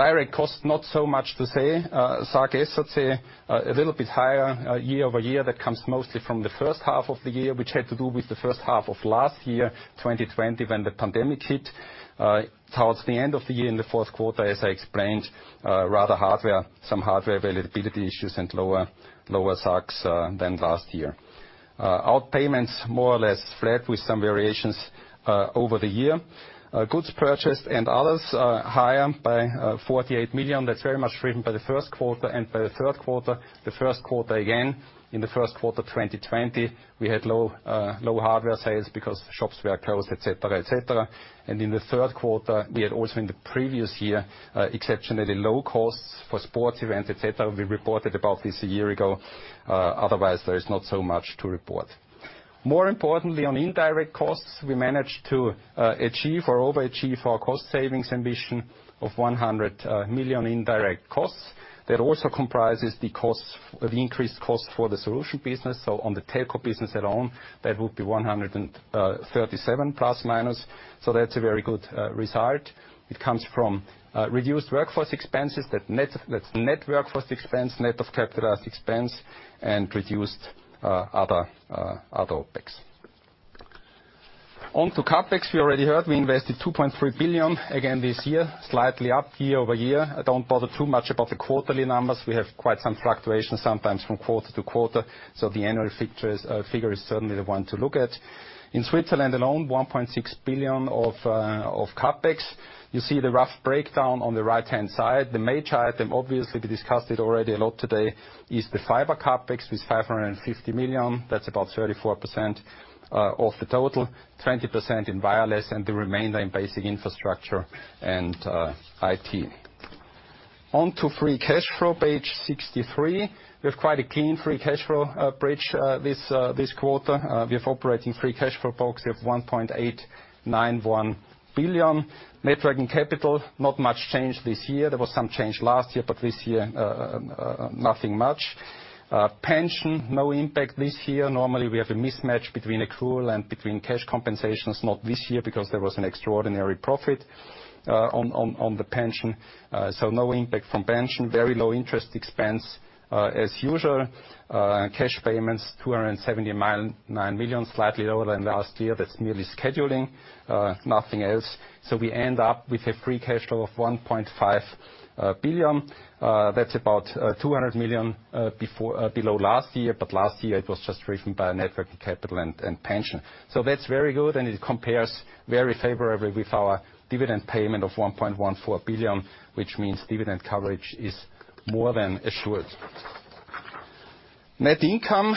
Speaker 4: Direct costs, not so much to say. SG&A a little bit higher year-over-year. That comes mostly from the first half of the year, which had to do with the first half of last year, 2020, when the pandemic hit. Towards the end of the year in the fourth quarter, as I explained, rather hardware, some hardware availability issues and lower SAC than last year. Outpayments more or less flat with some variations over the year. Goods purchased and others are higher by 48 million. That's very much driven by the first quarter and by the third quarter. The first quarter, again, in the first quarter 2020, we had low hardware sales because shops were closed, et cetera. In the third quarter, we had also in the previous year exceptionally low costs for sports events, et cetera. We reported about this a year ago. Otherwise, there is not so much to report. More importantly, on indirect costs, we managed to achieve or overachieve our cost savings ambition of 100 million indirect costs. That also comprises the costs, the increased cost for the solution business. On the telco business alone, that would be 137 million ±. That's a very good result. It comes from reduced workforce expenses. That's net workforce expense, net of capitalized expense, and reduced other OpEx. On to CapEx, you already heard we invested 2.3 billion again this year, slightly up year-over-year. I don't bother too much about the quarterly numbers. We have quite some fluctuation sometimes from quarter to quarter, so the annual figures figure is certainly the one to look at. In Switzerland alone, 1.6 billion of CapEx. You see the rough breakdown on the right-hand side. The major item, obviously, we discussed it already a lot today, is the fiber CapEx with 550 million. That's about 34% of the total. 20% in wireless, and the remainder in basic infrastructure and IT. On to free cash flow, page 63. We have quite a clean free cash flow bridge this quarter. We have operating free cash flow of 1.891 billion. Net working capital, not much change this year. There was some change last year, but this year nothing much. Pension, no impact this year. Normally, we have a mismatch between accrual and cash compensations. Not this year because there was an extraordinary profit on the pension. No impact from pension. Very low interest expense, as usual. Cash payments, 279 million, slightly lower than last year. That's merely scheduling, nothing else. We end up with a free cash flow of 1.5 billion. That's about 200 million below last year, but last year it was just driven by net working capital and pension. That's very good, and it compares very favorably with our dividend payment of 1.14 billion, which means dividend coverage is more than assured. Net income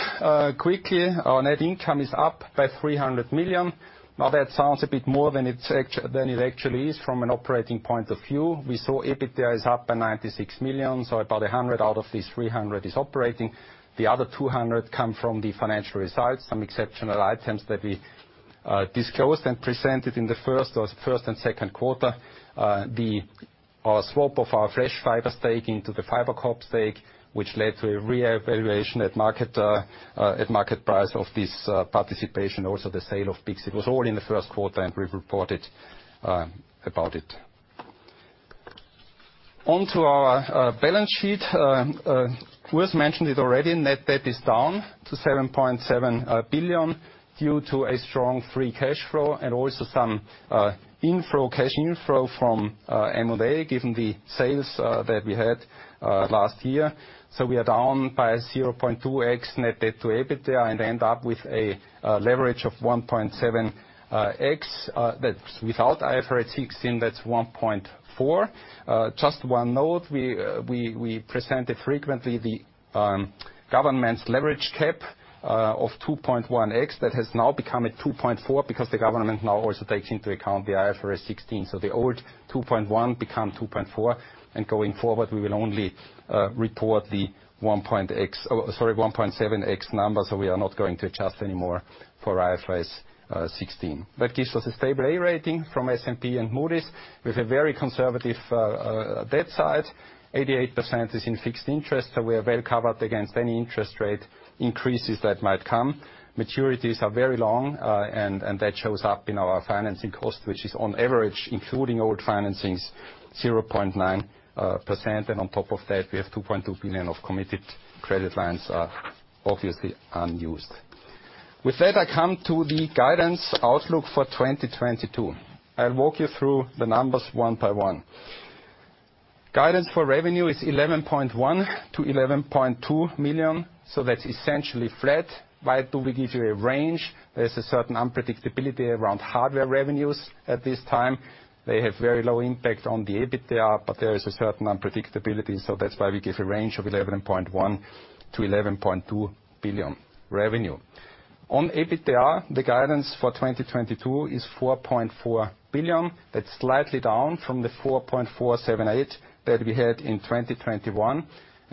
Speaker 4: quickly. Our net income is up by 300 million. Now that sounds a bit more than it actually is from an operating point of view. EBITDA is up by 96 million, so about 100 out of this 300 is operating. The other 200 come from the financial results, some exceptional items that we disclosed and presented in the first and second quarter. Our swap of our Flash Fiber stake into the FiberCop stake, which led to a reevaluation at market price of this participation. Also, the sale of BICS. It was all in the first quarter, and we've reported about it. Onto our balance sheet. Urs mentioned it already. Net debt is down to 7.7 billion due to a strong free cash flow and also some cash inflow from M&A, given the sales that we had last year. We are down by 0.2x net debt to EBITDA, and end up with a leverage of 1.7x. That's without IFRS 16, that's 1.4. Just one note, we presented frequently the government's leverage cap of 2.1x. That has now become a 2.4 because the government now also takes into account the IFRS 16. The old 2.1 become 2.4, and going forward we will only report the 1.7x number. We are not going to adjust anymore for IFRS 16. That gives us a stable A rating from S&P and Moody's. We have a very conservative debt side. 88% is in fixed interest, so we are well covered against any interest rate increases that might come. Maturities are very long, and that shows up in our financing cost, which is on average, including old financings, 0.9%. On top of that, we have 2.2 billion of committed credit lines, obviously unused. With that, I come to the guidance outlook for 2022. I'll walk you through the numbers one by one. Guidance for revenue is 11.1 billion-11.2 billion, so that's essentially flat. Why do we give you a range? There's a certain unpredictability around hardware revenues at this time. They have very low impact on the EBITDA, but there is a certain unpredictability, so that's why we give a range of 11.1 billion-11.2 billion revenue. On EBITDA, the guidance for 2022 is 4.4 billion. That's slightly down from the 4.478 that we had in 2021.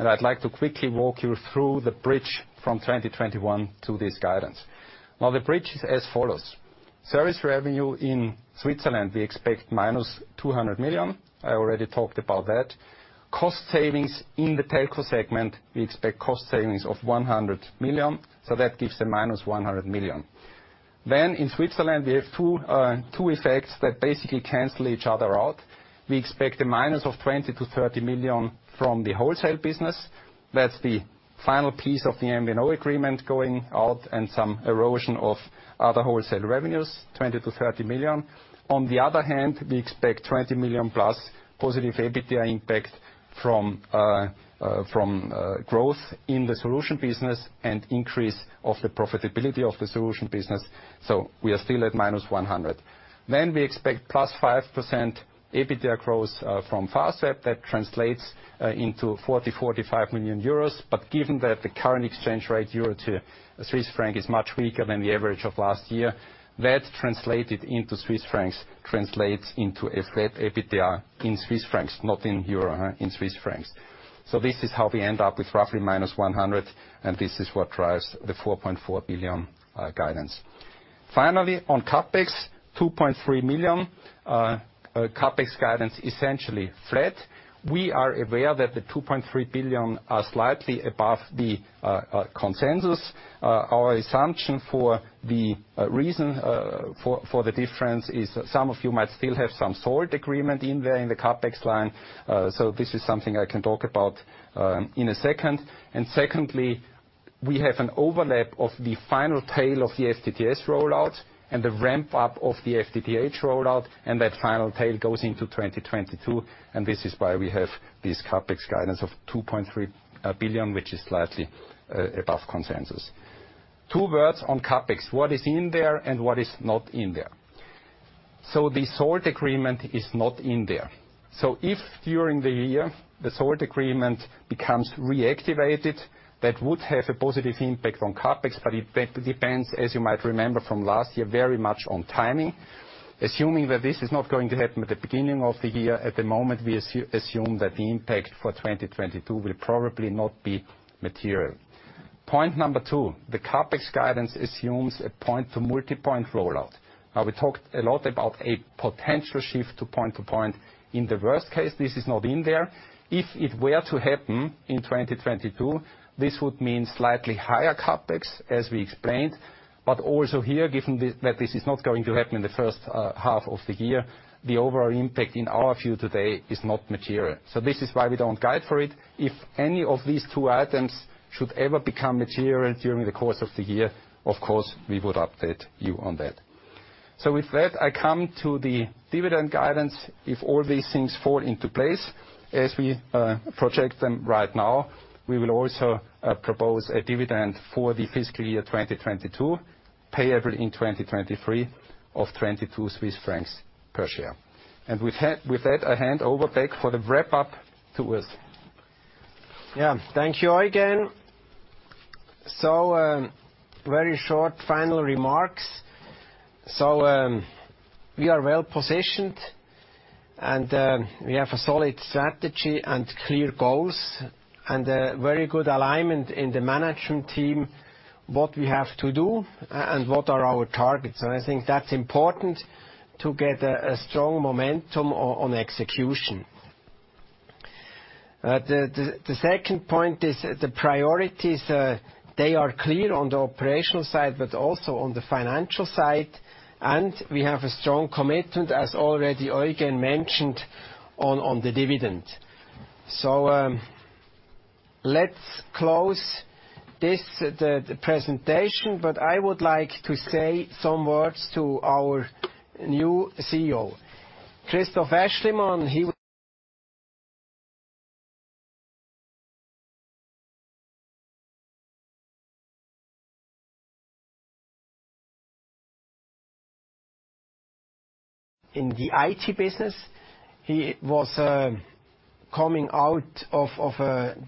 Speaker 4: I'd like to quickly walk you through the bridge from 2021 to this guidance. The bridge is as follows: Service revenue in Switzerland, we expect minus 200 million. I already talked about that. Cost savings in the telco segment, we expect cost savings of 100 million, so that gives a minus 100 million. In Switzerland, we have two effects that basically cancel each other out. We expect a minus of 20 million-30 million from the wholesale business. That's the final piece of the MVNO agreement going out and some erosion of other wholesale revenues, 20 million-30 million. On the other hand, we expect 20 million+ positive EBITDA impact from growth in the solution business and increase of the profitability of the solution business. So we are still at minus 100 million. We expect +5% EBITDA growth from Fastweb. That translates into 40 million-45 million euros. Given that the current exchange rate euro to Swiss franc is much weaker than the average of last year, that translated into Swiss francs translates into a flat EBITDA in Swiss francs, not in euro, in Swiss francs. This is how we end up with roughly -100 million, and this is what drives the 4.4 billion guidance. Finally, on CapEx, 2.3 billion. CapEx guidance essentially flat. We are aware that the 2.3 billion are slightly above the consensus. Our assumption for the reason for the difference is some of you might still have some Salt agreement in there in the CapEx line, so this is something I can talk about in a second. Secondly, we have an overlap of the final tail of the FTTS rollout and the ramp-up of the FTTH rollout, and that final tail goes into 2022, and this is why we have this CapEx guidance of 2.3 billion, which is slightly above consensus. Two words on CapEx, what is in there and what is not in there. The Salt agreement is not in there. If during the year the Salt agreement becomes reactivated, that would have a positive impact on CapEx, but it depends, as you might remember from last year, very much on timing. Assuming that this is not going to happen at the beginning of the year, at the moment, we assume that the impact for 2022 will probably not be material. Point number two, the CapEx guidance assumes a point-to-multipoint rollout. Now, we talked a lot about a potential shift to point-to-point. In the worst case, this is not in there. If it were to happen in 2022, this would mean slightly higher CapEx, as we explained. Also here, given that this is not going to happen in the first half of the year, the overall impact in our view today is not material. This is why we don't guide for it. If any of these two items should ever become material during the course of the year, of course, we would update you on that. With that, I come to the dividend guidance. If all these things fall into place as we project them right now, we will also propose a dividend for the fiscal year 2022, payable in 2023, of 22 Swiss francs per share. With that, I hand over back for the wrap-up to Urs.
Speaker 2: Yeah. Thank you all again. Very short final remarks. We are well positioned, and we have a solid strategy and clear goals and a very good alignment in the management team, what we have to do and what are our targets. And I think that's important to get a strong momentum on execution. The second point is the priorities. They are clear on the operational side but also on the financial side. And we have a strong commitment, as already Eugen mentioned, on the dividend. Let's close this presentation, but I would like to say some words to our new CEO, Christoph Aeschlimann. He was in the IT business. He was coming out of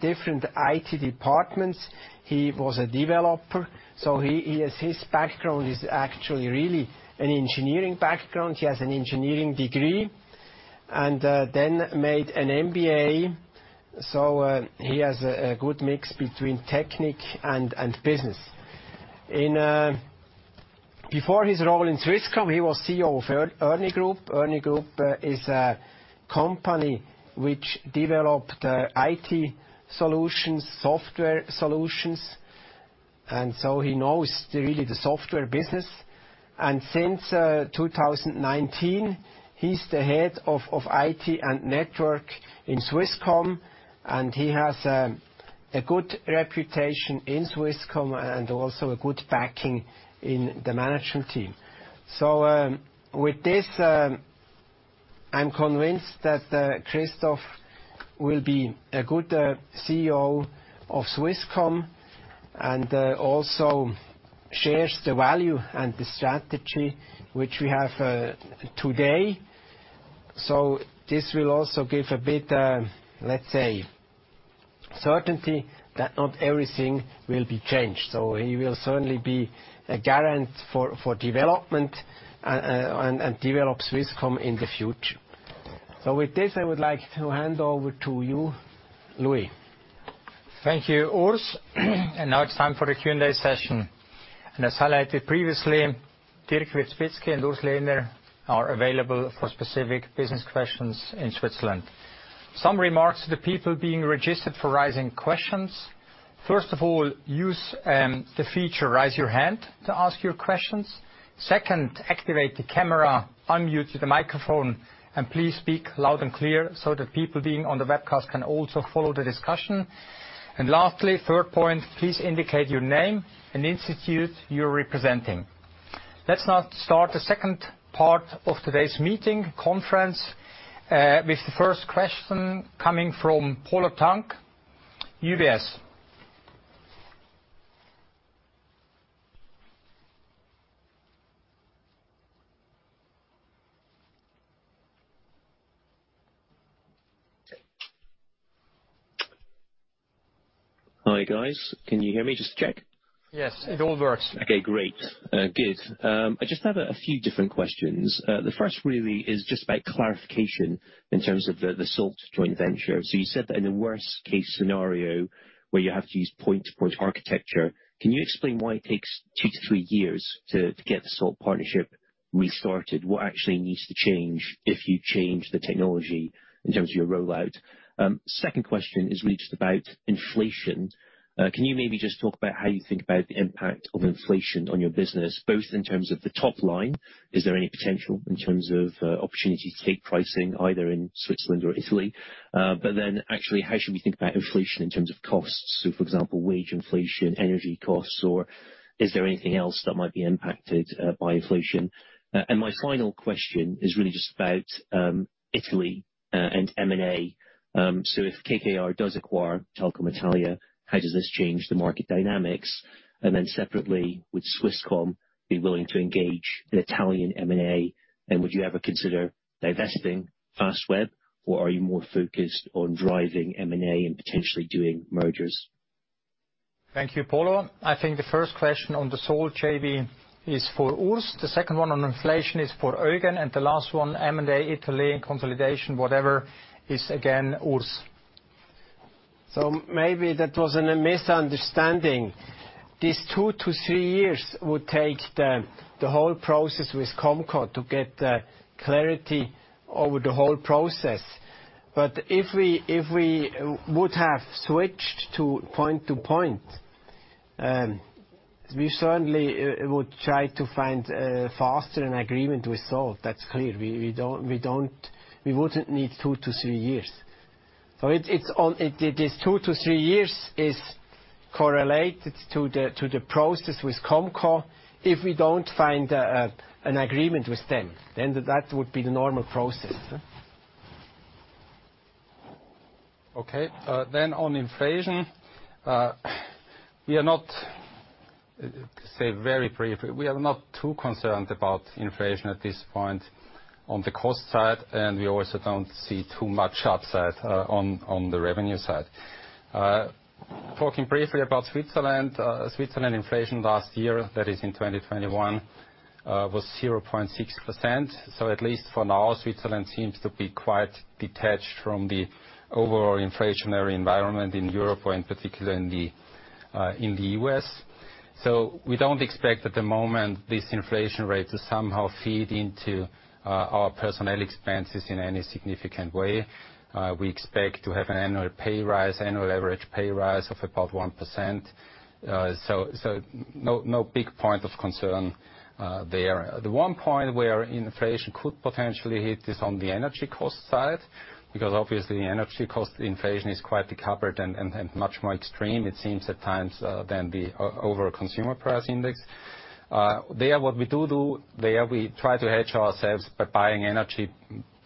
Speaker 2: different IT departments. He was a developer. His background is actually really an engineering background. He has an engineering degree. He then made an MBA. He has a good mix between technical and business. Before his role in Swisscom, he was CEO of ERNI Group. ERNI Group is a company which developed IT solutions, software solutions, and he knows really the software business. Since 2019, he's the head of IT and network in Swisscom, and he has a good reputation in Swisscom and also a good backing in the management team. With this, I'm convinced that Christoph will be a good CEO of Swisscom and also shares the value and the strategy which we have today. This will also give a bit, let's say, certainty that not everything will be changed. He will certainly be a guarantee for development and develop Swisscom in the future. With this, I would like to hand over to you, Louis.
Speaker 1: Thank you, Urs. Now it's time for the Q&A session. As highlighted previously, Dirk Wierzbitzki and Urs Lehner are available for specific business questions in Switzerland. Some remarks to the people being registered for raising questions. First of all, use the feature Raise Your Hand to ask your questions. Second, activate the camera, unmute the microphone, and please speak loud and clear so the people being on the webcast can also follow the discussion. Lastly, third point, please indicate your name and institute you're representing. Let's now start the second part of today's meeting, conference with the first question coming from Polo Tang, UBS.
Speaker 5: Hi, guys. Can you hear me? Just check.
Speaker 1: Yes, it all works.
Speaker 5: Okay, great. Good. I just have a few different questions. The first really is just about clarification in terms of the Salt joint venture. You said that in a worst-case scenario where you have to use point-to-point architecture, can you explain why it takes two to three years to get the Salt partnership restarted? What actually needs to change if you change the technology in terms of your rollout? Second question is really just about inflation. Can you maybe just talk about how you think about the impact of inflation on your business, both in terms of the top line? Is there any potential in terms of opportunity to take pricing either in Switzerland or Italy? Actually, how should we think about inflation in terms of costs? For example, wage inflation, energy costs, or is there anything else that might be impacted by inflation? My final question is really just about Italy and M&A. If KKR does acquire Telecom Italia, how does this change the market dynamics? Then separately, would Swisscom be willing to engage in Italian M&A? Would you ever consider divesting Fastweb, or are you more focused on driving M&A and potentially doing mergers?
Speaker 1: Thank you, Polo. I think the first question on the Salt JV is for Urs, the second one on inflation is for Eugen, and the last one, M&A Italy consolidation, whatever, is again Urs.
Speaker 2: Maybe that was in a misunderstanding. These two to three years would take the whole process with COMCO to get clarity over the whole process. If we would have switched to point-to-point, we certainly would try to find faster an agreement with Salt. That's clear. We wouldn't need two to three years. It is two to three years is correlated to the process with COMCO. If we don't find an agreement with them, then that would be the normal process.
Speaker 4: On inflation. Say very briefly, we are not too concerned about inflation at this point on the cost side, and we also don't see too much upside on the revenue side. Talking briefly about Switzerland. Switzerland inflation last year, that is in 2021, was 0.6%. At least for now, Switzerland seems to be quite detached from the overall inflationary environment in Europe or in particular in the U.S. We don't expect at the moment this inflation rate to somehow feed into our personnel expenses in any significant way. We expect to have an annual pay rise, annual average pay rise of about 1%. No big point of concern there. The one point where inflation could potentially hit is on the energy cost side, because obviously energy cost inflation is quite decoupled and much more extreme, it seems at times, than the overall consumer price index. There, what we do, there we try to hedge ourselves by buying energy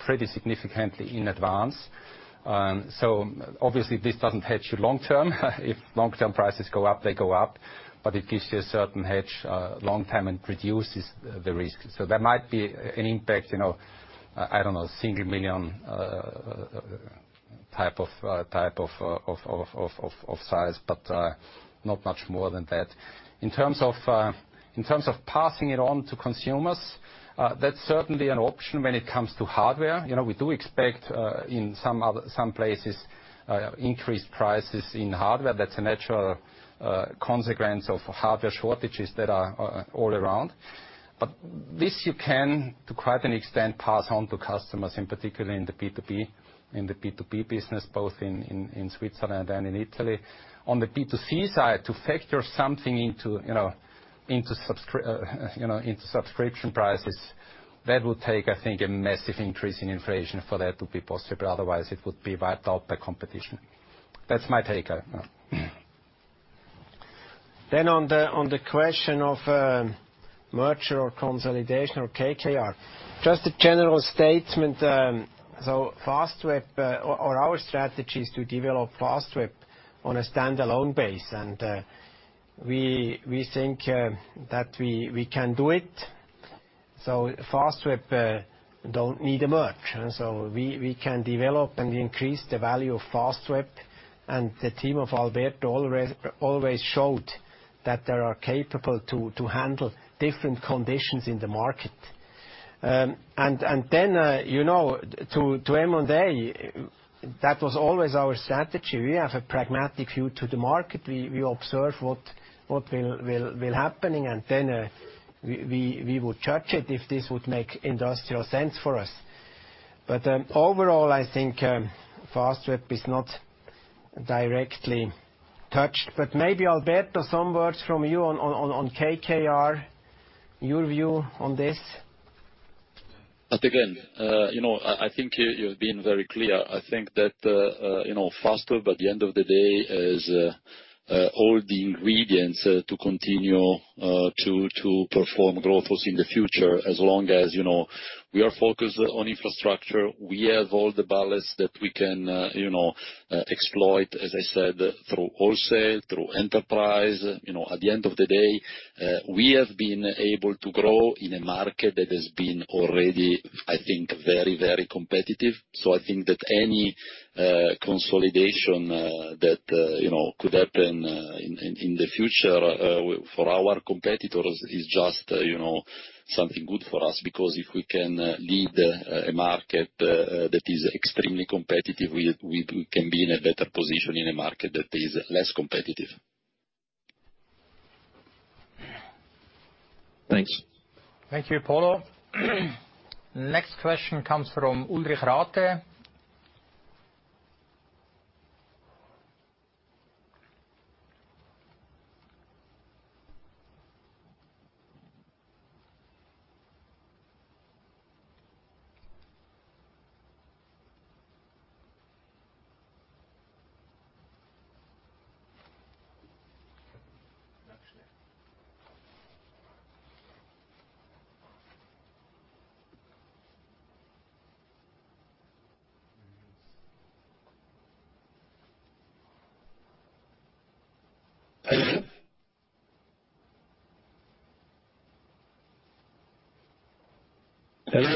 Speaker 4: pretty significantly in advance. Obviously this doesn't hedge you long term. If long term prices go up, they go up, but it gives you a certain hedge long term and reduces the risk. There might be an impact, you know. I don't know, single million type of size, but not much more than that. In terms of passing it on to consumers, that's certainly an option when it comes to hardware. You know, we do expect in some other... Some places, increased prices in hardware. That's a natural consequence of hardware shortages that are all around. This you can, to quite an extent, pass on to customers, in particular in the B2B business, both in Switzerland and in Italy. On the B2C side, to factor something into, you know, into subscription prices, that would take, I think, a massive increase in inflation for that to be possible. Otherwise it would be wiped out by competition. That's my take on it.
Speaker 2: On the question of merger or consolidation or KKR. Just a general statement. Our strategy is to develop Fastweb on a standalone basis. We think that we can do it. Fastweb don't need a merger. We can develop and increase the value of Fastweb. The team of Alberto always showed that they are capable to handle different conditions in the market. You know, to M&A, that was always our strategy. We have a pragmatic view to the market. We observe what will happen, and then we would judge it if this would make industrial sense for us. Overall, I think Fastweb is not directly touched. Maybe Alberto, some words from you on KKR, your view on this.
Speaker 3: Again, you know, I think you've been very clear. I think that, you know, Fastweb at the end of the day has all the ingredients to continue to perform growth also in the future. As long as, you know, we are focused on infrastructure, we have all the balance that we can, you know, exploit, as I said, through wholesale, through enterprise. You know, at the end of the day, we have been able to grow in a market that has been already, I think, very, very competitive. I think that any consolidation that you know could happen in the future for our competitors is just, you know, something good for us. Because if we can lead a market that is extremely competitive, we can be in a better position in a market that is less competitive.
Speaker 5: Thanks.
Speaker 1: Thank you, Polo. Next question comes from Ulrich Rathe.
Speaker 6: Hello? Hello,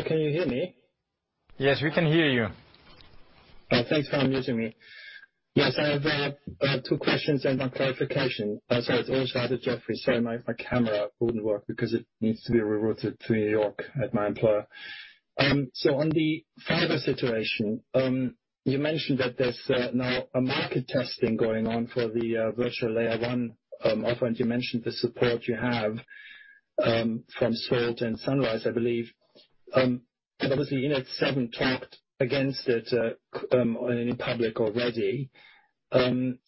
Speaker 6: can you hear me?
Speaker 2: Yes, we can hear you.
Speaker 6: Thanks for unmuting me. I have two questions and one clarification. It's Ulrich Rathe, Jefferies. Sorry, my camera wouldn't work because it needs to be rerouted to New York at my employer. On the fiber situation, you mentioned that there's now a market testing going on for the virtual Layer one. Urs Schaeppi, you mentioned the support you have from Salt and Sunrise, I believe. Obviously Init7 acted against it in public already. I'm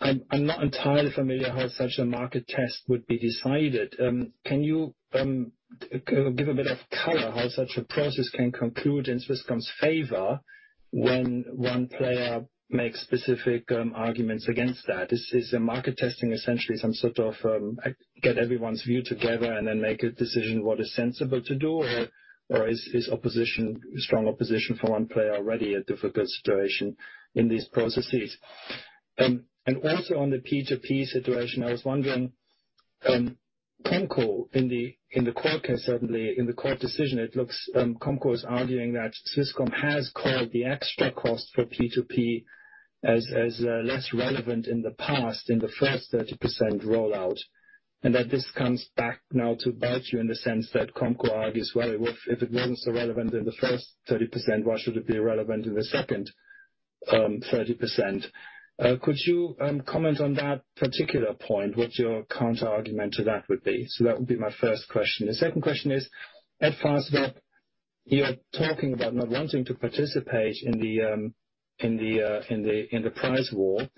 Speaker 6: not entirely familiar how such a market test would be decided. Can you give a bit of color how such a process can conclude in Swisscom's favor when one player makes specific arguments against that? Is the market testing essentially some sort of get everyone's view together and then make a decision what is sensible to do? Or is opposition, strong opposition from one player already a difficult situation in these processes? Also on the P2P situation, I was wondering, COMCO in the court case, certainly in the court decision, it looks COMCO is arguing that Swisscom has called the extra cost for P2P as less relevant in the past in the first 30% rollout, and that this comes back now to bite you in the sense that COMCO argues, well, if it wasn't so relevant in the first 30%, why should it be relevant in the second? 30%. Could you comment on that particular point? What your counterargument to that would be? That would be my first question. The second question is, at Fastweb, you're talking about not wanting to participate in the price war.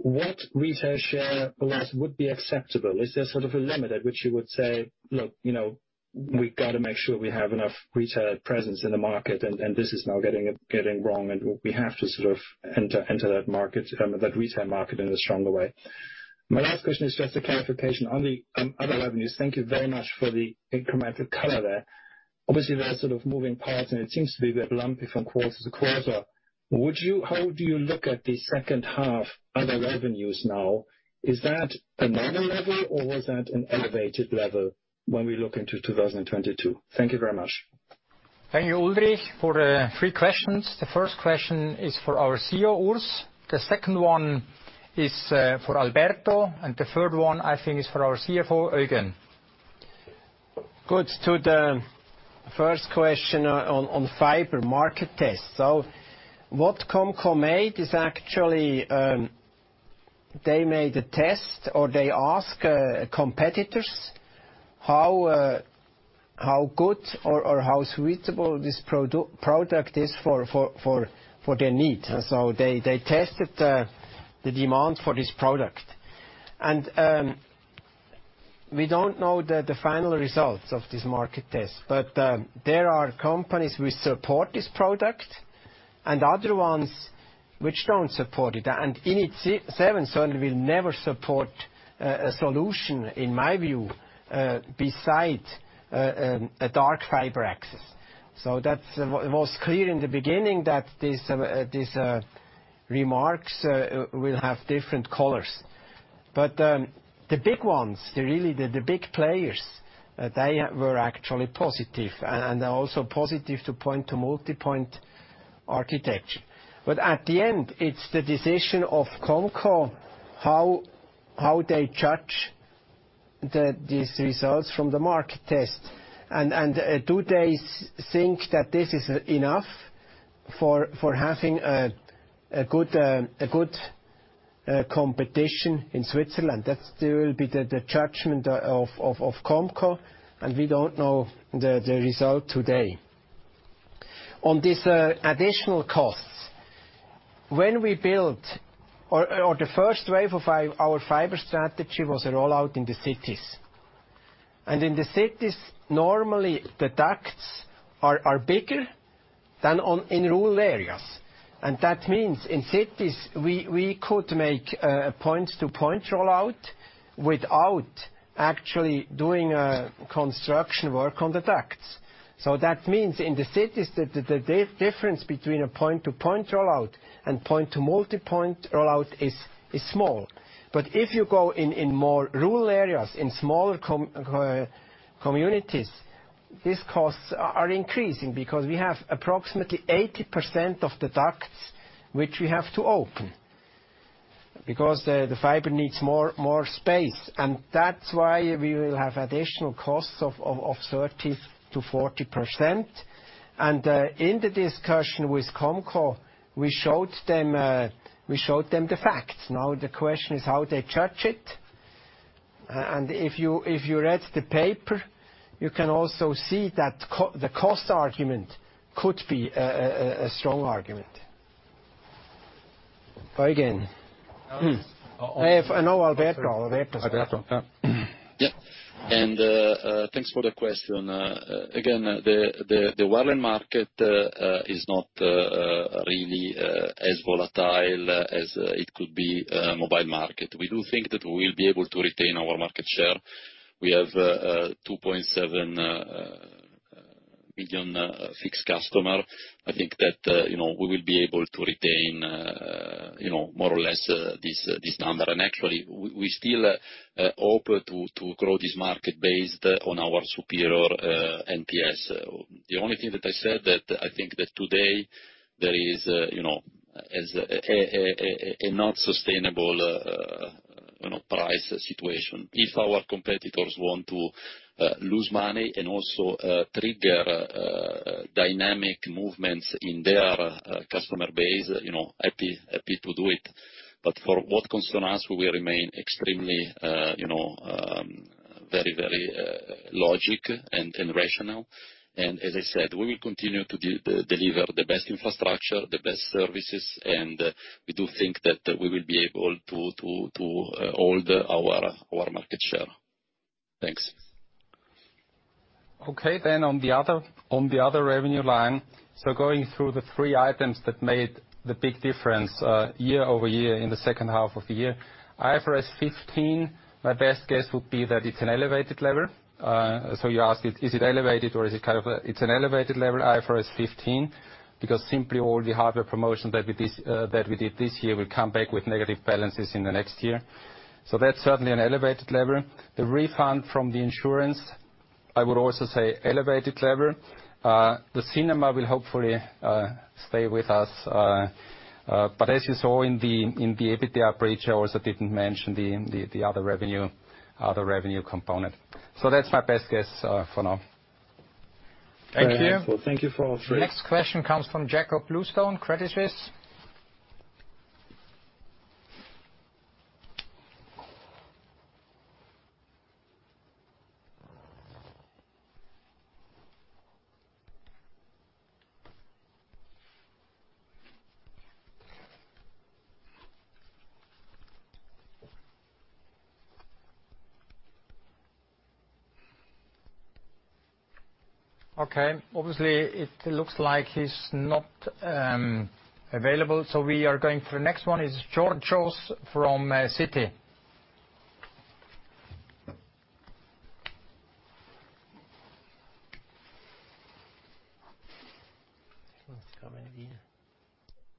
Speaker 6: What retail share loss would be acceptable? Is there sort of a limit at which you would say, "Look, you know, we've got to make sure we have enough retail presence in the market, and this is now getting wrong, and we have to sort of enter that market, that retail market in a stronger way." My last question is just a clarification. On other revenues, thank you very much for the incremental color there. Obviously, there are sort of moving parts, and it seems to be a bit lumpy from quarter-to-quarter. How do you look at the second half other revenues now? Is that a normal level or was that an elevated level when we look into 2022? Thank you very much.
Speaker 1: Thank you, Ulrich, for the three questions. The first question is for our CEO, Urs Schaeppi. The second one is for Alberto Calcagno, and the third one, I think, is for our CFO, Eugen Stermetz.
Speaker 2: Good. To the first question on fiber market tests. What COMCO made is actually, they made a test, or they ask competitors how good or how suitable this product is for their need. They tested the demand for this product. We don't know the final results of this market test, but there are companies who support this product and other ones which don't support it. Init7 certainly will never support a solution, in my view, besides a dark fiber access. That's it was clear in the beginning that these remarks will have different colors. The big ones, really, the big players, they were actually positive and also positive to point-to-multipoint architecture. At the end, it's the decision of COMCO how they judge these results from the market test. Do they think that this is enough for having a good competition in Switzerland? That will be the judgment of COMCO, and we don't know the result today. On these additional costs. When we built the first wave of our fiber strategy was a rollout in the cities. In the cities, normally the ducts are bigger than in rural areas. That means in cities, we could make a point-to-point rollout without actually doing construction work on the ducts. That means in the cities, the difference between a point-to-point rollout and point-to-multipoint rollout is small. If you go in more rural areas, in smaller communities, these costs are increasing because we have approximately 80% of the ducts which we have to open because the fiber needs more space. That's why we will have additional costs of 30%-40%. In the discussion with COMCO, we showed them the facts. Now, the question is how they judge it. If you read the paper, you can also see that the cost argument could be a strong argument. Eugen.
Speaker 4: Um-
Speaker 2: No, Alberto.
Speaker 3: Alberto, yeah. Thanks for the question. Again, the wireless market is not really as volatile as it could be, mobile market. We do think that we will be able to retain our market share. We have 2.7 million fixed customer. I think that, you know, we will be able to retain, you know, more or less, this number. Actually, we still hope to grow this market based on our superior NPS. The only thing that I said that I think that today there is, you know, is a not sustainable, you know, price situation. If our competitors want to lose money and also trigger dynamic movements in their customer base, you know, happy to do it. For what concerns us, we remain extremely, you know, very logical and rational. As I said, we will continue to deliver the best infrastructure, the best services, and we do think that we will be able to hold our market share. Thanks.
Speaker 4: Okay, on the other revenue line. Going through the three items that made the big difference year over year in the second half of the year. IFRS 15, my best guess would be that it's an elevated level. It's an elevated level IFRS 15, because simply all the hardware promotion that we did this year will come back with negative balances in the next year. That's certainly an elevated level. The refund from the insurance, I would also say elevated level. The cinema will hopefully stay with us. As you saw in the EBITDA bridge, I also didn't mention the other revenue component. That's my best guess for now.
Speaker 6: Thank you.
Speaker 2: Thank you for all three.
Speaker 1: Next question comes from Jakob Bluestone, Crédit Suisse. Okay, obviously, it looks like he's not available, so we are going to the next one is Georgios Ierodiaconou from Citi.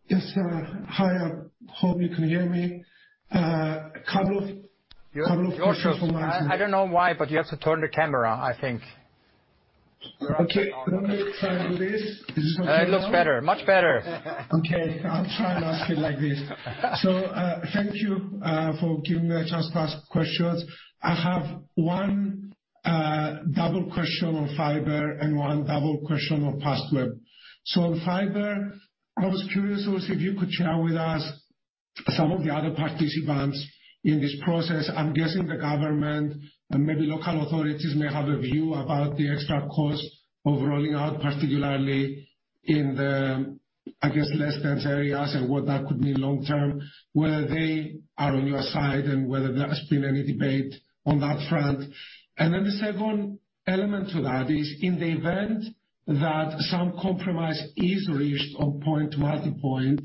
Speaker 7: Yes, sir. Hi, I hope you can hear me. A couple of questions from my end.
Speaker 1: Georgios Ierodiaconou, I don't know why, but you have to turn the camera, I think.
Speaker 7: Okay. Let me try and do this. Is this okay now?
Speaker 1: It looks better, much better.
Speaker 7: Okay. I'll try and ask it like this. Thank you for giving me a chance to ask questions. I have one double question on fiber and one double question on Fastweb. On fiber, I was curious, Urs, if you could share with us some of the other participants in this process. I'm guessing the government and maybe local authorities may have a view about the extra cost of rolling out, particularly in the, I guess, less dense areas and what that could mean long-term, whether they are on your side and whether there has been any debate on that front. The second element to that is in the event that some compromise is reached on point-to-multipoint,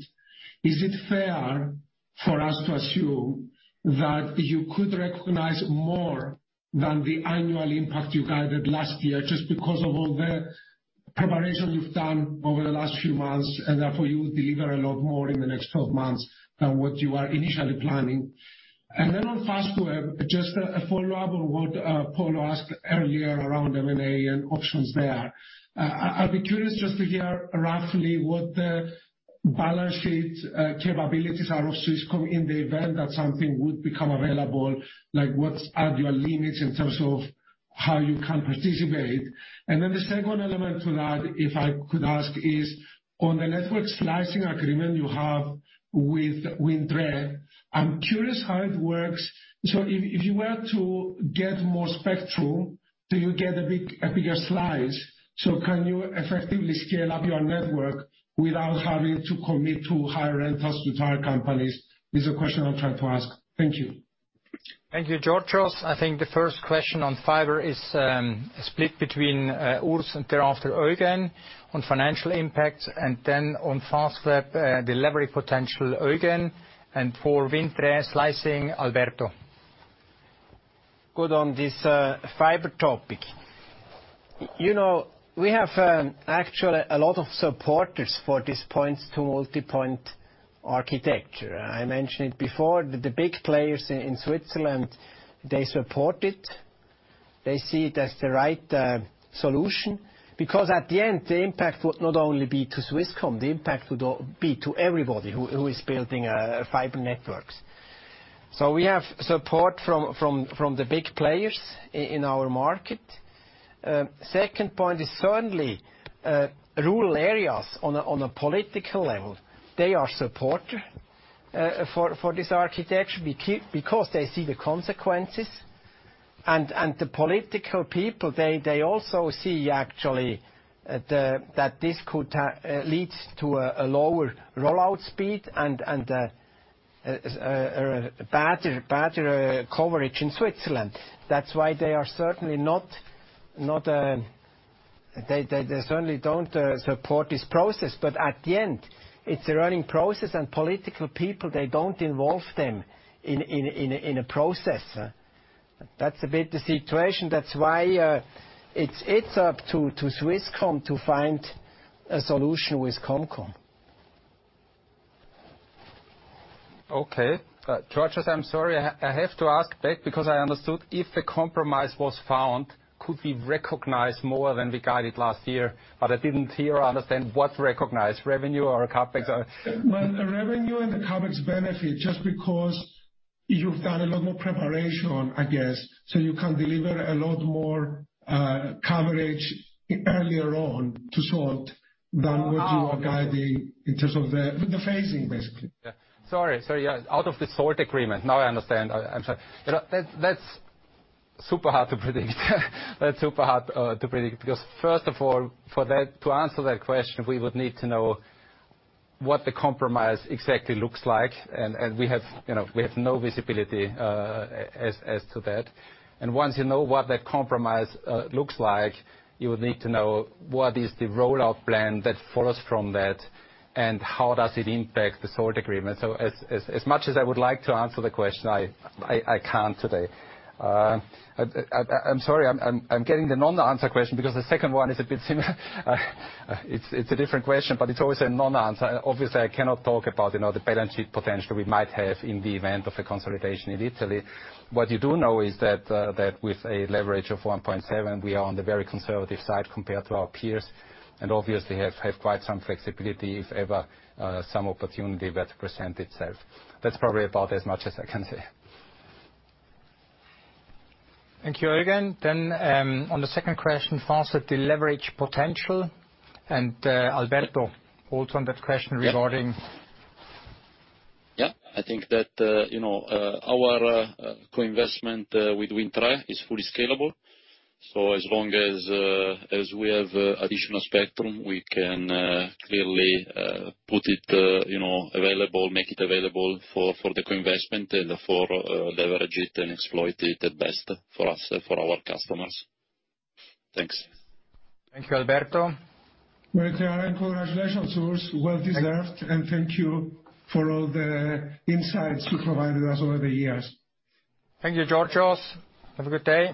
Speaker 7: is it fair for us to assume that you could recognize more than the annual impact you guided last year just because of all the preparation you've done over the last few months, and therefore you will deliver a lot more in the next twelve months than what you are initially planning? On Fastweb, just a follow-up on what Paul asked earlier around M&A and options there. I'd be curious just to hear roughly what the balance sheet capabilities are of Swisscom in the event that something would become available, like, what are your limits in terms of how you can participate? The second element to that, if I could ask, is on the network slicing agreement you have with Wind Tre. I'm curious how it works. If you were to get more spectrum, do you get a bigger slice? Can you effectively scale up your network without having to commit to higher rentals to tower companies? Is the question I'm trying to ask. Thank you.
Speaker 1: Thank you, Georgios Ierodiaconou. I think the first question on fiber is split between Urs and thereafter Eugen on financial impacts, and then on Fastweb delivery potential, Eugen, and for Wind Tre slicing, Alberto.
Speaker 2: Good on this fiber topic. You know, we have actually a lot of supporters for this point-to-multipoint architecture. I mentioned it before, the big players in Switzerland, they support it. They see it as the right solution because at the end, the impact would not only be to Swisscom, the impact would be to everybody who is building fiber networks. We have support from the big players in our market. Second point is certainly rural areas on a political level, they are supporters for this architecture because they see the consequences. The political people, they also see actually that this could lead to a lower rollout speed and a better coverage in Switzerland. That's why they certainly don't support this process. At the end, it's a running process, and political people, they don't involve them in a process. That's a bit the situation. That's why it's up to Swisscom to find a solution with COMCO.
Speaker 4: Okay. Georgios, I'm sorry. I have to ask back because I understood if the compromise was found, could we recognize more than we guided last year? But I didn't hear or understand what recognize, revenue or CapEx or?
Speaker 7: Well, the revenue and the CapEx benefit just because you've done a lot more preparation, I guess, so you can deliver a lot more coverage earlier on to Salt than what you are guiding in terms of the phasing, basically.
Speaker 4: Yeah. Sorry. Out of the Salt agreement. Now I understand. I'm sorry. You know, that's super hard to predict. That's super hard to predict because first of all, to answer that question, we would need to know what the compromise exactly looks like. We have, you know, we have no visibility as to that. Once you know what that compromise looks like, you would need to know what the rollout plan that follows from that is and how it impacts the Salt agreement. As much as I would like to answer the question, I can't today. I'm sorry, I'm getting the non-answer question because the second one is a bit similar. It's a different question, but it's always a non-answer. Obviously, I cannot talk about, you know, the balance sheet potential we might have in the event of a consolidation in Italy. What you do know is that with a leverage of 1.7, we are on the very conservative side compared to our peers and obviously have quite some flexibility if ever some opportunity were to present itself. That's probably about as much as I can say.
Speaker 1: Thank you, Eugen. On the second question, first, the leverage potential and, Alberto also on that question regarding...
Speaker 3: Yeah. I think that you know our co-investment with Wind Tre is fully scalable. As long as we have additional spectrum, we can clearly make it available for the co-investment and to leverage it and exploit it at best for us for our customers. Thanks.
Speaker 1: Thank you, Alberto.
Speaker 7: Congratulations, Urs. Well deserved. Thank you. Thank you for all the insights you provided us over the years.
Speaker 1: Thank you, Georgios. Have a good day.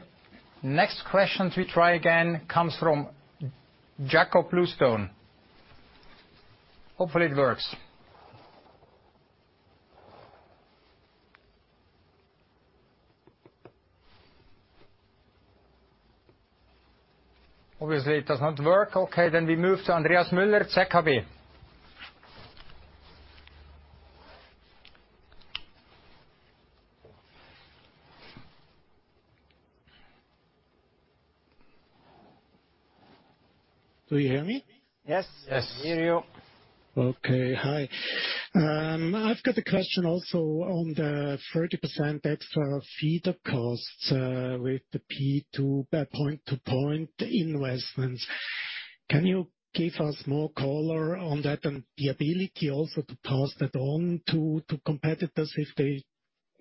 Speaker 1: Next question to try again comes from Jakob Bluestone. Hopefully it works. Obviously it does not work. Okay, we move to Andreas Müller, ZKB.
Speaker 8: Do you hear me?
Speaker 1: Yes.
Speaker 2: Yes.
Speaker 1: We hear you.
Speaker 8: Okay. Hi. I've got a question also on the 30% extra feeder costs with the point-to-point investments. Can you give us more color on that and the ability also to pass that on to competitors if they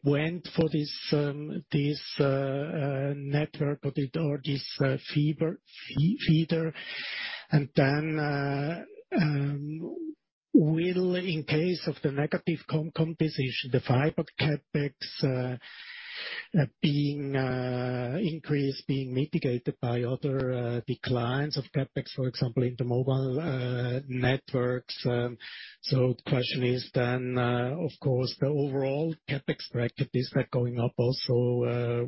Speaker 8: went for this network or this fiber feeder? Then, will, in case of the negative composition, the fiber CapEx being increased, being mitigated by other declines of CapEx, for example, in the mobile networks. So the question is then, of course, the overall CapEx practice is that going up also,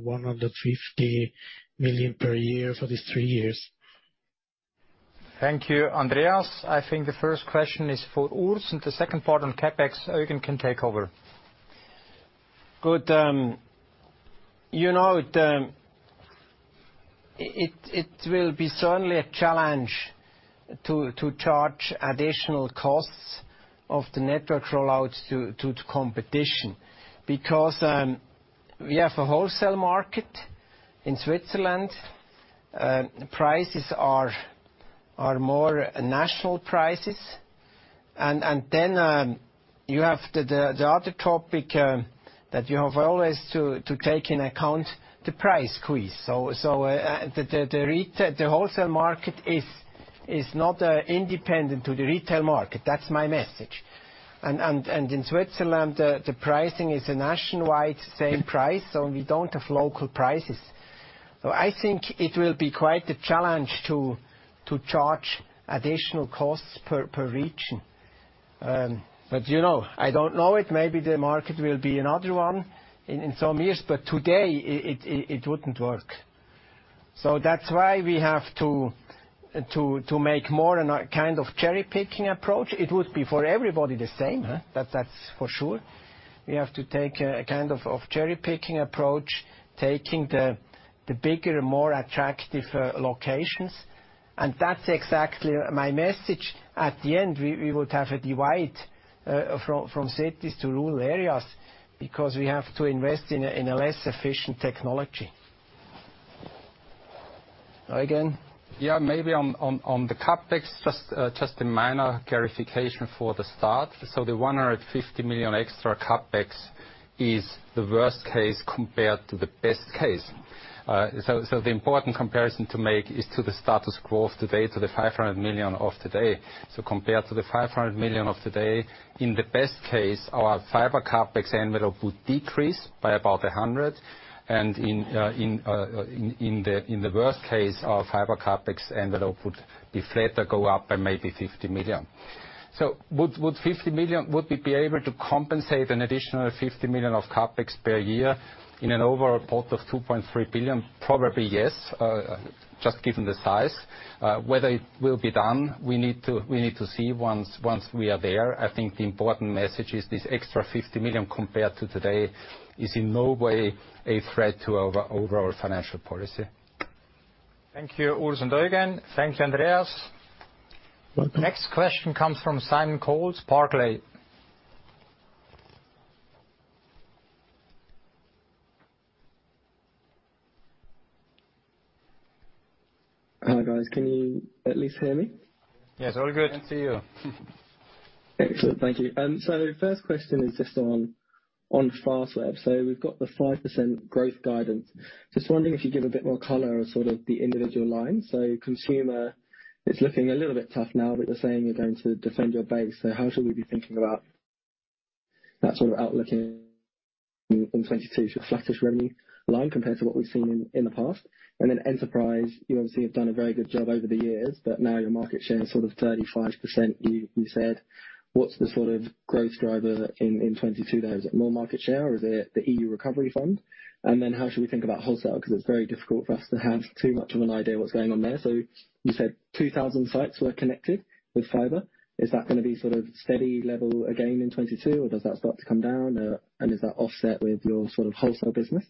Speaker 8: 150 million per year for these three years?
Speaker 1: Thank you, Andreas. I think the first question is for Urs, and the second part on CapEx, Eugen can take over.
Speaker 2: Good. You know, it will be certainly a challenge to charge additional costs of the network rollouts to competition because we have a wholesale market in Switzerland. Prices are more national prices. In Switzerland, the other topic that you have always to take into account is the price squeeze. The wholesale market is not independent to the retail market. That's my message. In Switzerland, the pricing is a nationwide same price, so we don't have local prices. I think it will be quite a challenge to charge additional costs per region. You know, I don't know it. Maybe the market will be another one in some years, but today it wouldn't work. That's why we have to make more a kind of cherry-picking approach. It would be for everybody the same, huh? That's for sure. We have to take a kind of cherry-picking approach, taking the bigger, more attractive locations. That's exactly my message. At the end, we would have a divide from cities to rural areas because we have to invest in a less efficient technology. Eugen?
Speaker 4: Yeah. Maybe on the CapEx, just a minor clarification for the start. The 150 million extra CapEx is the worst case compared to the best case. The important comparison to make is to the status quo of today, to the 500 million of today. Compared to the 500 million of today, in the best case, our fiber CapEx envelope would decrease by about 100. In the worst case, our fiber CapEx envelope would be flat or go up by maybe 50 million. Would 50 million? Would we be able to compensate an additional 50 million of CapEx per year in an overall pot of 2.3 billion? Probably yes, just given the size. Whether it will be done, we need to see once we are there. I think the important message is this extra 50 million compared to today is in no way a threat to our overall financial policy.
Speaker 1: Thank you, Urs and Eugen. Thank you, Andreas.
Speaker 8: Welcome.
Speaker 1: Next question comes from Simon Coles, Barclays.
Speaker 9: Hi, guys. Can you at least hear me?
Speaker 1: Yes. All good. Can see you.
Speaker 9: Excellent. Thank you. The first question is just on Fastweb. We've got the 5% growth guidance. Just wondering if you'd give a bit more color on the individual lines. Consumer, it's looking a little bit tough now, but you're saying you're going to defend your base. How should we be thinking about that outlook in 2022? Should flattish revenue line compared to what we've seen in the past? Enterprise, you obviously have done a very good job over the years, but now your market share is 35%, you said. What's the growth driver in 2022 there? Is it more market share or is it the EU Recovery Fund? How should we think about Wholesale? Because it's very difficult for us to have too much of an idea of what's going on there. You said 2,000 sites were connected with fiber. Is that gonna be sort of steady level again in 2022 or does that start to come down? And is that offset with your sort of wholesale business?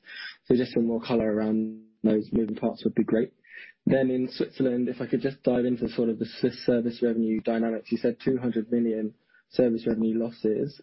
Speaker 9: Just some more color around those moving parts would be great. In Switzerland, if I could just dive into sort of the fixed-service revenue dynamics. You said 200 million service revenue losses.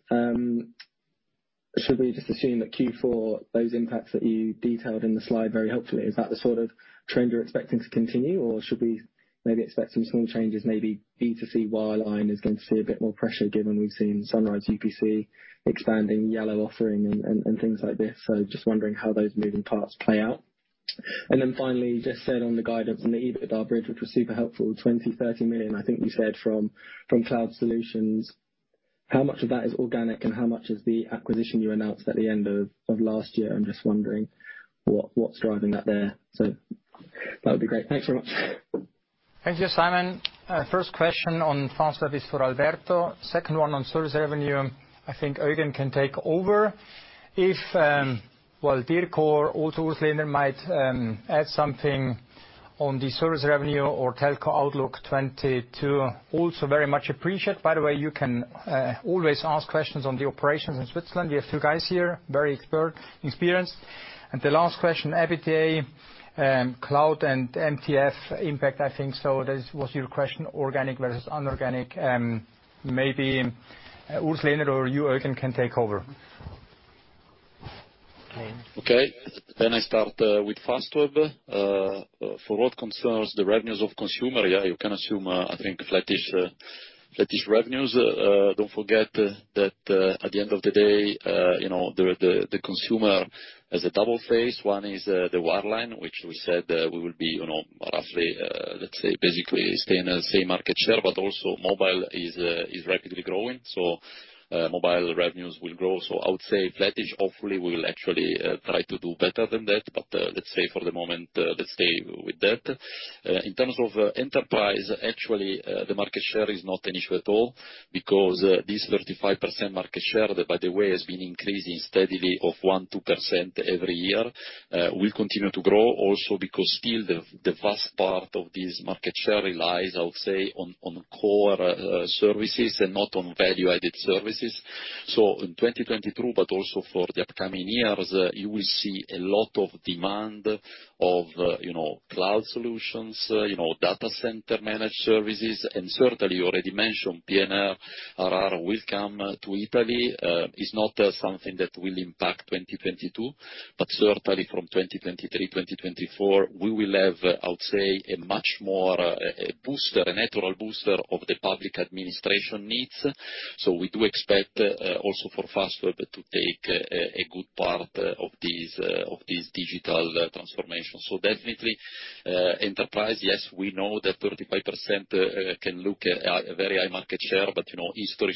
Speaker 9: Should we just assume that Q4, those impacts that you detailed in the slide very helpfully, is that the sort of trend you're expecting to continue? Should we maybe expect some small changes, maybe B2C wireline is going to see a bit more pressure given we've seen Sunrise UPC expanding Yallo offering and things like this. Just wondering how those moving parts play out. Then finally, you just said on the guide of the EBITDA bridge, which was super helpful, 20 million to 30 million, I think you said from Cloud Solutions. How much of that is organic and how much is the acquisition you announced at the end of last year? I'm just wondering what's driving that there. That would be great. Thanks very much.
Speaker 1: Thank you, Simon. First question on Fastweb is for Alberto. Second one on service revenue, I think Eugen can take over. If, well, Dirk or also Urs might add something on the service revenue or telco outlook 2022, also very much appreciate. By the way, you can always ask questions on the operations in Switzerland. We have two guys here, very expert, experienced. The last question, EBITDA, cloud and MTF impact, I think. That was your question, organic versus inorganic. Maybe Urs or you, Eugen, can take over.
Speaker 3: I start with Fastweb. For what concerns the revenues of consumer, you can assume, I think flattish revenues. Don't forget that, at the end of the day, you know, the consumer has a double face. One is the wireline, which we said, we will be, you know, roughly, let's say basically staying the same market share, but also mobile is rapidly growing. Mobile revenues will grow. I would say flattish, hopefully, we'll actually try to do better than that. Let's say for the moment, let's stay with that. In terms of enterprise, actually, the market share is not an issue at all because this 35% market share, by the way, has been increasing steadily 1%-2% every year. We continue to grow also because still the vast part of this market share relies, I would say, on core services and not on value-added services. In 2022, but also for the upcoming years, you will see a lot of demand of, you know, cloud solutions, you know, data center managed services. Certainly, you already mentioned PNRR will come to Italy. It's not something that will impact 2022, but certainly from 2023, 2024, we will have, I would say, a much more, a booster, a natural booster of the public administration needs. We do expect also for Fastweb to take a good part of this digital transformation. Definitely, enterprise, yes, we know that 35% can look at a very high market share, but you know, history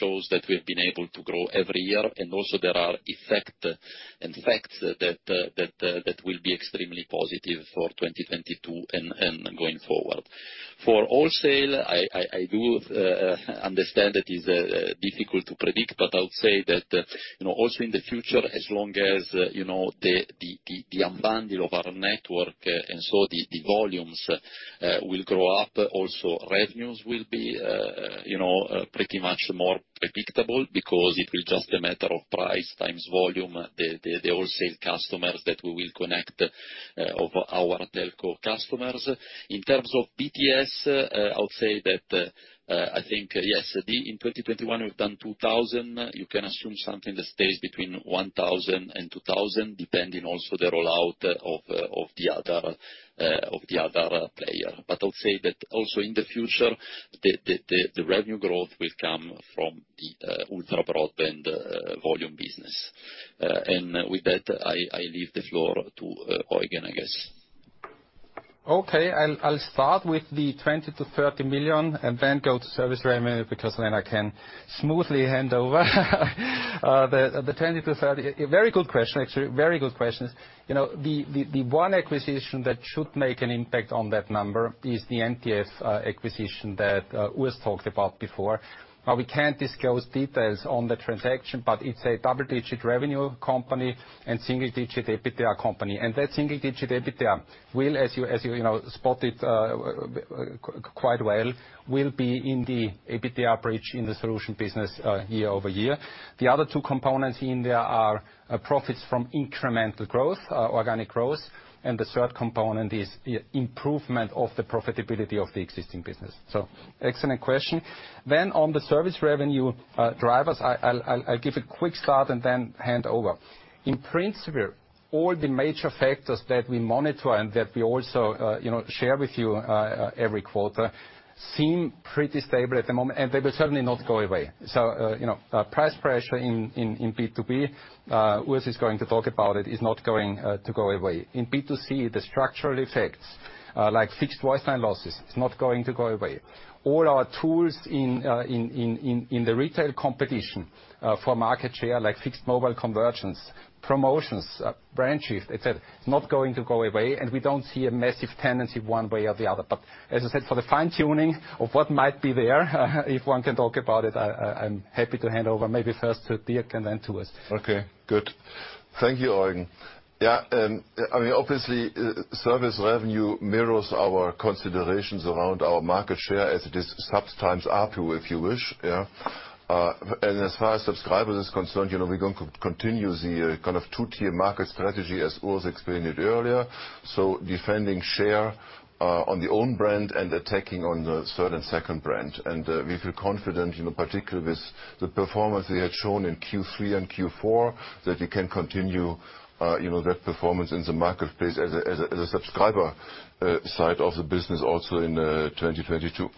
Speaker 3: shows that we've been able to grow every year. Also there are effect and facts that will be extremely positive for 2022 and going forward. For wholesale, I do understand that it is difficult to predict, but I would say that, you know, also in the future, as long as, you know, the unbundling of our network and so the volumes will grow up, also revenues will be, you know, pretty much more predictable because it will just a matter of price times volume, the wholesale customers that we will connect of our telco customers. In terms of BTS, I would say that I think, yes, in 2021, we've done 2000. You can assume something that stays between 1000 and 2000, depending also the rollout of the other player. But I'll say that also in the future, the revenue growth will come from the ultra-broadband volume business. And with that, I leave the floor to Eugen, I guess.
Speaker 4: Okay. I'll start with the 20 million-30 million and then go to service revenue, because then I can smoothly hand over the 20 million-30 million. A very good question, actually. Very good questions. You know, the one acquisition that should make an impact on that number is the MTF acquisition that Urs talked about before. Now, we can't disclose details on the transaction, but it's a double-digit revenue company and single-digit EBITDA company. That single digit EBITDA will, as you know, spotted quite well, will be in the EBITDA bridge in the solution business, year-over-year. The other two components in there are profits from incremental growth, organic growth. The third component is the improvement of the profitability of the existing business. Excellent question. On the service revenue drivers, I'll give a quick start and then hand over. In principle, all the major factors that we monitor and that we also, you know, share with you every quarter seem pretty stable at the moment, and they will certainly not go away. you know, price pressure in B2B, Urs is going to talk about it, is not going to go away. In B2C, the structural effects, like fixed voicemail losses, it's not going to go away. All our tools in the retail competition for market share, like fixed mobile conversions, promotions, branches, etcetera, it's not going to go away. We don't see a massive tendency one way or the other. As I said, for the fine-tuning of what might be there, if one can talk about it, I'm happy to hand over maybe first to Dirk and then to Urs.
Speaker 10: Okay, good. Thank you, Eugen. I mean, obviously, service revenue mirrors our considerations around our market share as it is subs times ARPU, if you wish, yeah? As far as subscribers is concerned, you know, we're gonna continue the kind of two-tier market strategy as Urs Schaeppi explained it earlier. Defending share on the own brand and attacking on the third and second brand. We feel confident, you know, particularly with the performance we had shown in Q3 and Q4, that we can continue that performance in the marketplace as a subscriber side of the business also in 2022.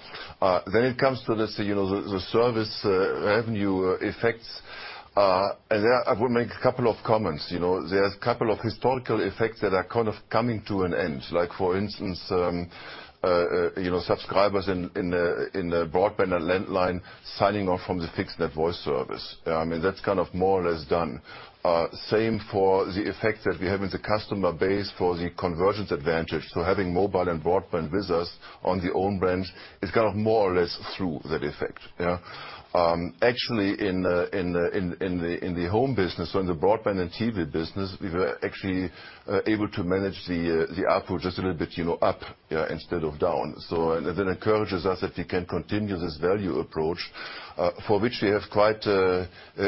Speaker 10: When it comes to this, you know, the service revenue effects, and there I will make a couple of comments, you know. There's a couple of historical effects that are kind of coming to an end. Like for instance, you know, subscribers in the broadband and landline signing off from the fixed net voice service. I mean, that's kind of more or less done. Same for the effect that we have in the customer base for the convergence advantage. Having mobile and broadband with us on the own brands is kind of more or less through that effect, yeah? Actually, in the home business, on the broadband and TV business, we were actually able to manage the ARPU just a little bit, you know, up instead of down. That encourages us that we can continue this value approach, for which we have quite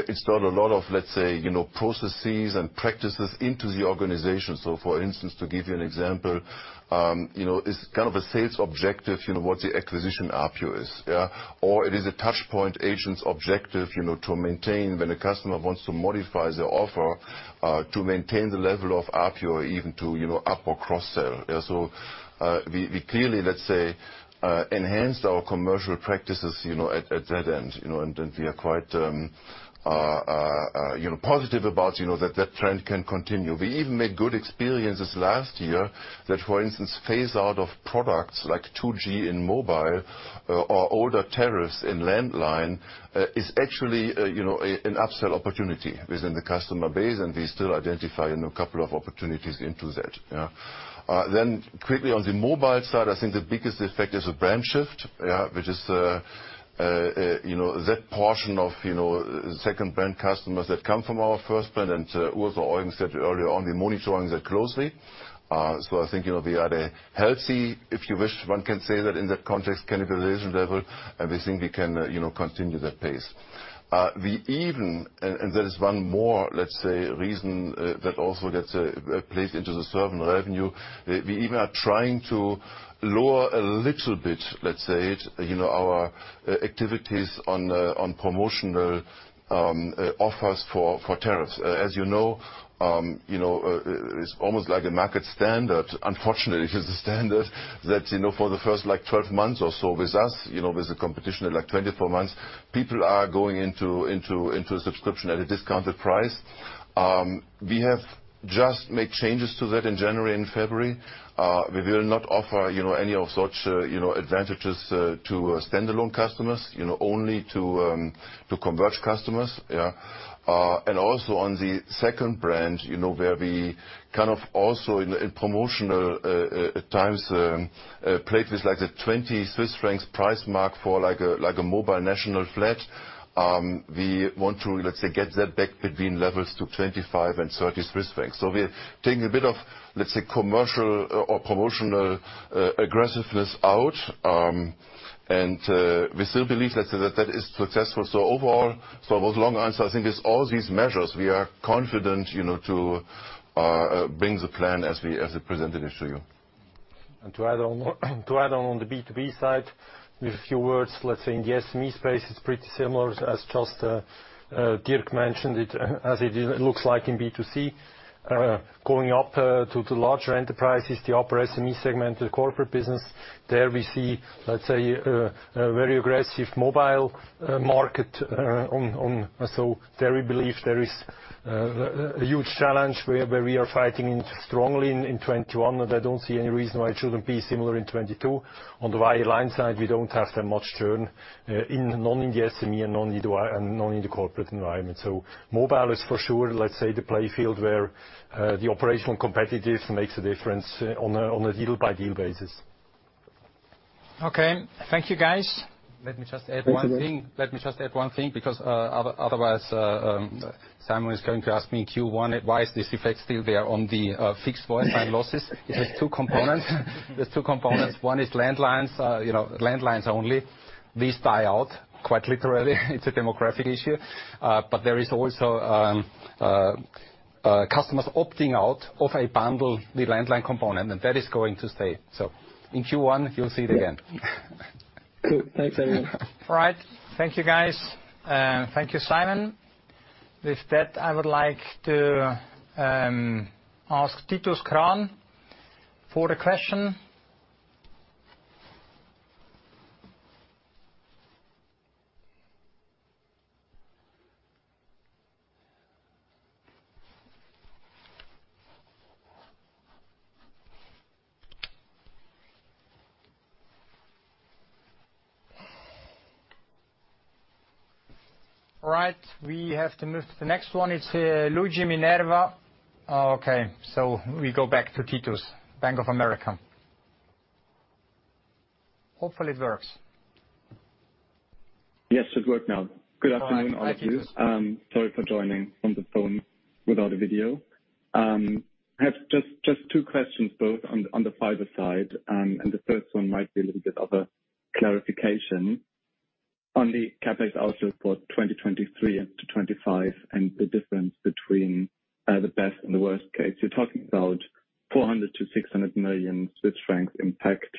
Speaker 10: installed a lot of, let's say, you know, processes and practices into the organization. For instance, to give you an example, you know, it's kind of a sales objective, you know, what the acquisition ARPU is, yeah? Or it is a touchpoint agent's objective, you know, to maintain when a customer wants to modify the offer, to maintain the level of ARPU or even to, you know, upsell or cross-sell. Yeah, we clearly, let's say, you know, positive about, you know, that trend can continue. We even made good experiences last year that, for instance, phase out of products like 2G in mobile or older tariffs in landline is actually you know an upsell opportunity within the customer base, and we still identify you know a couple of opportunities into that, yeah? Quickly on the mobile side, I think the biggest effect is the brand shift, yeah? Which is you know that portion of you know second brand customers that come from our first brand. Urs or Eugen said it earlier on, we're monitoring that closely. I think you know we are a healthy, if you wish, one can say that in that context, cannibalization level, and we think we can you know continue that pace. There is one more, let's say, reason that also gets placed into the service revenue. We even are trying to lower a little bit, let's say, you know, our activities on promotional offers for tariffs. As you know, you know, it's almost like a market standard. Unfortunately, it's a standard that, you know, for the first, like, 12 months or so with us, you know, with the competition at, like, 24 months, people are going into a subscription at a discounted price. We have just made changes to that in January and February. We will not offer, you know, any of such, you know, advantages to standalone customers, you know, only to converged customers, yeah? Also on the second brand, you know, where we kind of also in promotional times played with, like, the 20 Swiss francs price mark for, like a mobile national flat. We want to, let's say, get that back between levels to 25-30 francs. We're taking a bit of, let's say, commercial or promotional aggressiveness out. We still believe that that is successful. Overall, that was a long answer. I think with all these measures, we are confident, you know, to bring the plan as we presented it to you.
Speaker 2: To add on the B2B side with a few words. Let's say in the SME space, it's pretty similar as just Dirk mentioned it, as it looks like in B2C. Going up to larger enterprises, the upper SME segment of the corporate business, there we see, let's say, a very aggressive mobile market. There we believe there is a huge challenge where we are fighting strongly in 2021, and I don't see any reason why it shouldn't be similar in 2022. On the wireline side, we don't have that much churn, not in the SME and not in the wireline and not in the corporate environment. Mobile is for sure, let's say, the playing field where the operational competitors makes a difference on a deal-by-deal basis.
Speaker 1: Okay. Thank you, guys.
Speaker 4: Let me just add one thing.
Speaker 10: Thanks, Eugen.
Speaker 4: Let me just add one thing because otherwise Simon is going to ask me in Q1 why is this effect still there on the fixed voice line losses. It has two components. There's two components. One is landlines. You know, landlines only. These die out, quite literally. It's a demographic issue. But there is also customers opting out of a bundle with landline component, and that is going to stay. In Q1, you'll see it again.
Speaker 1: Cool. Thanks, everyone. All right. Thank you, guys. Thank you, Simon. With that, I would like to ask Titus Krahn for the question. All right. We have to move to the next one. It's Luigi Minerva. Oh, okay. We go back to Titus, Bank of America. Hopefully it works.
Speaker 11: Yes, it should work now.
Speaker 1: Fine. Thank you.
Speaker 11: Good afternoon, all of you. Sorry for joining from the phone without a video. I have just two questions both on the fiber side. The first one might be a little bit of a clarification. On the CapEx outlook for 2023-2025 and the difference between the best and the worst case. You're talking about 400 million-600 million Swiss francs impact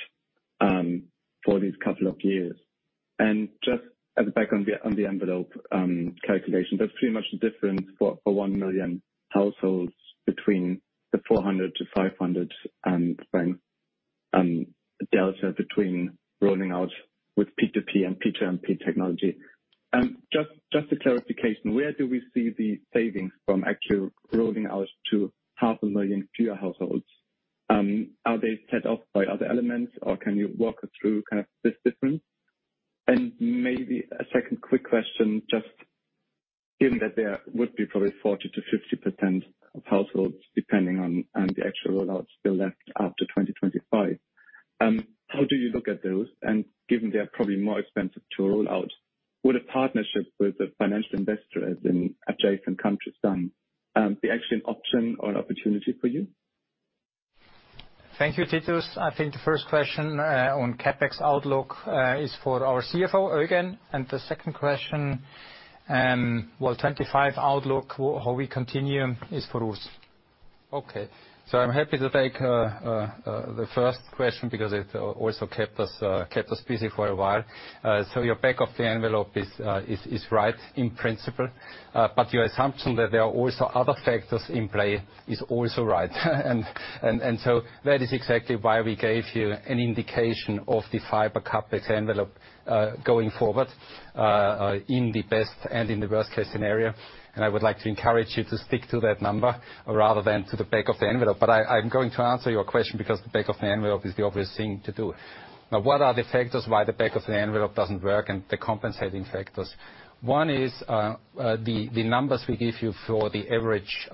Speaker 11: for these couple of years. Just as a back-of-the-envelope calculation, that's pretty much the difference for 1 million households between the CHF 400-CHF 500 delta between rolling out with P2P and P2MP technology. Just a clarification, where do we see the savings from actually rolling out to half a million of your households? Are they set off by other elements or can you walk us through kind of this difference? Maybe a second quick question, just given that there would be probably 40%-50% of households depending on the actual rollouts still left after 2025, how do you look at those? Given they are probably more expensive to roll out, would a partnership with a financial investor, as in adjacent countries done, be actually an option or an opportunity for you?
Speaker 1: Thank you, Titus. I think the first question on CapEx outlook is for our CFO, Eugen. The second question, well, 2025 outlook, how we continue is for Urs.
Speaker 4: I'm happy to take the first question because it also kept us busy for a while. Your back of the envelope is right in principle. Your assumption that there are also other factors in play is also right. That is exactly why we gave you an indication of the fiber CapEx envelope going forward in the best and in the worst case scenario. I would like to encourage you to stick to that number rather than to the back of the envelope. I'm going to answer your question because the back of the envelope is the obvious thing to do. What are the factors why the back of the envelope doesn't work and the compensating factors? One is the numbers we give you for the average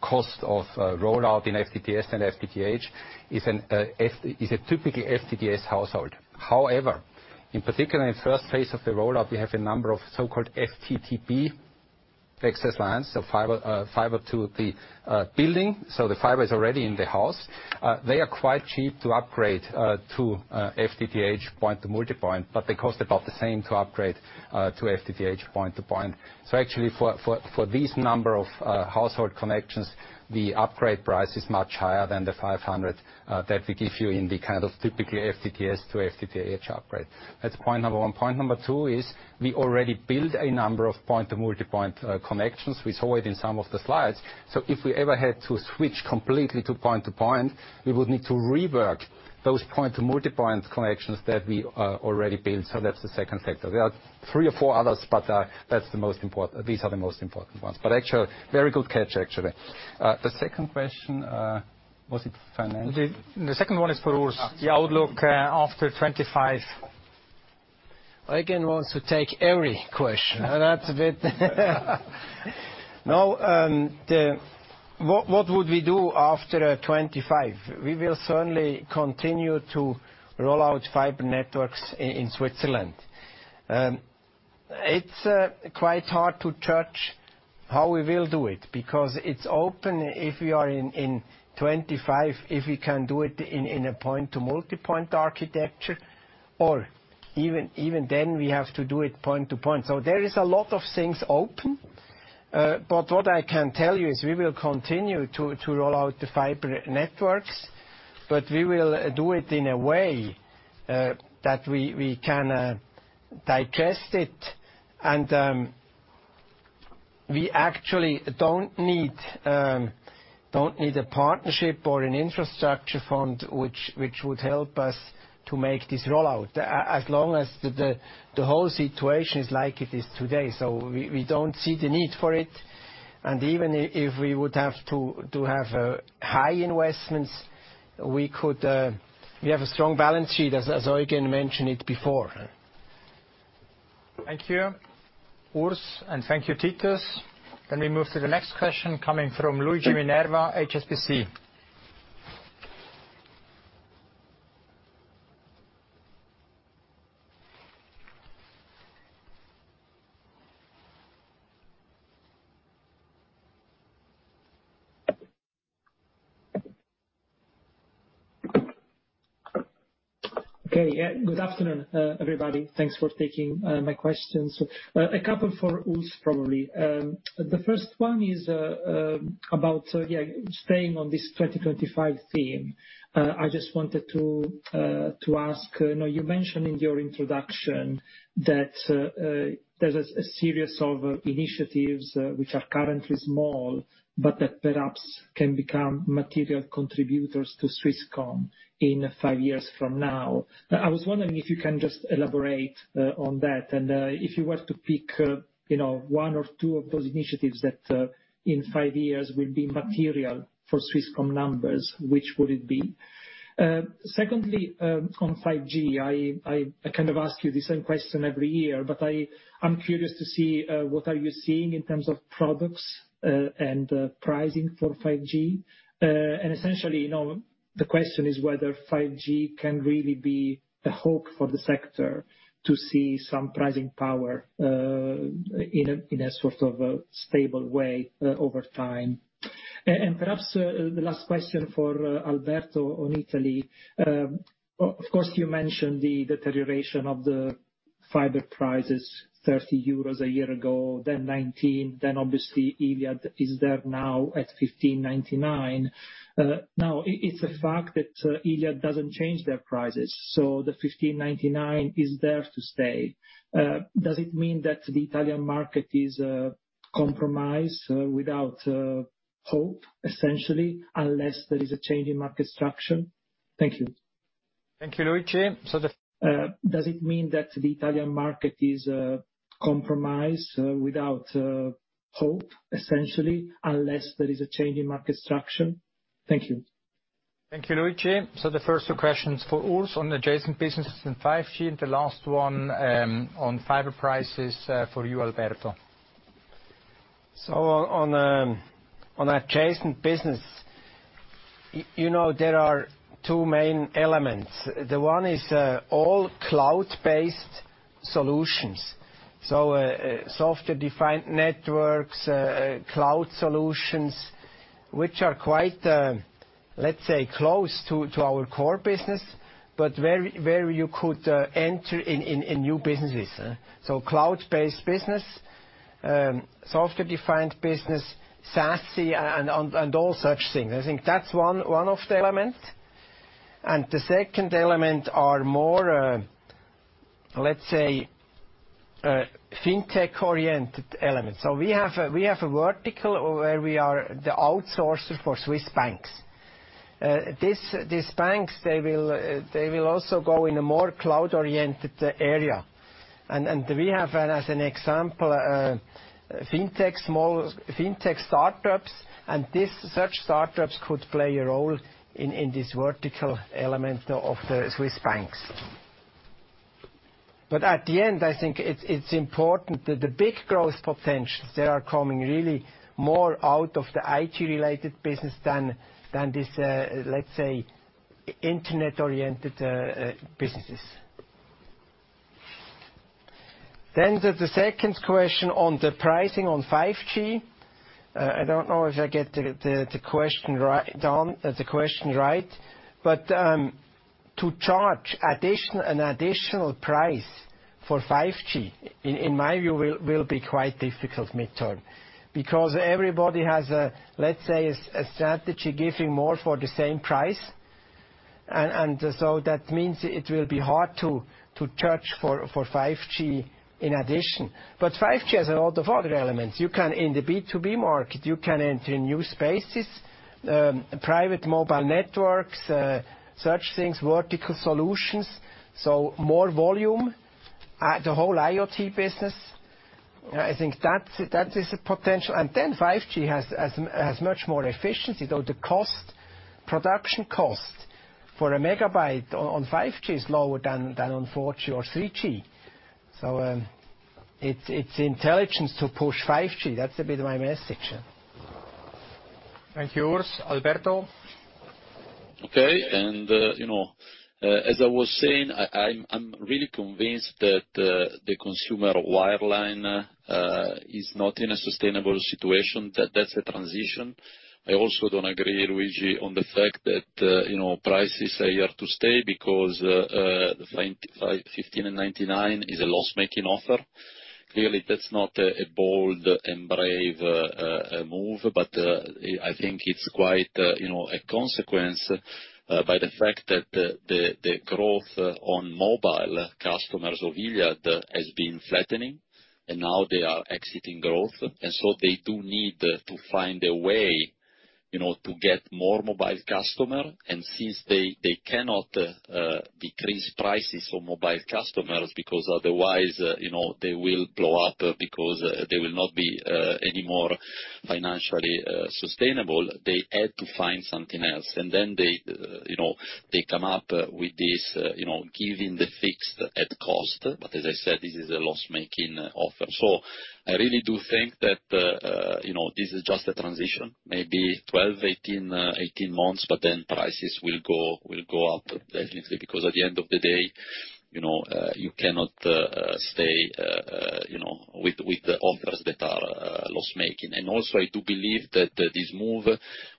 Speaker 4: cost of rollout in FTTS and FTTH is a typical FTTS household. However, in particular, in the first phase of the rollout, we have a number of so-called FTTB access lines, so fiber to the building. The fiber is already in the house. They are quite cheap to upgrade to FTTH point-to-multipoint, but they cost about the same to upgrade to FTTH point-to-point. Actually for these number of household connections, the upgrade price is much higher than the 500 that we give you in the kind of typical FTTS to FTTH upgrade. That's point number one. Point number two is we already built a number of point-to-multipoint connections. We saw it in some of the slides. If we ever had to switch completely to point-to-point, we would need to rework those point-to-multipoint connections that we already built. That's the second factor. There are three or four others, but that's the most important. These are the most important ones. Actually, very good catch, actually. The second question, was it financial?
Speaker 1: The second one is for Urs.
Speaker 4: The outlook after 2025.
Speaker 2: Eugen wants to take every question. What would we do after 2025? We will certainly continue to roll out fiber networks in Switzerland. It's quite hard to judge how we will do it because it's open if we are in 2025, if we can do it in a point-to-multipoint architecture or even then we have to do it point-to-point. There is a lot of things open. But what I can tell you is we will continue to roll out the fiber networks, but we will do it in a way that we can digest it. We actually don't need a partnership or an infrastructure fund which would help us to make this rollout as long as the whole situation is like it is today. We don't see the need for it. Even if we would have to have high investments, we could, we have a strong balance sheet as Eugen mentioned it before.
Speaker 1: Thank you, Urs, and thank you, Titus. We move to the next question coming from Luigi Minerva, HSBC.
Speaker 12: Okay. Yeah. Good afternoon, everybody. Thanks for taking my questions. A couple for Urs, probably. The first one is about staying on this 2025 theme. I just wanted to ask, now, you mentioned in your introduction that there's a series of initiatives which are currently small, but that perhaps can become material contributors to Swisscom in five years from now. I was wondering if you can just elaborate on that. If you were to pick, you know, one or two of those initiatives that in five years will be material for Swisscom numbers, which would it be? Secondly, on 5G, I kind of ask you the same question every year, but I'm curious to see what are you seeing in terms of products and pricing for 5G. Essentially, you know, the question is whether 5G can really be the hope for the sector to see some pricing power in a sort of a stable way over time. Perhaps the last question for Alberto on Italy. Of course, you mentioned the deterioration of the fiber prices 30 euros a year ago, then 19, then obviously Iliad is there now at 15.99. Now it's a fact that Iliad doesn't change their prices. The 15.99 is there to stay. Does it mean that the Italian market is compromised without hope, essentially, unless there is a change in market structure? Thank you.
Speaker 1: Thank you, Luigi.
Speaker 12: Does it mean that the Italian market is compromised without hope, essentially, unless there is a change in market structure? Thank you.
Speaker 1: Thank you, Luigi. The first two questions for Urs on adjacent businesses and 5G, and the last one, on fiber prices, for you, Alberto.
Speaker 2: On adjacent business, you know there are two main elements. The one is all cloud-based solutions. Software-defined networks, cloud solutions, which are quite, let's say, close to our core business, but where you could enter in new businesses. Cloud-based business, software-defined business, SASE and all such things. I think that's one of the elements. The second element are more, let's say, fintech-oriented elements. We have a vertical where we are the outsourcer for Swiss banks. These banks, they will also go in a more cloud-oriented area. We have, as an example, a small fintech start-ups. Such start-ups could play a role in this vertical element of the Swiss banks. At the end, I think it's important that the big growth potential they are coming really more out of the IT-related business than this, let's say, internet-oriented businesses. To the second question on the pricing on 5G. I don't know if I get the question right, Don. To charge an additional price for 5G, in my view, will be quite difficult mid-term. Because everybody has a, let's say, a strategy giving more for the same price. That means it will be hard to charge for 5G in addition. 5G has a lot of other elements. You can, in the B2B market, enter new spaces, private mobile networks, such things, vertical solutions, so more volume. The whole IoT business, I think that is a potential. 5G has much more efficiency. The cost, production cost for a megabyte on 5G is lower than on 4G or 3G. It's intelligent to push 5G. That's a bit of my message.
Speaker 1: Thank you, Urs. Alberto.
Speaker 3: Okay. You know, as I was saying, I'm really convinced that the consumer wireline is not in a sustainable situation, that that's a transition. I also don't agree, Luigi, on the fact that you know, price is here to stay because the 15.99 is a loss-making offer. Clearly, that's not a bold and brave move, but I think it's quite you know, a consequence by the fact that the growth on mobile customers of Iliad has been flattening, and now they are exiting growth. They do need to find a way you know, to get more mobile customer. Since they cannot decrease prices for mobile customers because otherwise, you know, they will blow up because they will not be any more financially sustainable, they had to find something else. They, you know, they come up with this, you know, giving the fixed at cost. As I said, this is a loss-making offer. I really do think that, you know, this is just a transition, maybe 12, 18 months, but then prices will go up, definitely. Because at the end of the day, you know, you cannot stay, you know, with the offers that are loss-making. Also, I do believe that this move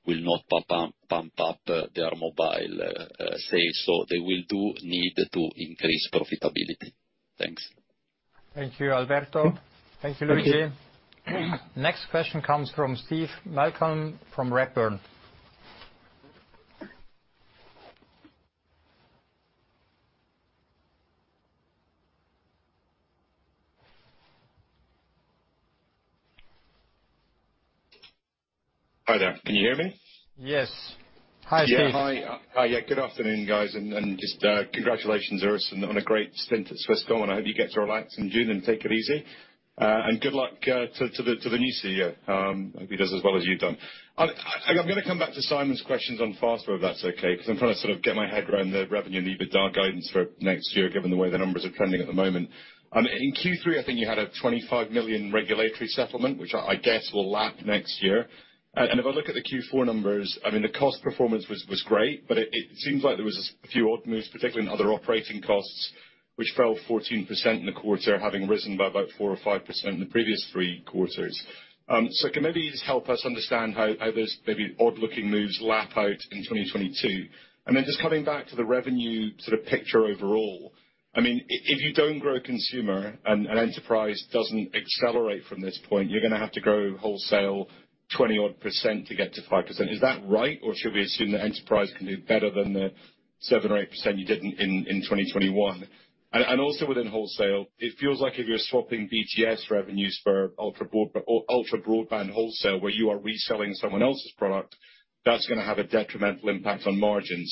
Speaker 3: will not pump up their mobile sales. They will need to increase profitability. Thanks.
Speaker 1: Thank you, Alberto. Thank you, Luigi. Next question comes from Steve Malcolm from Redburn.
Speaker 13: Hi there. Can you hear me?
Speaker 1: Yes. Hi, Steve.
Speaker 13: Yeah. Hi. Good afternoon, guys. Congratulations, Urs, on a great stint at Swisscom, and I hope you get to relax in June and take it easy. Good luck to the new CEO. Hope he does as well as you've done. I'm gonna come back to Simon's questions on Fastweb, if that's okay, because I'm trying to sort of get my head around the revenue and EBITDA guidance for next year, given the way the numbers are trending at the moment. In Q3, I think you had a 25 million regulatory settlement, which I guess will lap next year. If I look at the Q4 numbers, I mean, the cost performance was great, but it seems like there was a few odd moves, particularly in other operating costs, which fell 14% in the quarter, having risen by about 4% or 5% in the previous three quarters. So can maybe just help us understand how those maybe odd-looking moves play out in 2022? Then just coming back to the revenue sort of picture overall. I mean, if you don't grow consumer and enterprise doesn't accelerate from this point, you're gonna have to grow wholesale 20-odd% to get to 5%. Is that right, or should we assume that enterprise can do better than the 7% or 8% you did in 2021? Within wholesale, it feels like if you're swapping BTS revenues for ultra broadband wholesale, where you are reselling someone else's product, that's gonna have a detrimental impact on margin.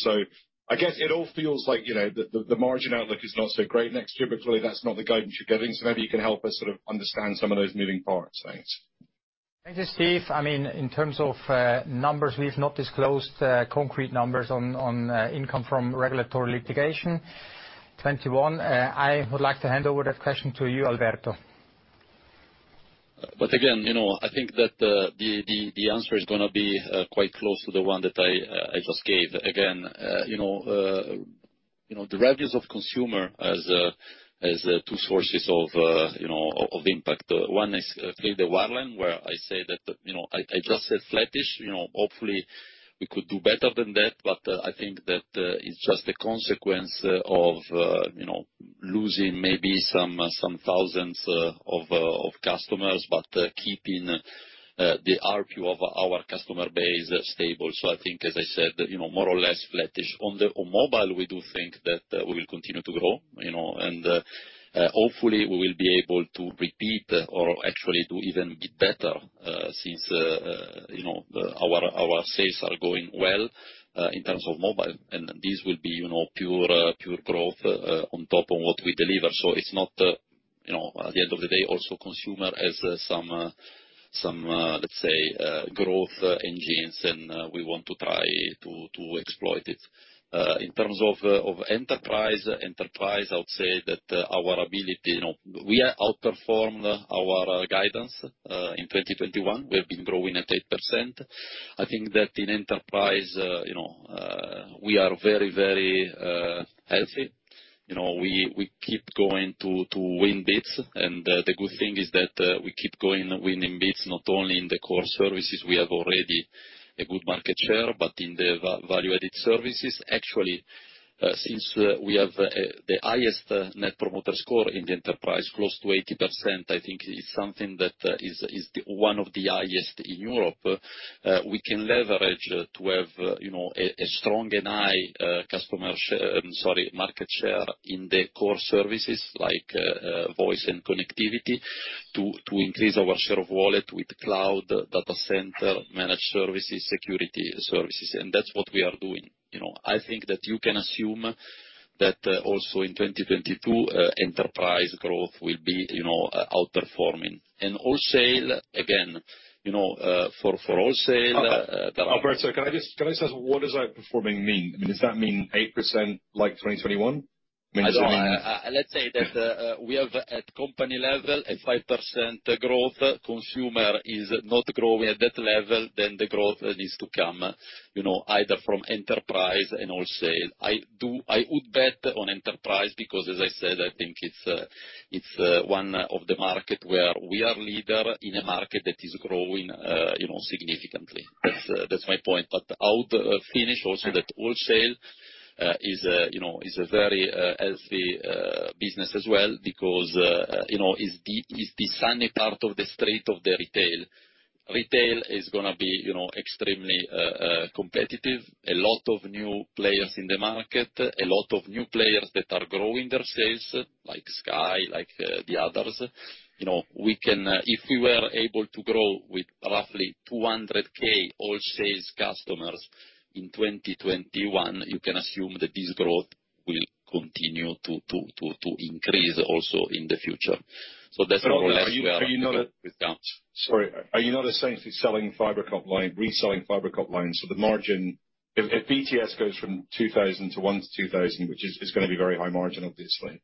Speaker 13: I guess it all feels like, you know, the margin outlook is not so great next year, but clearly that's not the guidance you're giving, so maybe you can help us sort of understand some of those moving parts. Thanks.
Speaker 1: Thank you, Steve. I mean, in terms of numbers, we've not disclosed concrete numbers on income from regulatory litigation. In 2021, I would like to hand over that question to you, Alberto.
Speaker 3: I think that the answer is gonna be quite close to the one that I just gave. Again, you know, the revenues of consumer as the two sources of impact. One is clearly the wireline, where I say that I just said flattish. You know, hopefully we could do better than that. I think that it's just a consequence of you know, losing maybe some thousands of customers, but keeping the RPU of our customer base stable. I think, as I said, you know, more or less flattish. On mobile, we do think that we will continue to grow, you know. Hopefully we will be able to repeat or actually to even get better since you know our sales are going well in terms of mobile. This will be you know pure growth on top of what we deliver. It's not you know. At the end of the day, also consumer has some let's say growth engines, and we want to try to exploit it. In terms of enterprise, I would say that our ability you know we outperformed our guidance in 2021. We have been growing at 8%. I think that in enterprise you know we are very healthy. You know we keep going to win bids. The good thing is that we keep going winning bids, not only in the core services, we have already a good market share, but in the value-added services. Actually, since we have the highest Net Promoter Score in the enterprise, close to 80%, I think it's something that is one of the highest in Europe. We can leverage to have, you know, a strong and high market share in the core services like voice and connectivity, to increase our share of wallet with cloud, data center, managed services, security services. That's what we are doing, you know. I think that you can assume that also in 2022, enterprise growth will be, you know, outperforming. wholesale, again, you know, for wholesale
Speaker 13: Alberto, can I just ask, what does outperforming mean? I mean, does that mean 8% like 2021? I mean, is it?
Speaker 3: Let's say that we have at company level a 5% growth. Consumer is not growing at that level, then the growth needs to come, you know, either from enterprise and wholesale. I would bet on enterprise because, as I said, I think it's one of the market where we are leader in a market that is growing, you know, significantly. That's my point. I'll finish also that wholesale is, you know, is a very healthy business as well because, you know, is the sunny part of the street of the retail. Retail is gonna be, you know, extremely competitive. A lot of new players in the market. A lot of new players that are growing their sales, like Sky, like the others. You know, we can. If we were able to grow with roughly 200,000 wholesales customers in 2021, you can assume that this growth will continue to increase also in the future. That's more or less where
Speaker 13: Are you not?
Speaker 3: The growth is down.
Speaker 13: Sorry. Are you not essentially reselling fiber copper line, so the margin if BTS goes from 2,000 to 1,000 to 2,000, which is gonna be very high margin, obviously.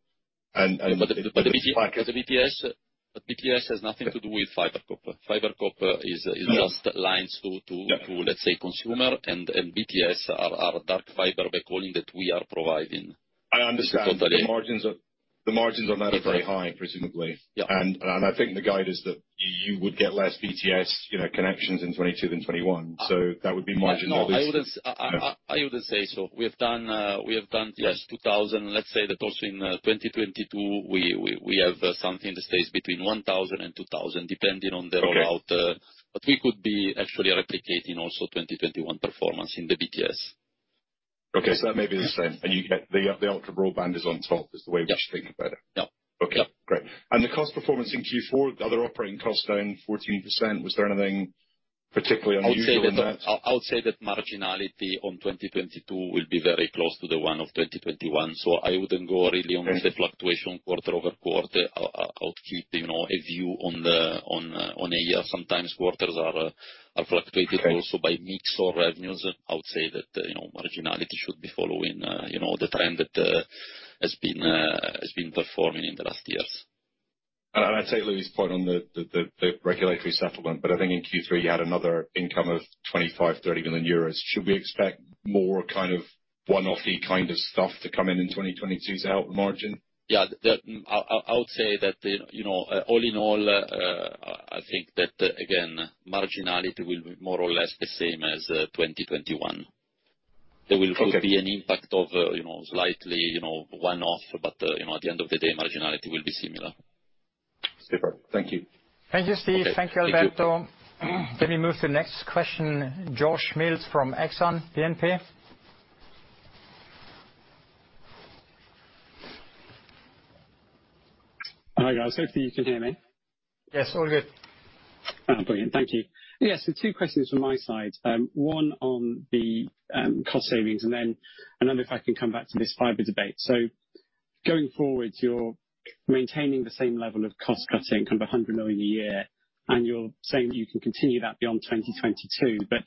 Speaker 3: BTS has nothing to do with fiber copper. Fiber copper is just lines to
Speaker 13: Yeah.
Speaker 3: to, let's say, consumer. BTS are dark fiber backhauling that we are providing.
Speaker 13: I understand.
Speaker 3: So they-
Speaker 13: The margins on that are very high, presumably.
Speaker 3: Yeah.
Speaker 13: I think the guide is that you would get less BTS, you know, connections in 2022 than 2021. That would be margin obviously.
Speaker 3: No, I wouldn't say so. We have done 2,000. Let's say that also in 2022 we have something that stays between 1,000 and 2,000, depending on the rollout.
Speaker 13: Okay.
Speaker 3: We could be actually replicating also 2021 performance in the BTS.
Speaker 13: Okay. That may be the same. You get the Ultra-Broadband is on top, is the way we should think about it.
Speaker 3: Yeah.
Speaker 13: Okay.
Speaker 3: Yeah.
Speaker 13: Great. The cost performance in Q4, the other operating cost down 14%, was there anything particularly unusual in that?
Speaker 3: I would say that marginality on 2022 will be very close to the one of 2021. I wouldn't go really on the-
Speaker 13: Okay.
Speaker 3: fluctuation quarter-over-quarter, you know, a view on a year. Sometimes quarters are fluctuated.
Speaker 13: Okay.
Speaker 3: Also by mix of revenues. I would say that, you know, marginality should be following, you know, the trend that has been performing in the last years.
Speaker 13: I'd take Louis's point on the regulatory settlement, but I think in Q3 you had another income of 25 million-30 million euros. Should we expect more kind of one-offy kind of stuff to come in in 2022 to help the margin?
Speaker 3: Yeah. I would say that, you know, all in all, I think that, again, marginality will be more or less the same as 2021. There will probably be an impact of, you know, slightly, you know, one-off, but, you know, at the end of the day, marginality will be similar.
Speaker 13: Super. Thank you.
Speaker 3: Thank you, Steve.
Speaker 13: Thank you, Alberto.
Speaker 1: Let me move to the next question. Josh Mills from Exane BNP.
Speaker 14: Hi, guys. Hopefully you can hear me.
Speaker 2: Yes, all good.
Speaker 14: Brilliant. Thank you. Yes. Two questions from my side, one on the cost savings and then another if I can come back to this fiber debate. Going forward, you're maintaining the same level of cost cutting, kind of 100 million a year, and you're saying that you can continue that beyond 2022. But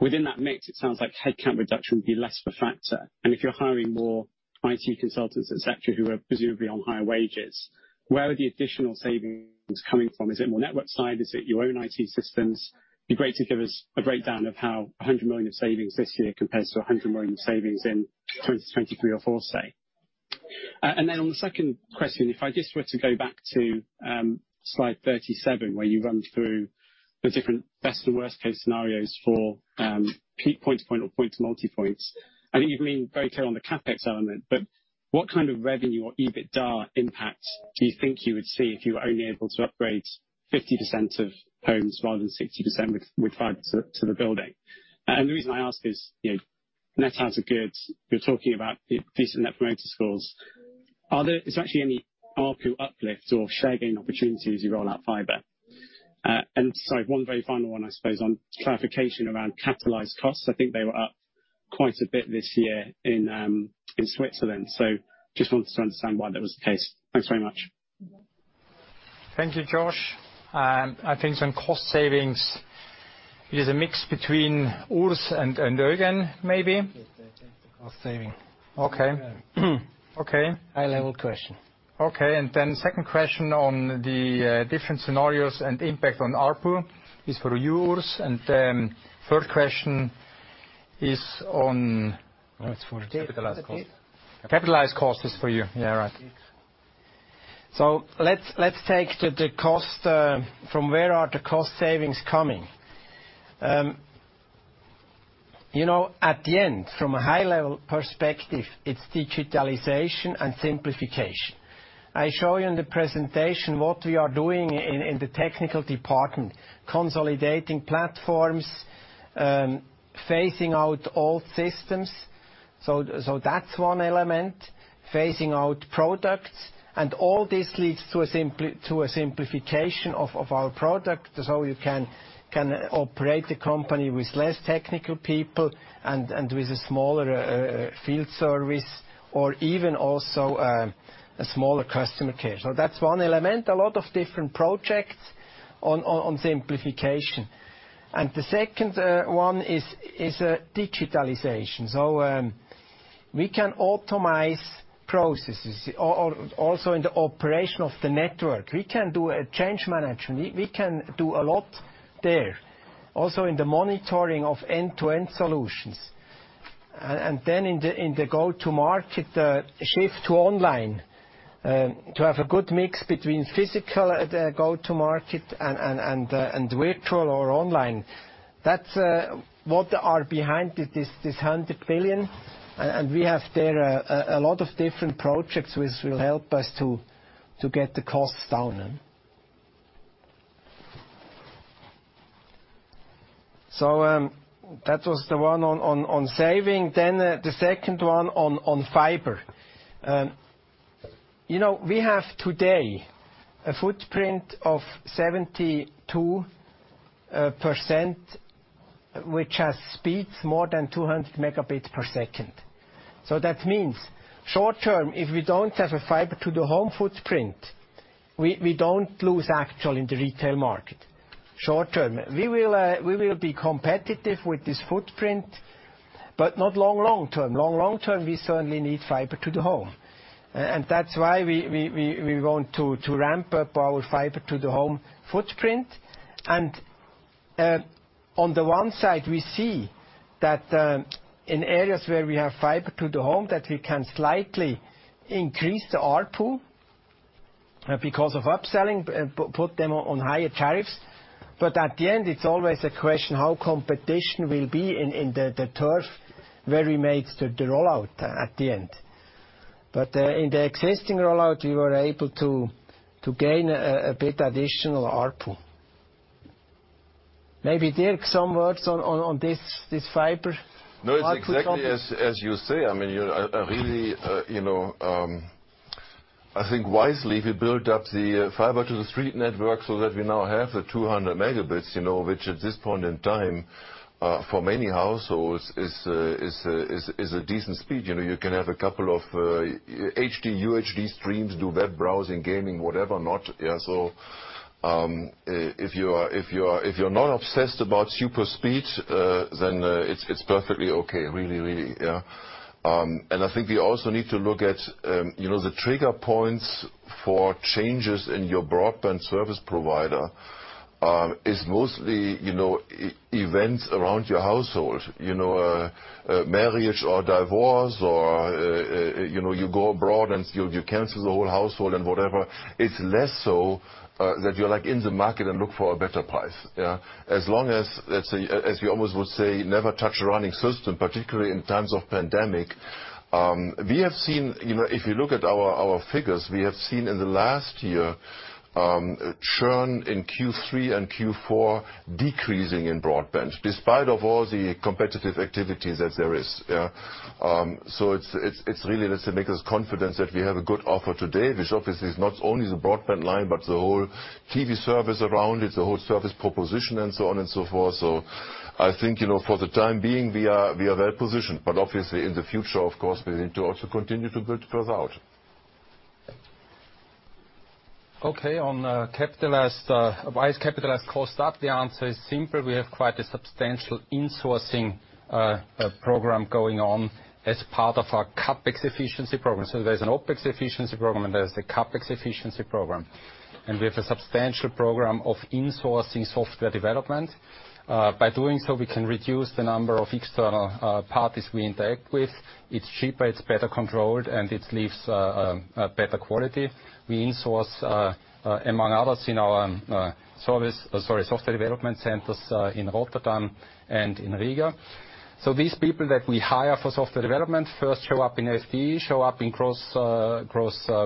Speaker 14: within that mix, it sounds like headcount reduction would be less of a factor. And if you're hiring more IT consultants, et cetera, who are presumably on higher wages, where are the additional savings coming from? Is it more network side? Is it your own IT systems? It would be great to give us a breakdown of how 100 million in savings this year compares to 100 million in savings in 2023 or 2024, say. On the second question, if I just were to go back to slide 37, where you run through the different best and worst case scenarios for point-to-point or point-to-multipoint. I think you've been very clear on the CapEx element, but what kind of revenue or EBITDA impact do you think you would see if you were only able to upgrade 50% of homes rather than 60% with fiber to the building? The reason I ask is, you know, net adds are good. You're talking about decent Net Promoter Scores. Is there actually any ARPU uplift or share gain opportunities as you roll out fiber? Sorry, one very final one, I suppose, on clarification around capitalized costs. I think they were up quite a bit this year in Switzerland, so just wanted to understand why that was the case. Thanks very much.
Speaker 1: Thank you, Josh. I think on cost savings it is a mix between Urs and Eugen, maybe.
Speaker 4: Yes, I take the cost saving.
Speaker 2: Okay. Okay.
Speaker 4: High-level question.
Speaker 1: Okay. Second question on the different scenarios and impact on ARPU is for you, Urs. Third question is on-
Speaker 4: Oh, it's for capitalized costs.
Speaker 2: Capitalized cost is for you. Eugen. Let's take the cost from where are the cost savings coming. You know, at the end, from a high level perspective, it's digitalization and simplification. I show you in the presentation what we are doing in the technical department, consolidating platforms, phasing out old systems. That's one element. Phasing out products. All this leads to a simplification of our product. You can operate the company with less technical people and with a smaller field service or even also a smaller customer care. That's one element, a lot of different projects on simplification. The second one is digitalization. We can automate processes, also in the operation of the network. We can do a change management. We can do a lot there. Also in the monitoring of end-to-end solutions. Then in the go-to-market shift to online to have a good mix between physical go-to-market and virtual or online. That's what are behind this 100 million. We have there a lot of different projects which will help us to get the costs down. That was the one on saving. The second one on fiber. You know, we have today a footprint of 72% which has speeds more than 200 Mbps. That means short term, if we don't have a fiber to the home footprint, we don't lose at all in the retail market, short term. We will be competitive with this footprint, but not long term. Long term, we certainly need fiber to the home. That's why we want to ramp up our fiber to the home footprint. On the one side we see that in areas where we have fiber to the home, that we can slightly increase the ARPU because of upselling, put them on higher tariffs. At the end it's always a question how competition will be in the turf where we make the rollout at the end. In the existing rollout, we were able to gain a bit additional ARPU. Maybe Dirk some words on this fiber ARPU topic.
Speaker 10: No, it's exactly as you say. I mean, you're really, you know, I think wisely we built up the fiber to the street network so that we now have the 200 MB, you know, which at this point in time, for many households is a decent speed. You know, you can have a couple of HD, UHD streams, do web browsing, gaming, whatnot. Yeah, so, if you're not obsessed about super speed, then it's perfectly okay. Really, really. Yeah. I think we also need to look at, you know, the trigger points for changes in your broadband service provider is mostly, you know, events around your household. You know, a marriage or divorce or, you know, you go abroad and you cancel the whole household and whatever. It's less so that you're like in the market and look for a better price. Yeah. As long as, let's say, as we always would say, never touch a running system, particularly in times of pandemic. We have seen, you know, if you look at our figures, we have seen in the last year, churn in Q3 and Q4 decreasing in broadband, despite of all the competitive activity that there is. Yeah. So it's really, let's say, gives us confidence that we have a good offer today. Which obviously is not only the broadband line, but the whole TV service around it, the whole service proposition and so on and so forth. I think, you know, for the time being, we are well positioned. Obviously in the future, of course, we need to also continue to build those out.
Speaker 4: Okay. On capitalized cost, why is capitalized cost up? The answer is simple. We have quite a substantial insourcing program going on as part of our CapEx efficiency program. There's an OpEx efficiency program, and there's the CapEx efficiency program. We have a substantial program of insourcing software development. By doing so, we can reduce the number of external parties we interact with. It's cheaper, it's better controlled, and it leaves a better quality. We insource among others in our software development centers in Rotterdam and in Riga. These people that we hire for software development first show up in FD, show up in gross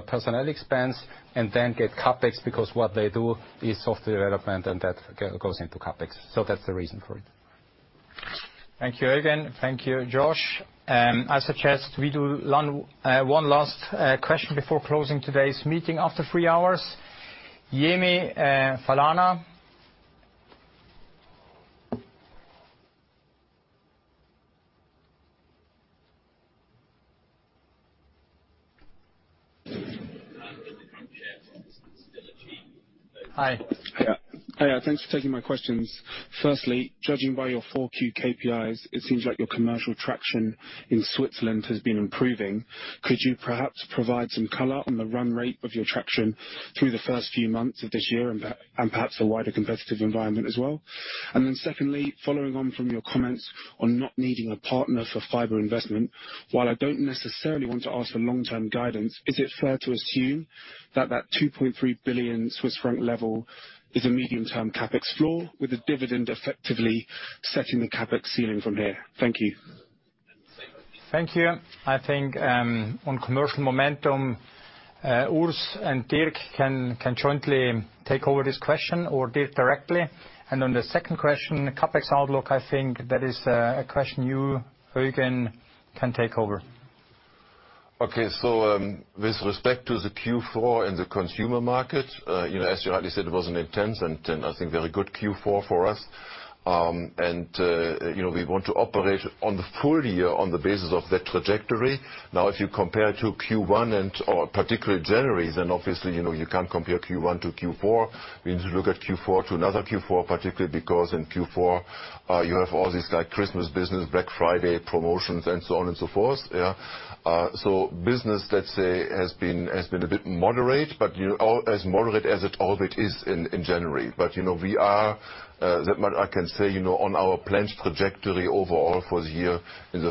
Speaker 4: personnel expense, and then get CapEx, because what they do is software development, and that goes into CapEx. That's the reason for it.
Speaker 1: Thank you, Eugen. Thank you, Josh. I suggest we do one last question before closing today's meeting after three hours. Yemi Falana.
Speaker 15: Hi. Yeah. Hi, thanks for taking my questions. Firstly, judging by your Q4 KPIs, it seems like your commercial traction in Switzerland has been improving. Could you perhaps provide some color on the run rate of your traction through the first few months of this year and perhaps a wider competitive environment as well? Secondly, following on from your comments on not needing a partner for fiber investment, while I don't necessarily want to ask for long-term guidance, is it fair to assume that 2.3 Billion Swiss franc level is a medium-term CapEx floor with the dividend effectively setting the CapEx ceiling from here? Thank you.
Speaker 1: Thank you. I think on commercial momentum, Urs and Dirk can jointly take over this question or Dirk directly. On the second question, CapEx outlook, I think that is a question you, Eugen, can take over.
Speaker 10: Okay. With respect to the Q4 in the consumer market, you know, as you rightly said, it was an intense and, I think, very good Q4 for us. You know, we want to operate on the full year on the basis of that trajectory. Now, if you compare to Q1 or particularly January, then obviously, you know, you can't compare Q1 to Q4. We need to look at Q4 to another Q4, particularly because in Q4, you have all this, like, Christmas business, Black Friday promotions and so on and so forth. Yeah. Business, let's say, has been a bit moderate, but as moderate as it always is in January. You know, we are that much I can say, you know, on our planned trajectory overall for the year in the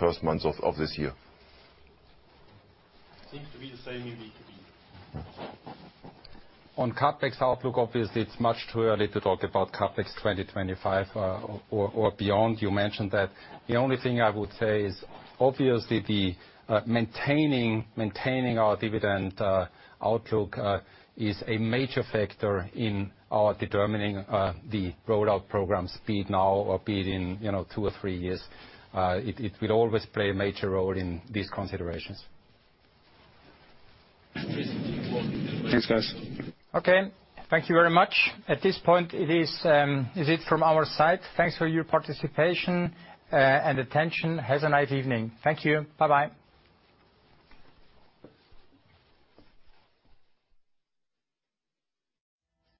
Speaker 10: first months of this year.
Speaker 15: Seems to be the same in the U.K.
Speaker 4: On CapEx outlook, obviously it's much too early to talk about CapEx 2025 or beyond. You mentioned that. The only thing I would say is obviously the maintaining our dividend outlook is a major factor in our determining the rollout program speed now or be it in, you know, two or three years. It will always play a major role in these considerations.
Speaker 15: Thanks, guys.
Speaker 1: Okay. Thank you very much. At this point, it is from our side. Thanks for your participation, and attention. Have a nice evening. Thank you. Bye-bye.